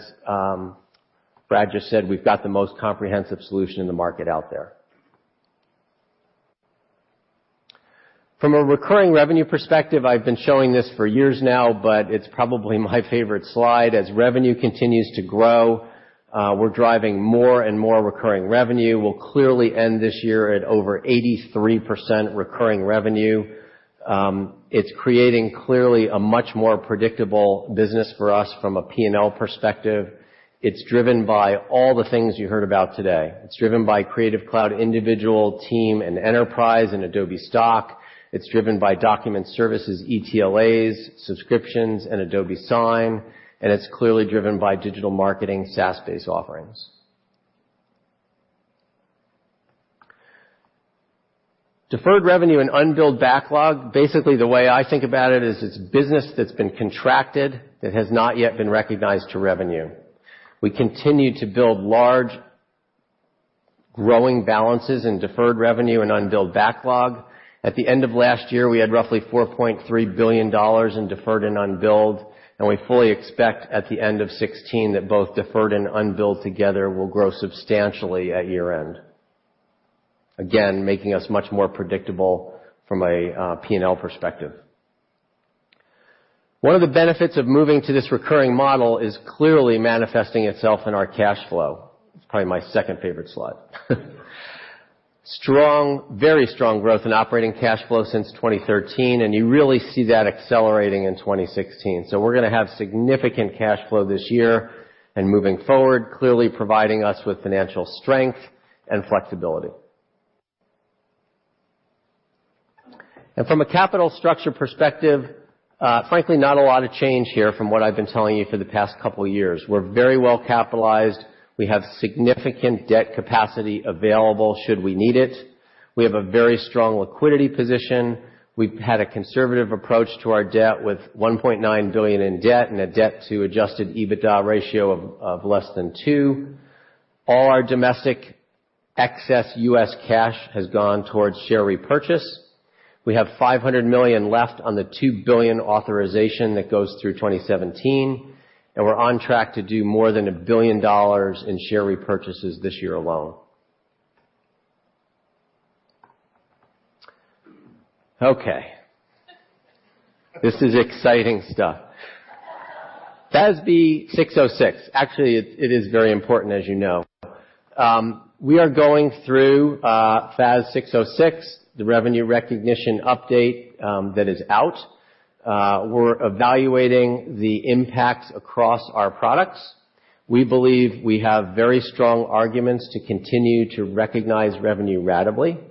Brad just said, we've got the most comprehensive solution in the market out there. From a recurring revenue perspective, I've been showing this for years now, but it's probably my favorite slide. As revenue continues to grow, we're driving more and more recurring revenue. We'll clearly end this year at over 83% recurring revenue. It's creating clearly a much more predictable business for us from a P&L perspective. It's driven by all the things you heard about today. It's driven by Creative Cloud, individual team, and enterprise and Adobe Stock. It's driven by document services, ETLAs, subscriptions, and Adobe Sign, and it's clearly driven by digital marketing, SaaS-based offerings. Deferred revenue and unbilled backlog. Basically, the way I think about it is it's business that's been contracted that has not yet been recognized to revenue. We continue to build large growing balances in deferred revenue and unbilled backlog. At the end of last year, we had roughly $4.3 billion in deferred and unbilled, and we fully expect at the end of 2016 that both deferred and unbilled together will grow substantially at year-end. Again, making us much more predictable from a P&L perspective. One of the benefits of moving to this recurring model is clearly manifesting itself in our cash flow. It's probably my second favorite slide. Strong, very strong growth in operating cash flow since 2013, and you really see that accelerating in 2016. We're going to have significant cash flow this year and moving forward, clearly providing us with financial strength and flexibility. From a capital structure perspective, frankly, not a lot has changed here from what I've been telling you for the past couple of years. We're very well capitalized. We have significant debt capacity available should we need it. We have a very strong liquidity position. We've had a conservative approach to our debt with $1.9 billion in debt and a debt to adjusted EBITDA ratio of less than two. All our domestic excess U.S. cash has gone towards share repurchase. We have $500 million left on the $2 billion authorization that goes through 2017, and we're on track to do more than $1 billion in share repurchases this year alone. Okay. This is exciting stuff. FASB 606. Actually, it is very important, as you know. We are going through FAS 606, the revenue recognition update that is out. We're evaluating the impact across our products. We believe we have very strong arguments to continue to recognize revenue ratably.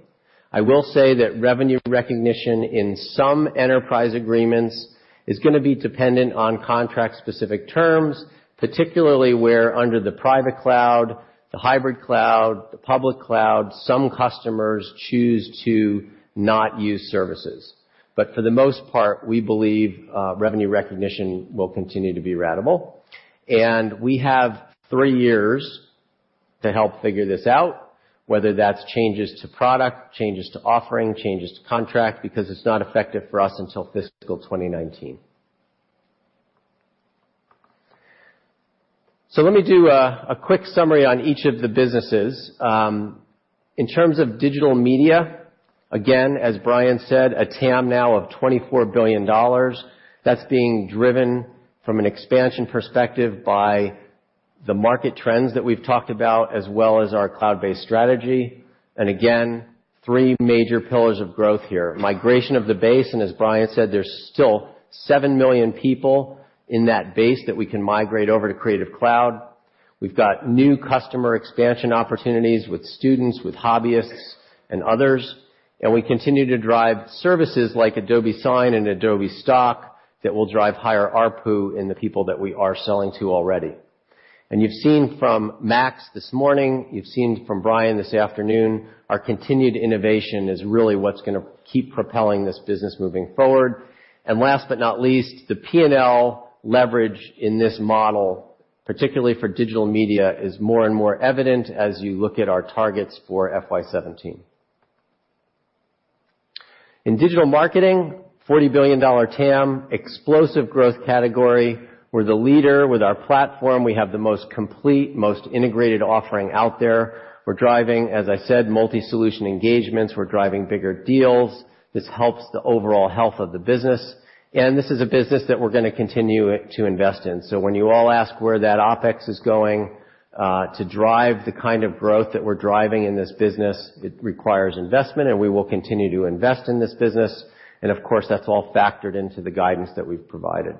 I will say that revenue recognition in some enterprise agreements is going to be dependent on contract-specific terms, particularly where under the private cloud, the hybrid cloud, the public cloud, some customers choose to not use services. But for the most part, we believe revenue recognition will continue to be ratable. We have three years to help figure this out, whether that's changes to product, changes to offering, changes to contract, because it's not effective for us until fiscal 2019. Let me do a quick summary on each of the businesses. In terms of Digital Media, again, as Bryan said, a TAM now of $24 billion. That's being driven from an expansion perspective by the market trends that we've talked about as well as our cloud-based strategy. Again, three major pillars of growth here. Migration of the base, and as Bryan said, there's still seven million people in that base that we can migrate over to Creative Cloud. We've got new customer expansion opportunities with students, with hobbyists, and others, and we continue to drive services like Adobe Sign and Adobe Stock that will drive higher ARPU in the people that we are selling to already. You've seen from MAX this morning, you've seen from Bryan this afternoon, our continued innovation is really what's going to keep propelling this business moving forward. Last but not least, the P&L leverage in this model, particularly for Digital Media, is more and more evident as you look at our targets for FY 2017. In Digital Marketing, $40 billion TAM, explosive growth category. We're the leader with our platform, we have the most complete, most integrated offering out there. We're driving, as I said, multi-solution engagements. We're driving bigger deals. This helps the overall health of the business, and this is a business that we're going to continue to invest in. When you all ask where that OPEX is going to drive the kind of growth that we're driving in this business, it requires investment, and we will continue to invest in this business, and of course, that's all factored into the guidance that we've provided.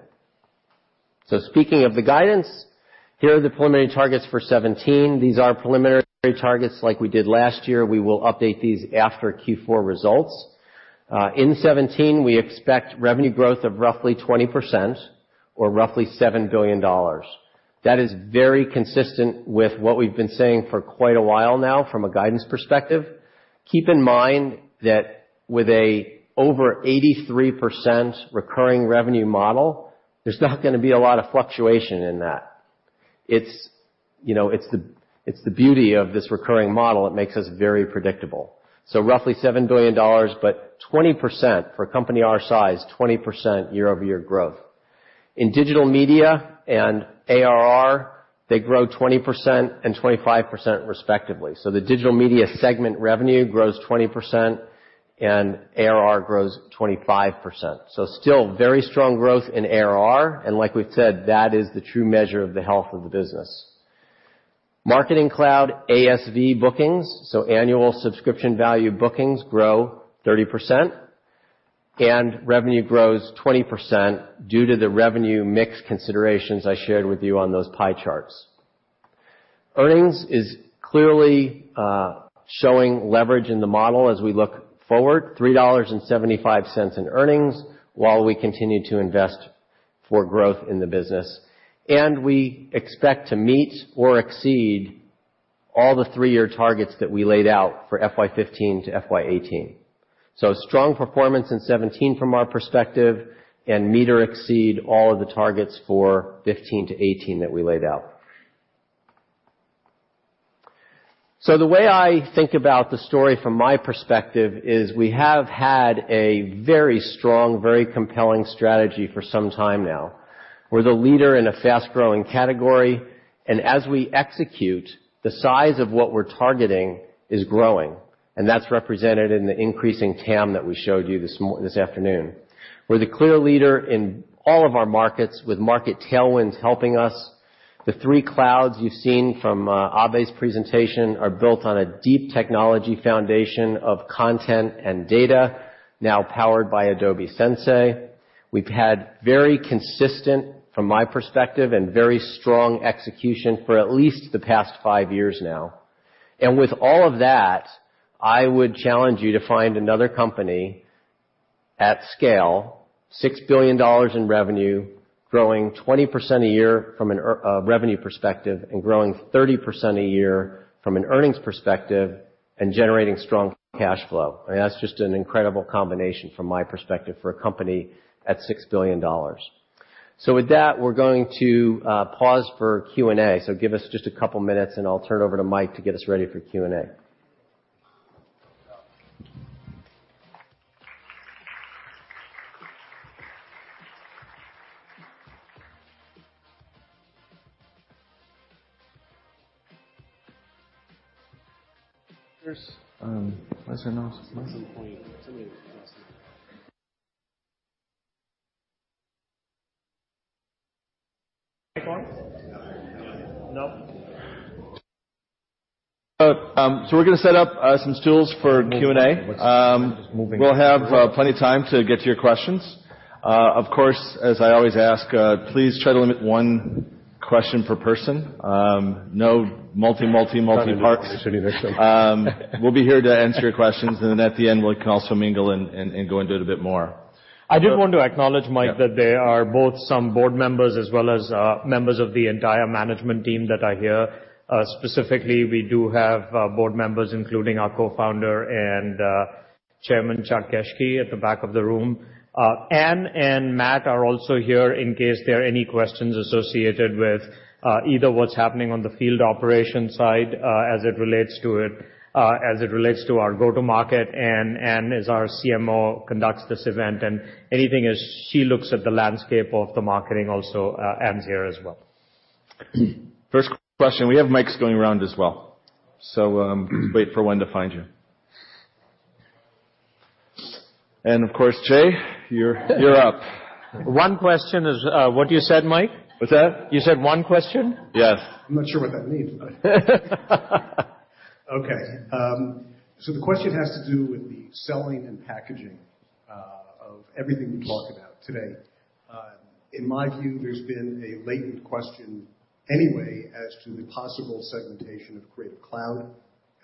Speaking of the guidance, here are the preliminary targets for 2017. These are preliminary targets like we did last year. We will update these after Q4 results. In 2017, we expect revenue growth of roughly 20% or roughly $7 billion. That is very consistent with what we've been saying for quite a while now from a guidance perspective. Keep in mind that with an over 83% recurring revenue model, there's not going to be a lot of fluctuation in that. It's the beauty of this recurring model. It makes us very predictable. Roughly $7 billion, but 20% for a company our size, 20% year-over-year growth. In Digital Media and ARR, they grow 20% and 25% respectively. The Digital Media segment revenue grows 20% and ARR grows 25%. Still very strong growth in ARR, and like we've said, that is the true measure of the health of the business. Marketing Cloud ASV bookings, annual subscription value bookings grow 30%, and revenue grows 20% due to the revenue mix considerations I shared with you on those pie charts. Earnings is clearly showing leverage in the model as we look forward, $3.75 in earnings while we continue to invest for growth in the business. We expect to meet or exceed all the three-year targets that we laid out for FY 2015 to FY 2018. Strong performance in 2017 from our perspective and meet or exceed all of the targets for 2015 to 2018 that we laid out. The way I think about the story from my perspective is we have had a very strong, very compelling strategy for some time now. We're the leader in a fast-growing category, and as we execute, the size of what we're targeting is growing, and that's represented in the increasing TAM that we showed you this afternoon. We're the clear leader in all of our markets with market tailwinds helping us. The three clouds you've seen from Abhay's presentation are built on a deep technology foundation of content and data, now powered by Adobe Sensei. We've had very consistent, from my perspective, and very strong execution for at least the past five years now. With all of that, I would challenge you to find another company at scale, $6 billion in revenue, growing 20% a year from a revenue perspective and growing 30% a year from an earnings perspective and generating strong cash flow. That's just an incredible combination from my perspective for a company at $6 billion. With that, we're going to pause for Q&A. Give us just a couple of minutes, and I'll turn it over to Mike to get us ready for Q&A. Yes or no? Some point. Somebody. Mic on? No? We're going to set up some stools for Q&A. We'll have plenty of time to get to your questions. Of course, as I always ask, please try to limit one question per person. No multi parts. We'll be here to answer your questions, and then at the end, we can also mingle and go into it a bit more. I did want to acknowledge, Mike, that there are both some board members as well as members of the entire management team that are here. Specifically, we do have board members, including our Co-founder and Chairman, Chuck Geschke, at the back of the room. Ann and Matt are also here in case there are any questions associated with either what's happening on the field operations side as it relates to our go-to market, Ann as our CMO, conducts this event, and anything as she looks at the landscape of the marketing also ends here as well. First question. We have mics going around as well. Just wait for one to find you. Of course, Jay, you're up. One question is what you said, Mike? What's that? You said one question? Yes. I'm not sure what that means. Okay. The question has to do with the selling and packaging Of everything we've talked about today, in my view, there's been a latent question anyway as to the possible segmentation of Creative Cloud,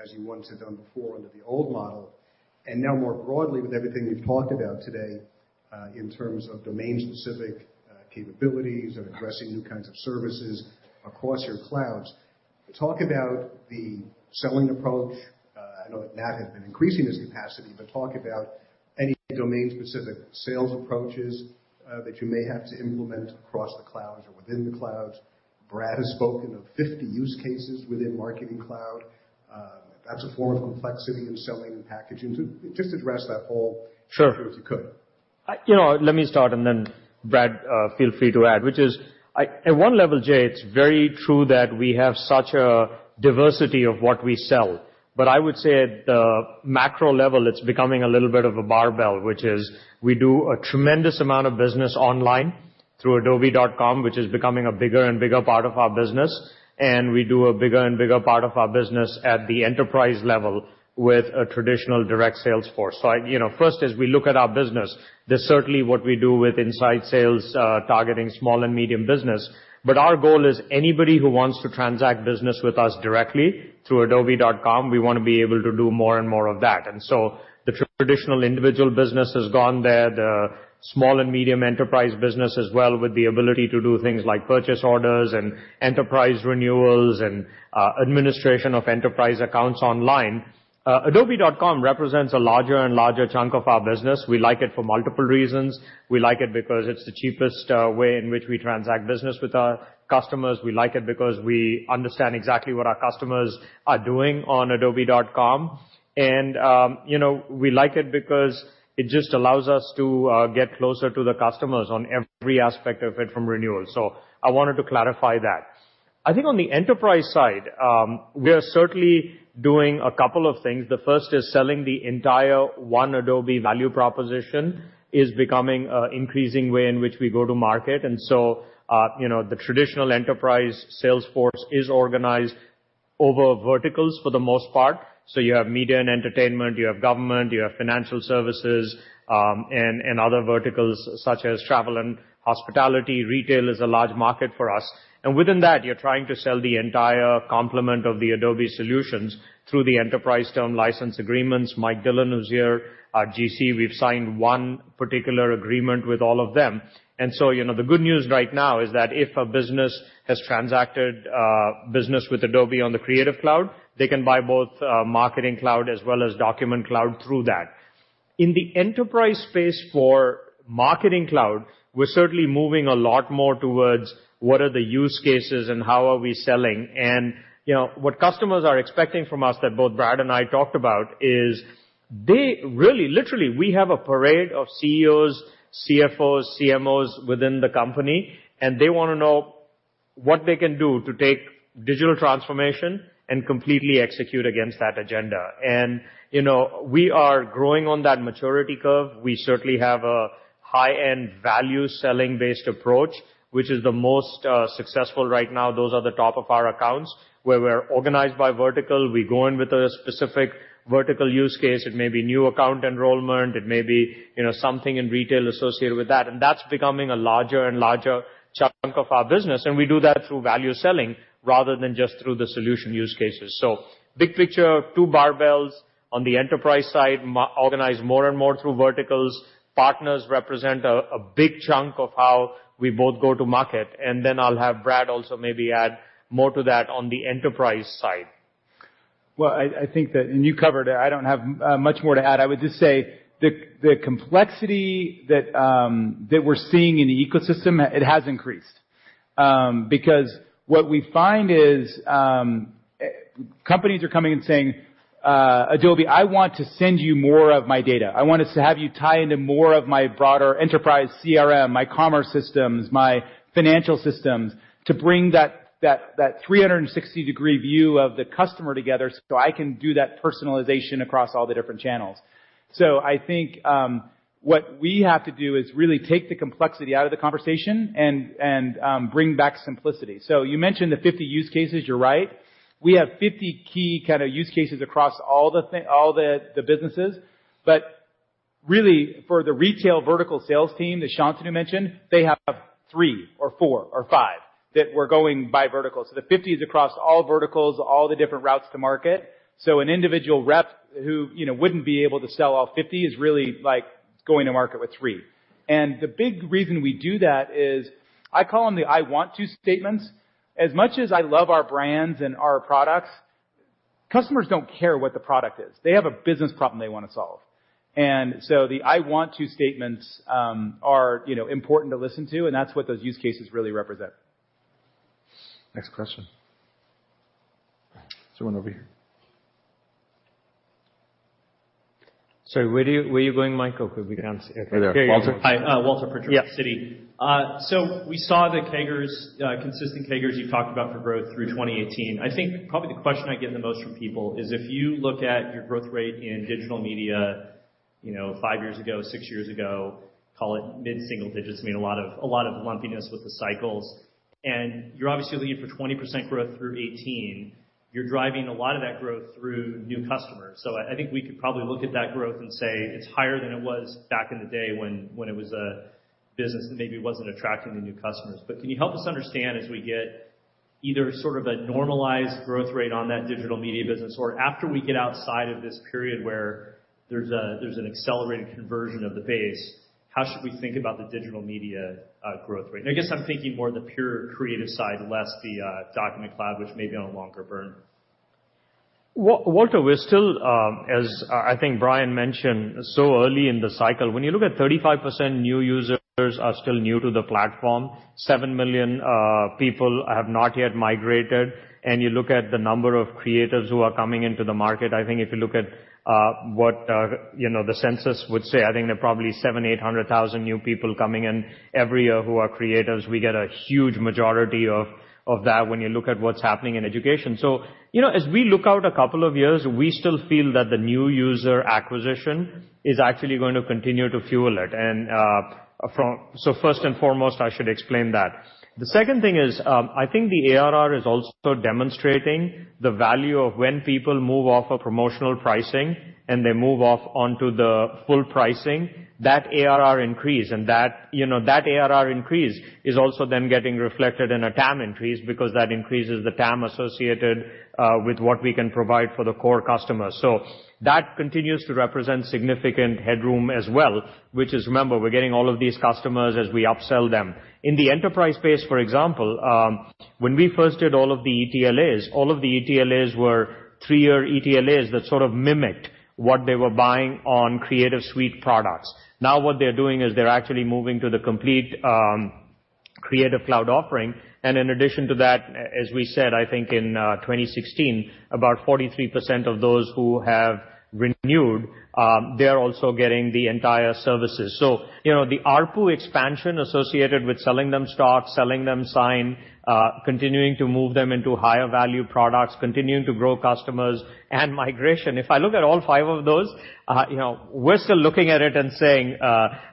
as you once had done before under the old model. Now more broadly with everything we've talked about today, in terms of domain-specific capabilities and addressing new kinds of services across your clouds. Talk about the selling approach. I know that Matt has been increasing his capacity, but talk about any domain-specific sales approaches that you may have to implement across the clouds or within the clouds. Brad has spoken of 50 use cases within Marketing Cloud. That's a form of complexity in selling and packaging. Just address that whole- Sure if you could. Let me start, then Brad, feel free to add. Which is, at one level, Jay, it's very true that we have such a diversity of what we sell. I would say at the macro level, it's becoming a little bit of a barbell, which is we do a tremendous amount of business online through adobe.com, which is becoming a bigger and bigger part of our business. We do a bigger and bigger part of our business at the enterprise level with a traditional direct sales force. First, as we look at our business, that's certainly what we do with inside sales, targeting small and medium business. Our goal is anybody who wants to transact business with us directly through adobe.com, we want to be able to do more and more of that. The traditional individual business has gone there. The small and medium enterprise business as well with the ability to do things like purchase orders and enterprise renewals and administration of enterprise accounts online. adobe.com represents a larger and larger chunk of our business. We like it for multiple reasons. We like it because it's the cheapest way in which we transact business with our customers. We like it because we understand exactly what our customers are doing on adobe.com. We like it because it just allows us to get closer to the customers on every aspect of it from renewal. I wanted to clarify that. I think on the enterprise side, we are certainly doing a couple of things. The first is selling the entire one Adobe value proposition is becoming increasing way in which we go to market. The traditional enterprise sales force is organized over verticals for the most part. You have media and entertainment, you have government, you have financial services, and other verticals such as travel and hospitality. Retail is a large market for us. Within that, you're trying to sell the entire complement of the Adobe solutions through the enterprise term license agreements. Mike Dillon, who's here, our GC, we've signed one particular agreement with all of them. The good news right now is that if a business has transacted business with Adobe on the Creative Cloud, they can buy both Marketing Cloud as well as Document Cloud through that. In the enterprise space for Marketing Cloud, we're certainly moving a lot more towards what are the use cases and how are we selling. What customers are expecting from us that both Brad and I talked about is they really, literally, we have a parade of CEOs, CFOs, CMOs within the company, they want to know what they can do to take digital transformation and completely execute against that agenda. We are growing on that maturity curve. We certainly have a high-end value selling-based approach, which is the most successful right now. Those are the top of our accounts, where we're organized by vertical. We go in with a specific vertical use case. It may be new account enrollment, it may be something in retail associated with that. That's becoming a larger and larger chunk of our business, and we do that through value selling rather than just through the solution use cases. Big picture, two barbells on the enterprise side, organized more and more through verticals. Partners represent a big chunk of how we both go to market. I'll have Brad also maybe add more to that on the enterprise side. Well, I think that, and you covered it, I don't have much more to add. I would just say the complexity that we're seeing in the ecosystem, it has increased. What we find is, companies are coming and saying, "Adobe, I want to send you more of my data. I want us to have you tie into more of my broader enterprise CRM, my commerce systems, my financial systems to bring that 360-degree view of the customer together so I can do that personalization across all the different channels." I think, what we have to do is really take the complexity out of the conversation and bring back simplicity. You mentioned the 50 use cases, you're right. We have 50 key kind of use cases across all the businesses. Really for the retail vertical sales team, as Shantanu mentioned, they have three or four or five that we're going by vertical. The 50 is across all verticals, all the different routes to market. An individual rep who wouldn't be able to sell all 50 is really going to market with three. The big reason we do that is I call them the "I want to" statements. As much as I love our brands and our products, customers don't care what the product is. They have a business problem they want to solve. The "I want to" statements are important to listen to, and that's what those use cases really represent. Next question. There's one over here. Sorry, where are you going, Michael? Because we can't see. Right there. Walter? Hi, Walter Pritchard from Citi. Yeah. We saw the consistent CAGRs you talked about for growth through 2018. I think probably the question I get the most from people is if you look at your growth rate in digital media five years ago, six years ago, call it mid-single digits, a lot of lumpiness with the cycles. You're obviously looking for 20% growth through 2018. You're driving a lot of that growth through new customers. I think we could probably look at that growth and say it's higher than it was back in the day when it was a business that maybe wasn't attracting the new customers. Can you help us understand as we get either sort of a normalized growth rate on that digital media business or after we get outside of this period where there's an accelerated conversion of the base, how should we think about the digital media growth rate? I guess I'm thinking more the pure creative side, less the Document Cloud, which may be on a longer burn. Walter, we're still, as I think Bryan mentioned, so early in the cycle. When you look at 35% new users are still new to the platform, seven million people have not yet migrated, and you look at the number of creators who are coming into the market, I think if you look at what the census would say, I think there are probably seven, 800,000 new people coming in every year who are creators. We get a huge majority of that when you look at what's happening in education. As we look out a couple of years, we still feel that the new user acquisition is actually going to continue to fuel it. First and foremost, I should explain that. The second thing is, I think the ARR is also demonstrating the value of when people move off of promotional pricing and they move off onto the full pricing, that ARR increase. That ARR increase is also then getting reflected in a TAM increase because that increases the TAM associated with what we can provide for the core customer. That continues to represent significant headroom as well, which is, remember, we're getting all of these customers as we upsell them. In the enterprise space, for example, when we first did all of the ETLAs, all of the ETLAs were three-year ETLAs that sort of mimicked what they were buying on Creative Suite products. Now what they're doing is they're actually moving to the complete Creative Cloud offering. In addition to that, as we said, I think in 2016, about 43% of those who have renewed, they are also getting the entire services. The ARPU expansion associated with selling them Stock, selling them Sign, continuing to move them into higher value products, continuing to grow customers and migration. If I look at all five of those, we're still looking at it and saying,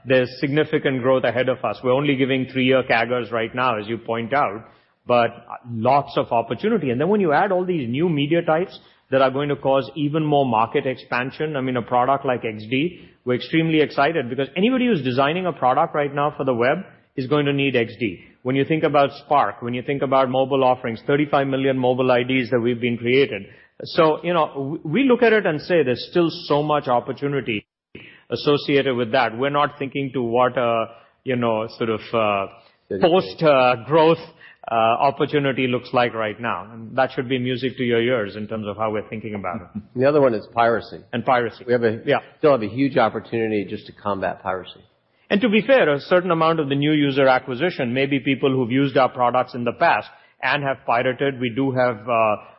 there's significant growth ahead of us. We're only giving three-year CAGRs right now, as you point out, but lots of opportunity. Then when you add all these new media types that are going to cause even more market expansion, I mean, a product like XD, we're extremely excited because anybody who's designing a product right now for the web is going to need XD. When you think about Spark, when you think about mobile offerings, 35 million mobile IDs that we've been created. We look at it and say there's still so much opportunity associated with that. We're not thinking to what a sort of post-growth opportunity looks like right now. That should be music to your ears in terms of how we're thinking about it. The other one is piracy. Piracy. We have Yeah. Still have a huge opportunity just to combat piracy. To be fair, a certain amount of the new user acquisition may be people who've used our products in the past and have pirated. We do have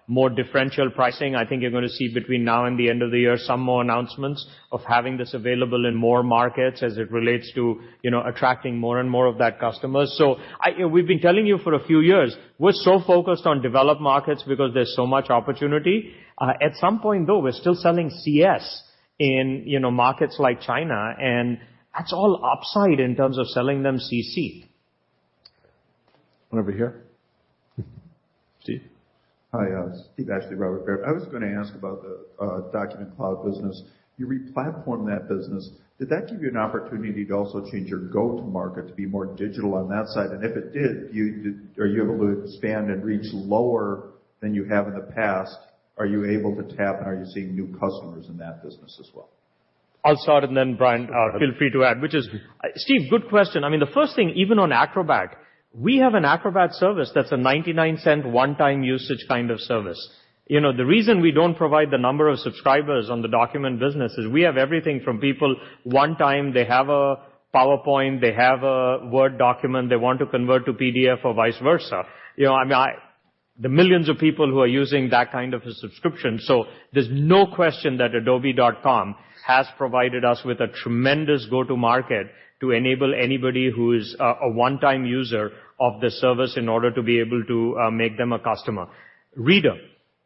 more differential pricing. I think you're going to see between now and the end of the year, some more announcements of having this available in more markets as it relates to attracting more and more of that customer. We've been telling you for a few years, we're so focused on developed markets because there's so much opportunity. At some point, though, we're still selling CS in markets like China, and that's all upside in terms of selling them CC. Over here. Steve. Hi, Steve Ashley, Robert W. Baird. I was going to ask about the Document Cloud business. You replatform that business. Did that give you an opportunity to also change your go-to-market to be more digital on that side? If it did, are you able to expand and reach lower than you have in the past? Are you able to tap, are you seeing new customers in that business as well? I'll start, then Brian, feel free to add. Steve, good question. The first thing, even on Acrobat, we have an Acrobat service that's a $0.99 one-time usage kind of service. The reason we don't provide the number of subscribers on the document business is we have everything from people, one time, they have a PowerPoint, they have a Word document they want to convert to PDF or vice versa. The millions of people who are using that kind of a subscription. There's no question that adobe.com has provided us with a tremendous go-to-market to enable anybody who is a one-time user of the service in order to be able to make them a customer. Reader,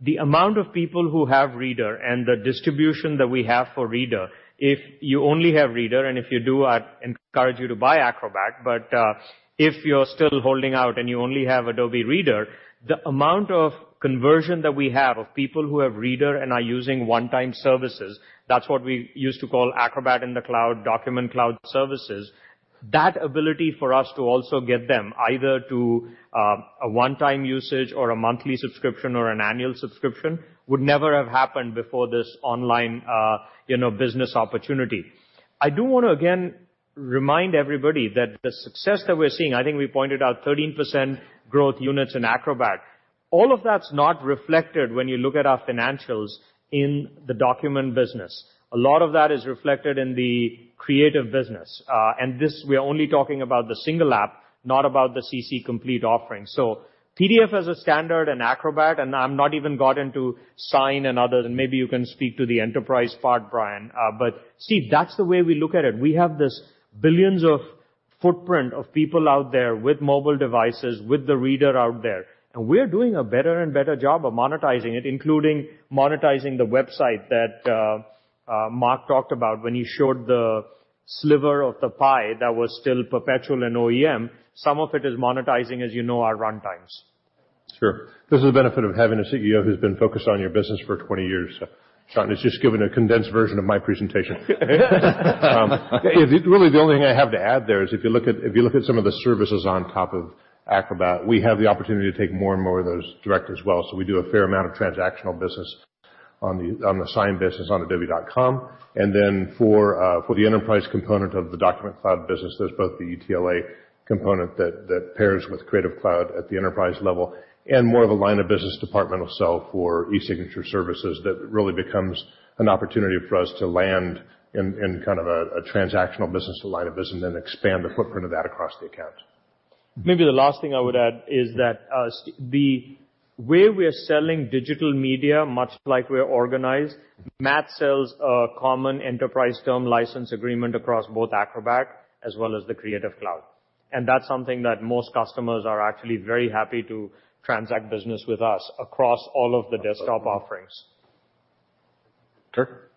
the amount of people who have Reader and the distribution that we have for Reader, if you only have Reader, if you do, I'd encourage you to buy Acrobat. If you're still holding out and you only have Adobe Reader, the amount of conversion that we have of people who have Reader and are using one-time services, that's what we used to call Acrobat in the Cloud, Document Cloud services. That ability for us to also get them either to a one-time usage or a monthly subscription or an annual subscription would never have happened before this online business opportunity. I do want to again remind everybody that the success that we're seeing, I think we pointed out 13% growth units in Acrobat. All of that's not reflected when you look at our financials in the document business. A lot of that is reflected in the creative business. This, we're only talking about the single app, not about the CC complete offering. PDF as a standard in Acrobat, and I'm not even got into Sign and others, and maybe you can speak to the enterprise part, Bryan. Steve, that's the way we look at it. We have this billions of footprint of people out there with mobile devices, with the Reader out there, and we're doing a better and better job of monetizing it, including monetizing the website that Mark talked about when he showed the sliver of the pie that was still perpetual in OEM. Some of it is monetizing, as you know, our runtimes. Sure. This is the benefit of having a CEO who's been focused on your business for 20 years. Shantanu has just given a condensed version of my presentation. Really the only thing I have to add there is if you look at some of the services on top of Acrobat, we have the opportunity to take more and more of those direct as well. We do a fair amount of transactional business on the signed business on adobe.com, and then for the enterprise component of the Document Cloud business, there's both the ETLA component that pairs with Creative Cloud at the enterprise level, and more of a line of business departmental sell for e-signature services that really becomes an opportunity for us to land in kind of a transactional business or line of business and then expand the footprint of that across the account. Maybe the last thing I would add is that the way we are selling digital media, much like we're organized, Matt sells a common enterprise term license agreement across both Acrobat as well as the Creative Cloud. That's something that most customers are actually very happy to transact business with us across all of the desktop offerings. Kirk?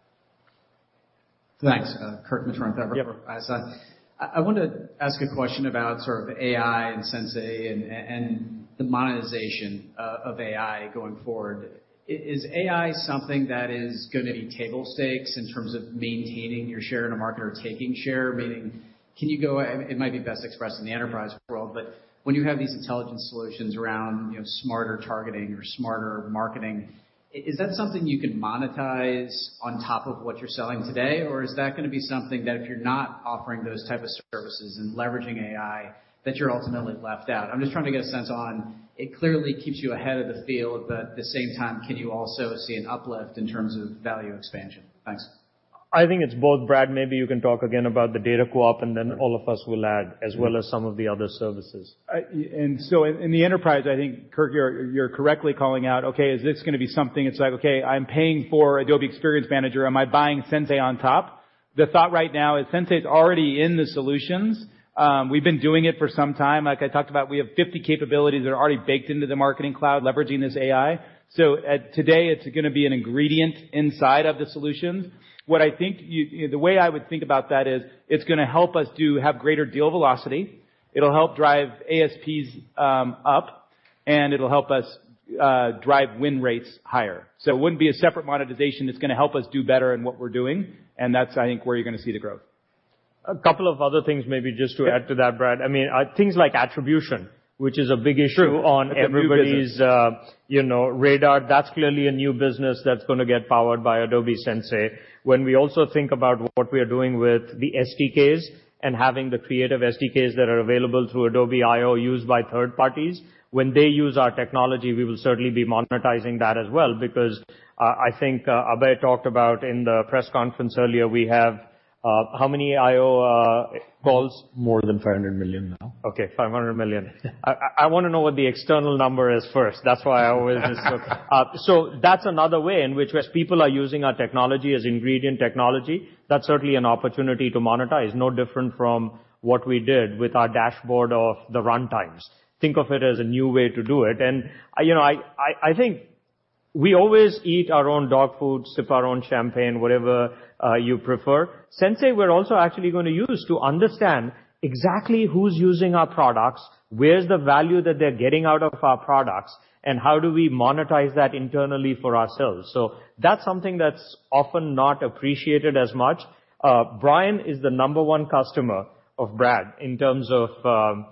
Thanks. Kirk Materne, Evercore ISI. I wanted to ask a question about sort of AI and Sensei and the monetization of AI going forward. Is AI something that is going to be table stakes in terms of maintaining your share in a market or taking share? Meaning, can you go, and it might be best expressed in the enterprise world, but when you have these intelligence solutions around smarter targeting or smarter marketing, is that something you can monetize on top of what you're selling today? Or is that going to be something that if you're not offering those type of services and leveraging AI, that you're ultimately left out? I'm just trying to get a sense on, it clearly keeps you ahead of the field, but at the same time, can you also see an uplift in terms of value expansion? Thanks. I think it's both, Brad. Maybe you can talk again about the data Co-op, and then all of us will add, as well as some of the other services. In the enterprise, I think, Kirk, you're correctly calling out, okay, is this going to be something that's like, okay, I'm paying for Adobe Experience Manager. Am I buying Sensei on top? The thought right now is Sensei's already in the solutions. We've been doing it for some time. Like I talked about, we have 50 capabilities that are already baked into the Marketing Cloud leveraging this AI. Today it's going to be an ingredient inside of the solutions. The way I would think about that is it's going to help us to have greater deal velocity. It'll help drive ASPs up, and it'll help us drive win rates higher. It wouldn't be a separate monetization that's going to help us do better in what we're doing, and that's, I think, where you're going to see the growth. A couple of other things maybe just to add to that, Brad. Things like attribution, which is a big issue. True That's on everybody's radar. That's clearly a new business that's going to get powered by Adobe Sensei. When we also think about what we are doing with the SDKs and having the Creative SDKs that are available through Adobe I/O used by third parties, when they use our technology, we will certainly be monetizing that as well because I think Abhay talked about in the press conference earlier, we have how many I/O calls? More than 500 million now. Okay, 500 million. I want to know what the external number is first. That's why I always. That's another way in which people are using our technology as ingredient technology. That's certainly an opportunity to monetize, no different from what we did with our dashboard of the run times. Think of it as a new way to do it, and I think we always eat our own dog food, sip our own champagne, whatever you prefer. Sensei, we're also actually going to use to understand exactly who's using our products, where's the value that they're getting out of our products, and how do we monetize that internally for ourselves? That's something that's often not appreciated as much. Bryan is the number 1 customer of Brad in terms of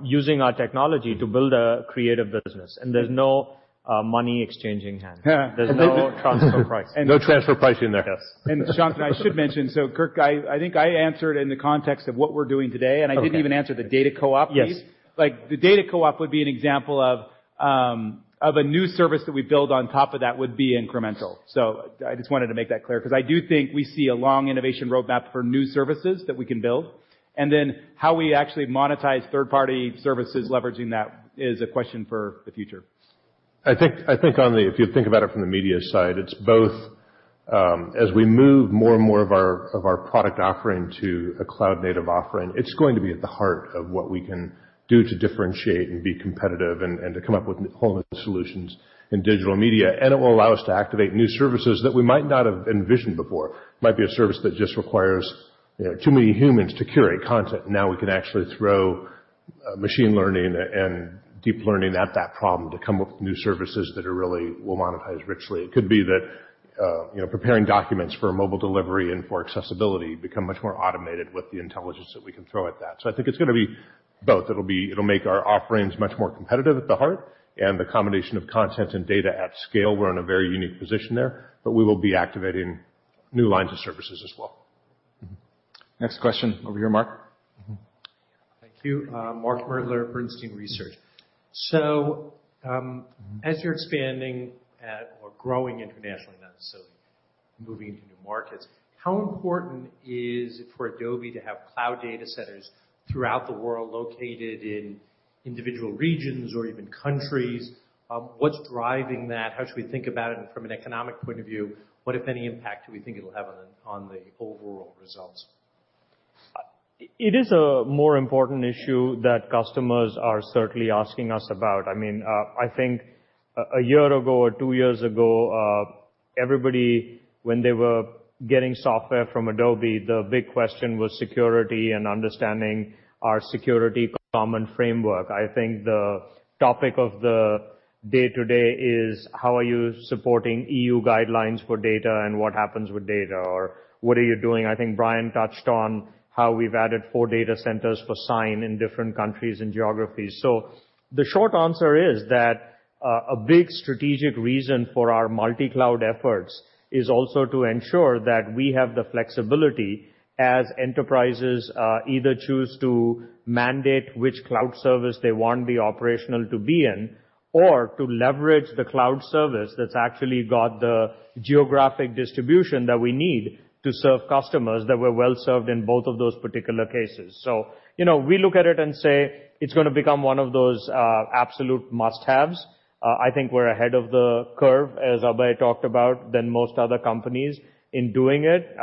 using our technology to build a creative business. There's no money exchanging hands. There's no transfer price. No transfer pricing there. Yes. Shantanu, I should mention, Kirk, I think I answered in the context of what we're doing today, I didn't even answer the data Co-Op piece. Yes. The data Co-Op would be an example of a new service that we build on top of that would be incremental. I just wanted to make that clear because I do think we see a long innovation roadmap for new services that we can build. How we actually monetize third-party services leveraging that is a question for the future. I think if you think about it from the media side, it's both. As we move more and more of our product offering to a cloud native offering, it's going to be at the heart of what we can do to differentiate and be competitive and to come up with whole new solutions in Digital Media. It will allow us to activate new services that we might not have envisioned before. It might be a service that just requires too many humans to curate content. Now we can actually throw machine learning and deep learning at that problem to come up with new services that really will monetize richly. It could be that preparing documents for mobile delivery and for accessibility become much more automated with the intelligence that we can throw at that. I think it's going to be both. It'll make our offerings much more competitive at the heart and the combination of content and data at scale, we're in a very unique position there, we will be activating new lines of services as well. Next question. Over here, Mark. Thank you. Mark Moerdler, Bernstein Research. As you're expanding or growing internationally, not necessarily moving into new markets, how important is it for Adobe to have cloud data centers throughout the world located in individual regions or even countries? What's driving that? How should we think about it from an economic point of view? What, if any, impact do we think it'll have on the overall results? It is a more important issue that customers are certainly asking us about. I think a year ago or two years ago everybody, when they were getting software from Adobe, the big question was security and understanding our security common framework. I think the topic of the day today is how are you supporting EU guidelines for data and what happens with data, or what are you doing? I think Bryan touched on how we've added four data centers for Sign in different countries and geographies. The short answer is that a big strategic reason for our multi-cloud efforts is also to ensure that we have the flexibility as enterprises either choose to mandate which cloud service they want the operational to be in, or to leverage the cloud service that's actually got the geographic distribution that we need to serve customers that were well-served in both of those particular cases. We look at it and say it's going to become one of those absolute must-haves. I think we're ahead of the curve, as Abhay talked about, than most other companies in doing it.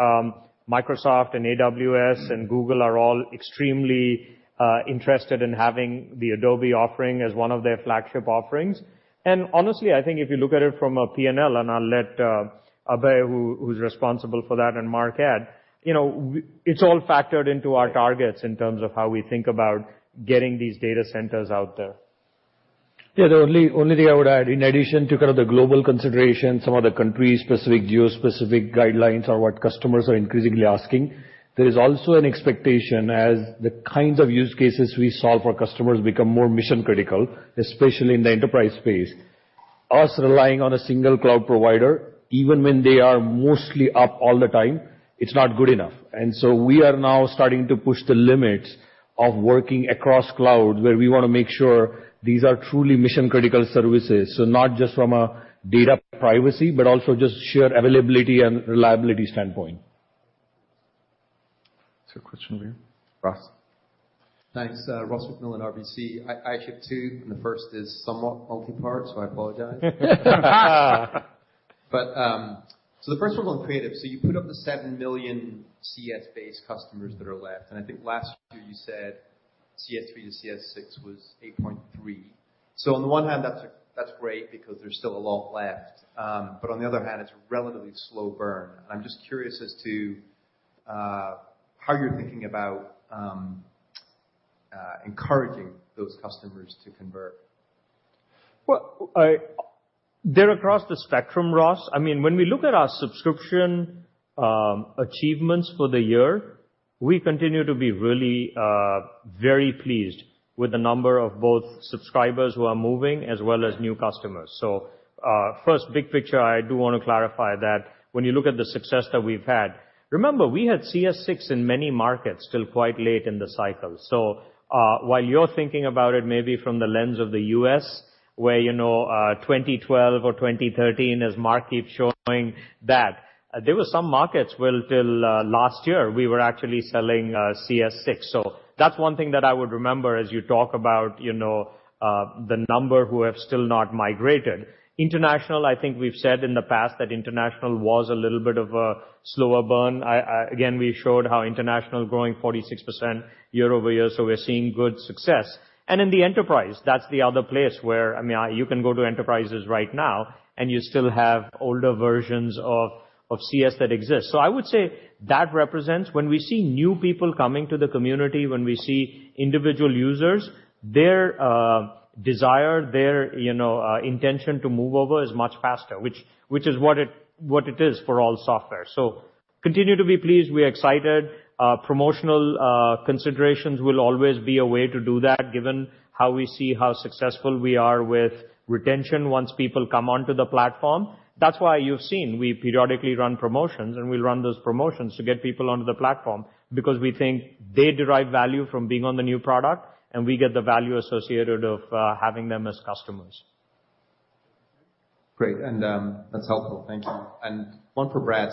Microsoft and AWS and Google are all extremely interested in having the Adobe offering as one of their flagship offerings. Honestly, I think if you look at it from a P&L, and I'll let Abhay, who's responsible for that, and Mark add, it's all factored into our targets in terms of how we think about getting these data centers out there. The only thing I would add, in addition to kind of the global considerations, some of the country-specific, geo-specific guidelines are what customers are increasingly asking. There is also an expectation as the kinds of use cases we solve for customers become more mission-critical, especially in the enterprise space. Us relying on a single cloud provider, even when they are mostly up all the time, it's not good enough. We are now starting to push the limits of working across cloud, where we want to make sure these are truly mission-critical services. Not just from a data privacy, but also just sheer availability and reliability standpoint. There's a question over here. Ross. Thanks. Ross MacMillan, RBC. I have two, the first is somewhat multi-part, so I apologize. The first one on creative. You put up the 7 million CS base customers that are left, and I think last year you said CS 3 to CS 6 was 8.3. On the one hand, that's great because there's still a lot left. On the other hand, it's a relatively slow burn. I'm just curious as to how you're thinking about encouraging those customers to convert. They're across the spectrum, Ross. When we look at our subscription achievements for the year, we continue to be really very pleased with the number of both subscribers who are moving as well as new customers. First, big picture, I do want to clarify that when you look at the success that we've had, remember, we had CS six in many markets till quite late in the cycle. While you're thinking about it, maybe from the lens of the U.S., where 2012 or 2013, as Mark keeps showing that, there were some markets well till last year, we were actually selling CS six. That's one thing that I would remember as you talk about the number who have still not migrated. International, I think we've said in the past that international was a little bit of a slower burn. Again, we showed how international is growing 46% year-over-year, we're seeing good success. In the enterprise, that's the other place where you can go to enterprises right now and you still have older versions of CS that exist. I would say that represents when we see new people coming to the community, when we see individual users, their desire, their intention to move over is much faster, which is what it is for all software. We continue to be pleased, we're excited. Promotional considerations will always be a way to do that, given how we see how successful we are with retention once people come onto the platform. That's why you've seen we periodically run promotions, we run those promotions to get people onto the platform because we think they derive value from being on the new product, we get the value associated of having them as customers. Great. That's helpful. Thank you. One for Brad.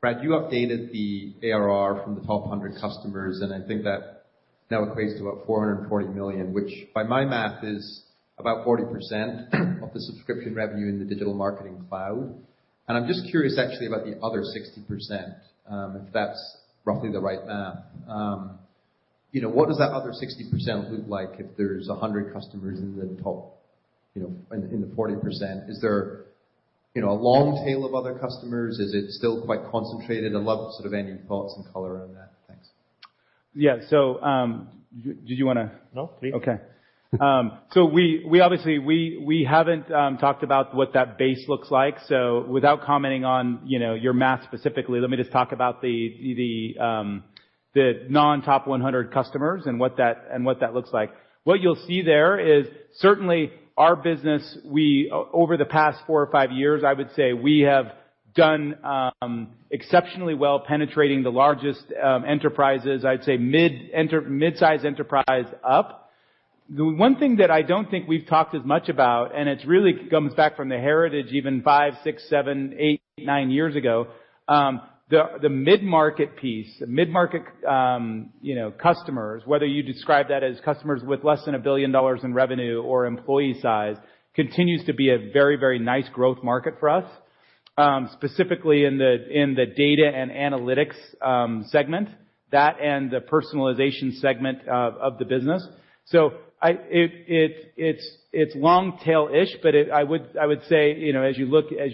Brad, you updated the ARR from the top 100 customers, I think that now equates to about $440 million, which by my math is about 40% of the subscription revenue in the Digital Marketing Cloud. I'm just curious actually about the other 60%, if that's roughly the right math. What does that other 60% look like if there's 100 customers in the top, in the 40%? Is there a long tail of other customers? Is it still quite concentrated? I'd love sort of any thoughts and color on that. Thanks. Yeah. Did you want to? No, please. Okay. We obviously haven't talked about what that base looks like. Without commenting on your math specifically, let me just talk about the non-top 100 customers and what that looks like. What you'll see there is certainly our business, over the past four or five years, I would say, we have done exceptionally well penetrating the largest enterprises, I'd say mid-size enterprise up. The one thing that I don't think we've talked as much about, and it really comes back from the heritage even five, six, seven, eight, nine years ago, the mid-market piece, mid-market customers, whether you describe that as customers with less than $1 billion in revenue or employee size, continues to be a very, very nice growth market for us. Specifically in the data and analytics segment, that and the personalization segment of the business. It's long tail-ish, but I would say, as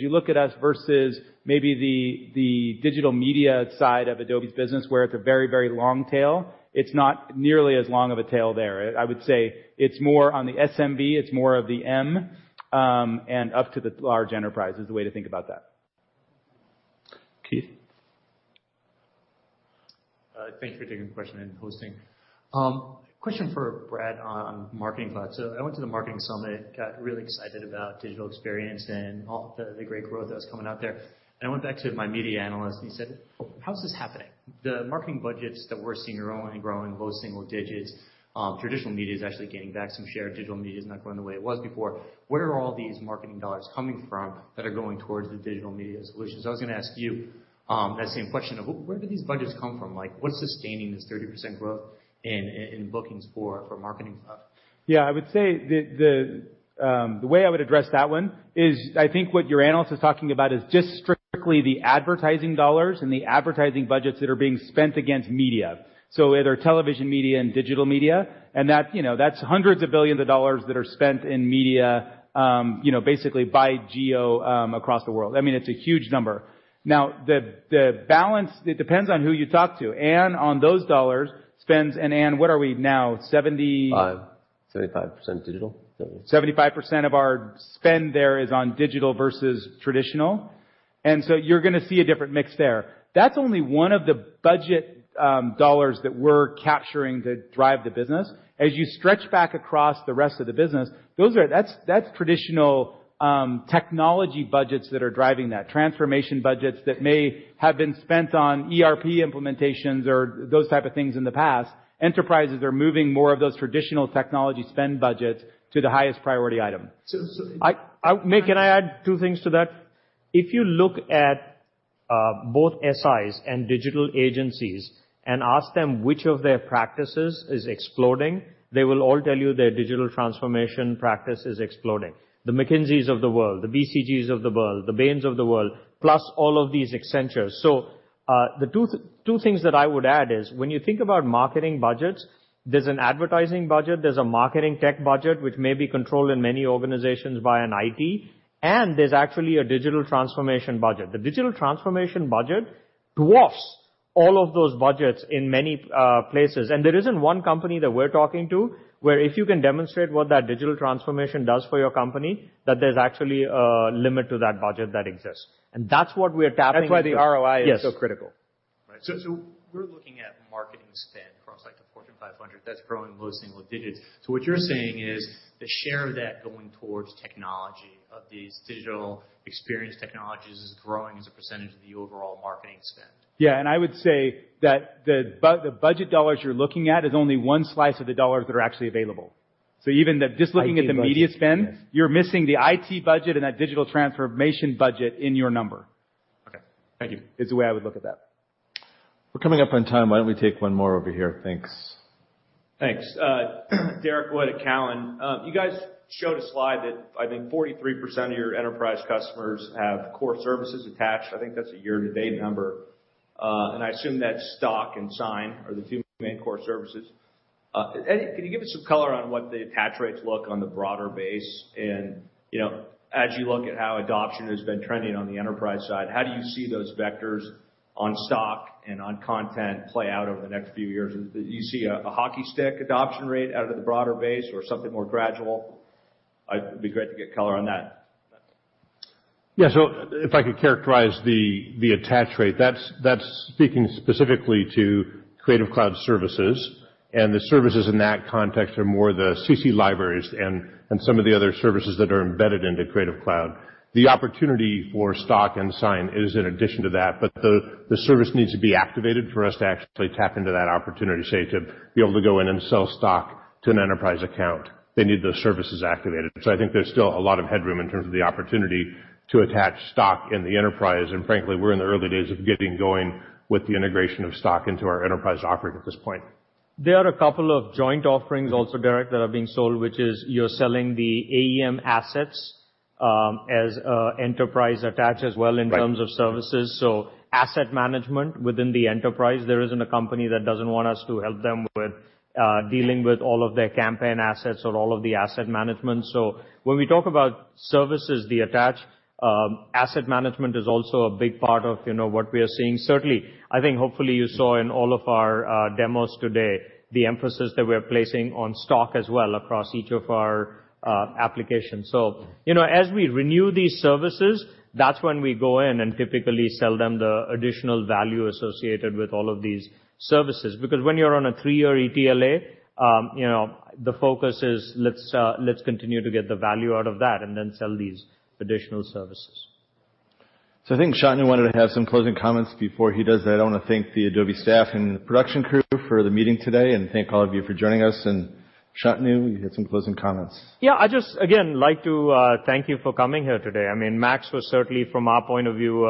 you look at us versus maybe the digital media side of Adobe's business, where it's a very, very long tail, it's not nearly as long of a tail there. I would say it's more on the SMB, it's more of the M, and up to the large enterprise is the way to think about that. Kirk. Thank you for taking the question and hosting. Question for Brad on Marketing Cloud. I went to the Marketing Summit, got really excited about Digital Experience and all the great growth that was coming out there. I went back to my media analyst, and he said, "How is this happening?" The marketing budgets that we're seeing are only growing low single digits. Traditional media is actually gaining back some share. Digital media is not growing the way it was before. Where are all these marketing dollars coming from that are going towards the digital media solutions? I was going to ask you that same question of, where do these budgets come from? What's sustaining this 30% growth in bookings for Marketing Cloud? The way I would address that one is I think what your analyst is talking about is just strictly the advertising dollars and the advertising budgets that are being spent against media. Either television media and digital media, and that's $hundreds of billions that are spent in media basically by geo across the world. It's a huge number. Now, the balance, it depends on who you talk to. On those dollars spends, and Ann, what are we now, 70- 5. 75% digital. 75% of our spend there is on digital versus traditional. You're going to see a different mix there. That's only one of the budget dollars that we're capturing to drive the business. As you stretch back across the rest of the business, that's traditional technology budgets that are driving that, transformation budgets that may have been spent on ERP implementations or those type of things in the past. Enterprises are moving more of those traditional technology spend budgets to the highest priority item. Nick, can I add two things to that? If you look at both SIs and digital agencies and ask them which of their practices is exploding, they will all tell you their digital transformation practice is exploding. The McKinsey of the world, the BCG of the world, the Bain of the world, plus all of these Accenture. The two things that I would add is when you think about marketing budgets, there's an advertising budget, there's a marketing tech budget, which may be controlled in many organizations by an IT, and there's actually a digital transformation budget. The digital transformation budget dwarfs all of those budgets in many places. There isn't one company that we're talking to where if you can demonstrate what that digital transformation does for your company, that there's actually a limit to that budget that exists. That's what we are tapping into. That's why the ROI is so critical. Right. We're looking at marketing spend across the Fortune 500 that's growing low single digits. What you're saying is the share of that going towards technology of these digital experience technologies is growing as a percentage of the overall marketing spend. I would say that the budget dollars you're looking at is only one slice of the dollars that are actually available. Even just looking at the media spend, you're missing the IT budget and that digital transformation budget in your number. Okay. Thank you. Is the way I would look at that. We're coming up on time. Why don't we take one more over here? Thanks. Thanks. Derek Wood at Cowen. You guys showed a slide that I think 43% of your enterprise customers have core services attached. I think that's a year-to-date number. I assume that Stock and Sign are the two main core services. Can you give us some color on what the attach rates look on the broader base? As you look at how adoption has been trending on the enterprise side, how do you see those vectors on Stock and on content play out over the next few years? Do you see a hockey stick adoption rate out of the broader base or something more gradual? It'd be great to get color on that. If I could characterize the attach rate, that's speaking specifically to Creative Cloud services, and the services in that context are more the CC Libraries and some of the other services that are embedded into Creative Cloud. The opportunity for Stock and Sign is in addition to that, but the service needs to be activated for us to actually tap into that opportunity, say, to be able to go in and sell Stock to an enterprise account. They need those services activated. I think there's still a lot of headroom in terms of the opportunity to attach Stock in the enterprise. Frankly, we're in the early days of getting going with the integration of Stock into our enterprise offering at this point. There are a couple of joint offerings also, Derek, that are being sold, which is you're selling the AEM Assets, as enterprise attach as well in terms of services. Asset management within the enterprise, there isn't a company that doesn't want us to help them with dealing with all of their campaign assets or all of the asset management. When we talk about services, the attached asset management is also a big part of what we are seeing. Certainly, I think hopefully you saw in all of our demos today the emphasis that we're placing on Stock as well across each of our applications. As we renew these services, that's when we go in and typically sell them the additional value associated with all of these services. Because when you're on a three-year ETLA, the focus is let's continue to get the value out of that and then sell these additional services. I think Shantanu wanted to have some closing comments. Before he does that, I want to thank the Adobe staff and the production crew for the meeting today, thank all of you for joining us. Shantanu, you had some closing comments. Yeah, I'd just, again, like to thank you for coming here today. MAX was certainly, from our point of view,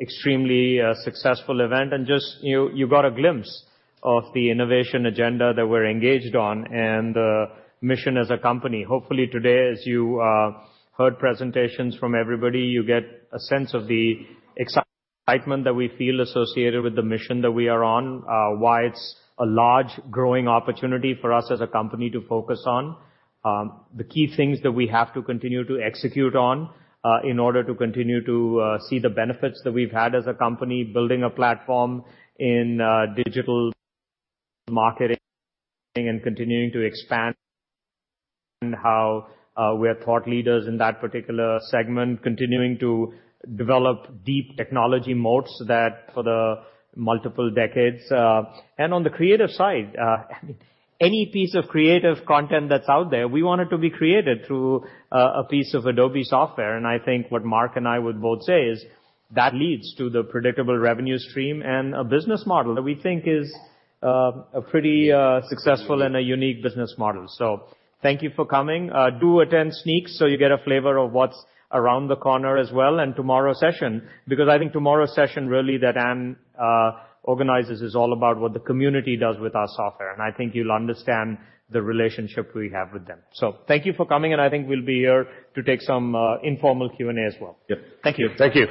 extremely successful event. You got a glimpse of the innovation agenda that we're engaged on and the mission as a company. Hopefully today, as you heard presentations from everybody, you get a sense of the excitement that we feel associated with the mission that we are on, why it's a large growing opportunity for us as a company to focus on. The key things that we have to continue to execute on in order to continue to see the benefits that we've had as a company building a platform in digital marketing and continuing to expand how we are thought leaders in that particular segment, continuing to develop deep technology moats for the multiple decades. On the creative side, any piece of creative content that's out there, we want it to be created through a piece of Adobe software. I think what Mark and I would both say is that leads to the predictable revenue stream and a business model that we think is a pretty successful and a unique business model. Thank you for coming. Do attend Sneaks so you get a flavor of what's around the corner as well, and tomorrow's session, because I think tomorrow's session really that Ann organizes is all about what the community does with our software, and I think you'll understand the relationship we have with them. Thank you for coming, and I think we'll be here to take some informal Q&A as well. Yep. Thank you. Thank you.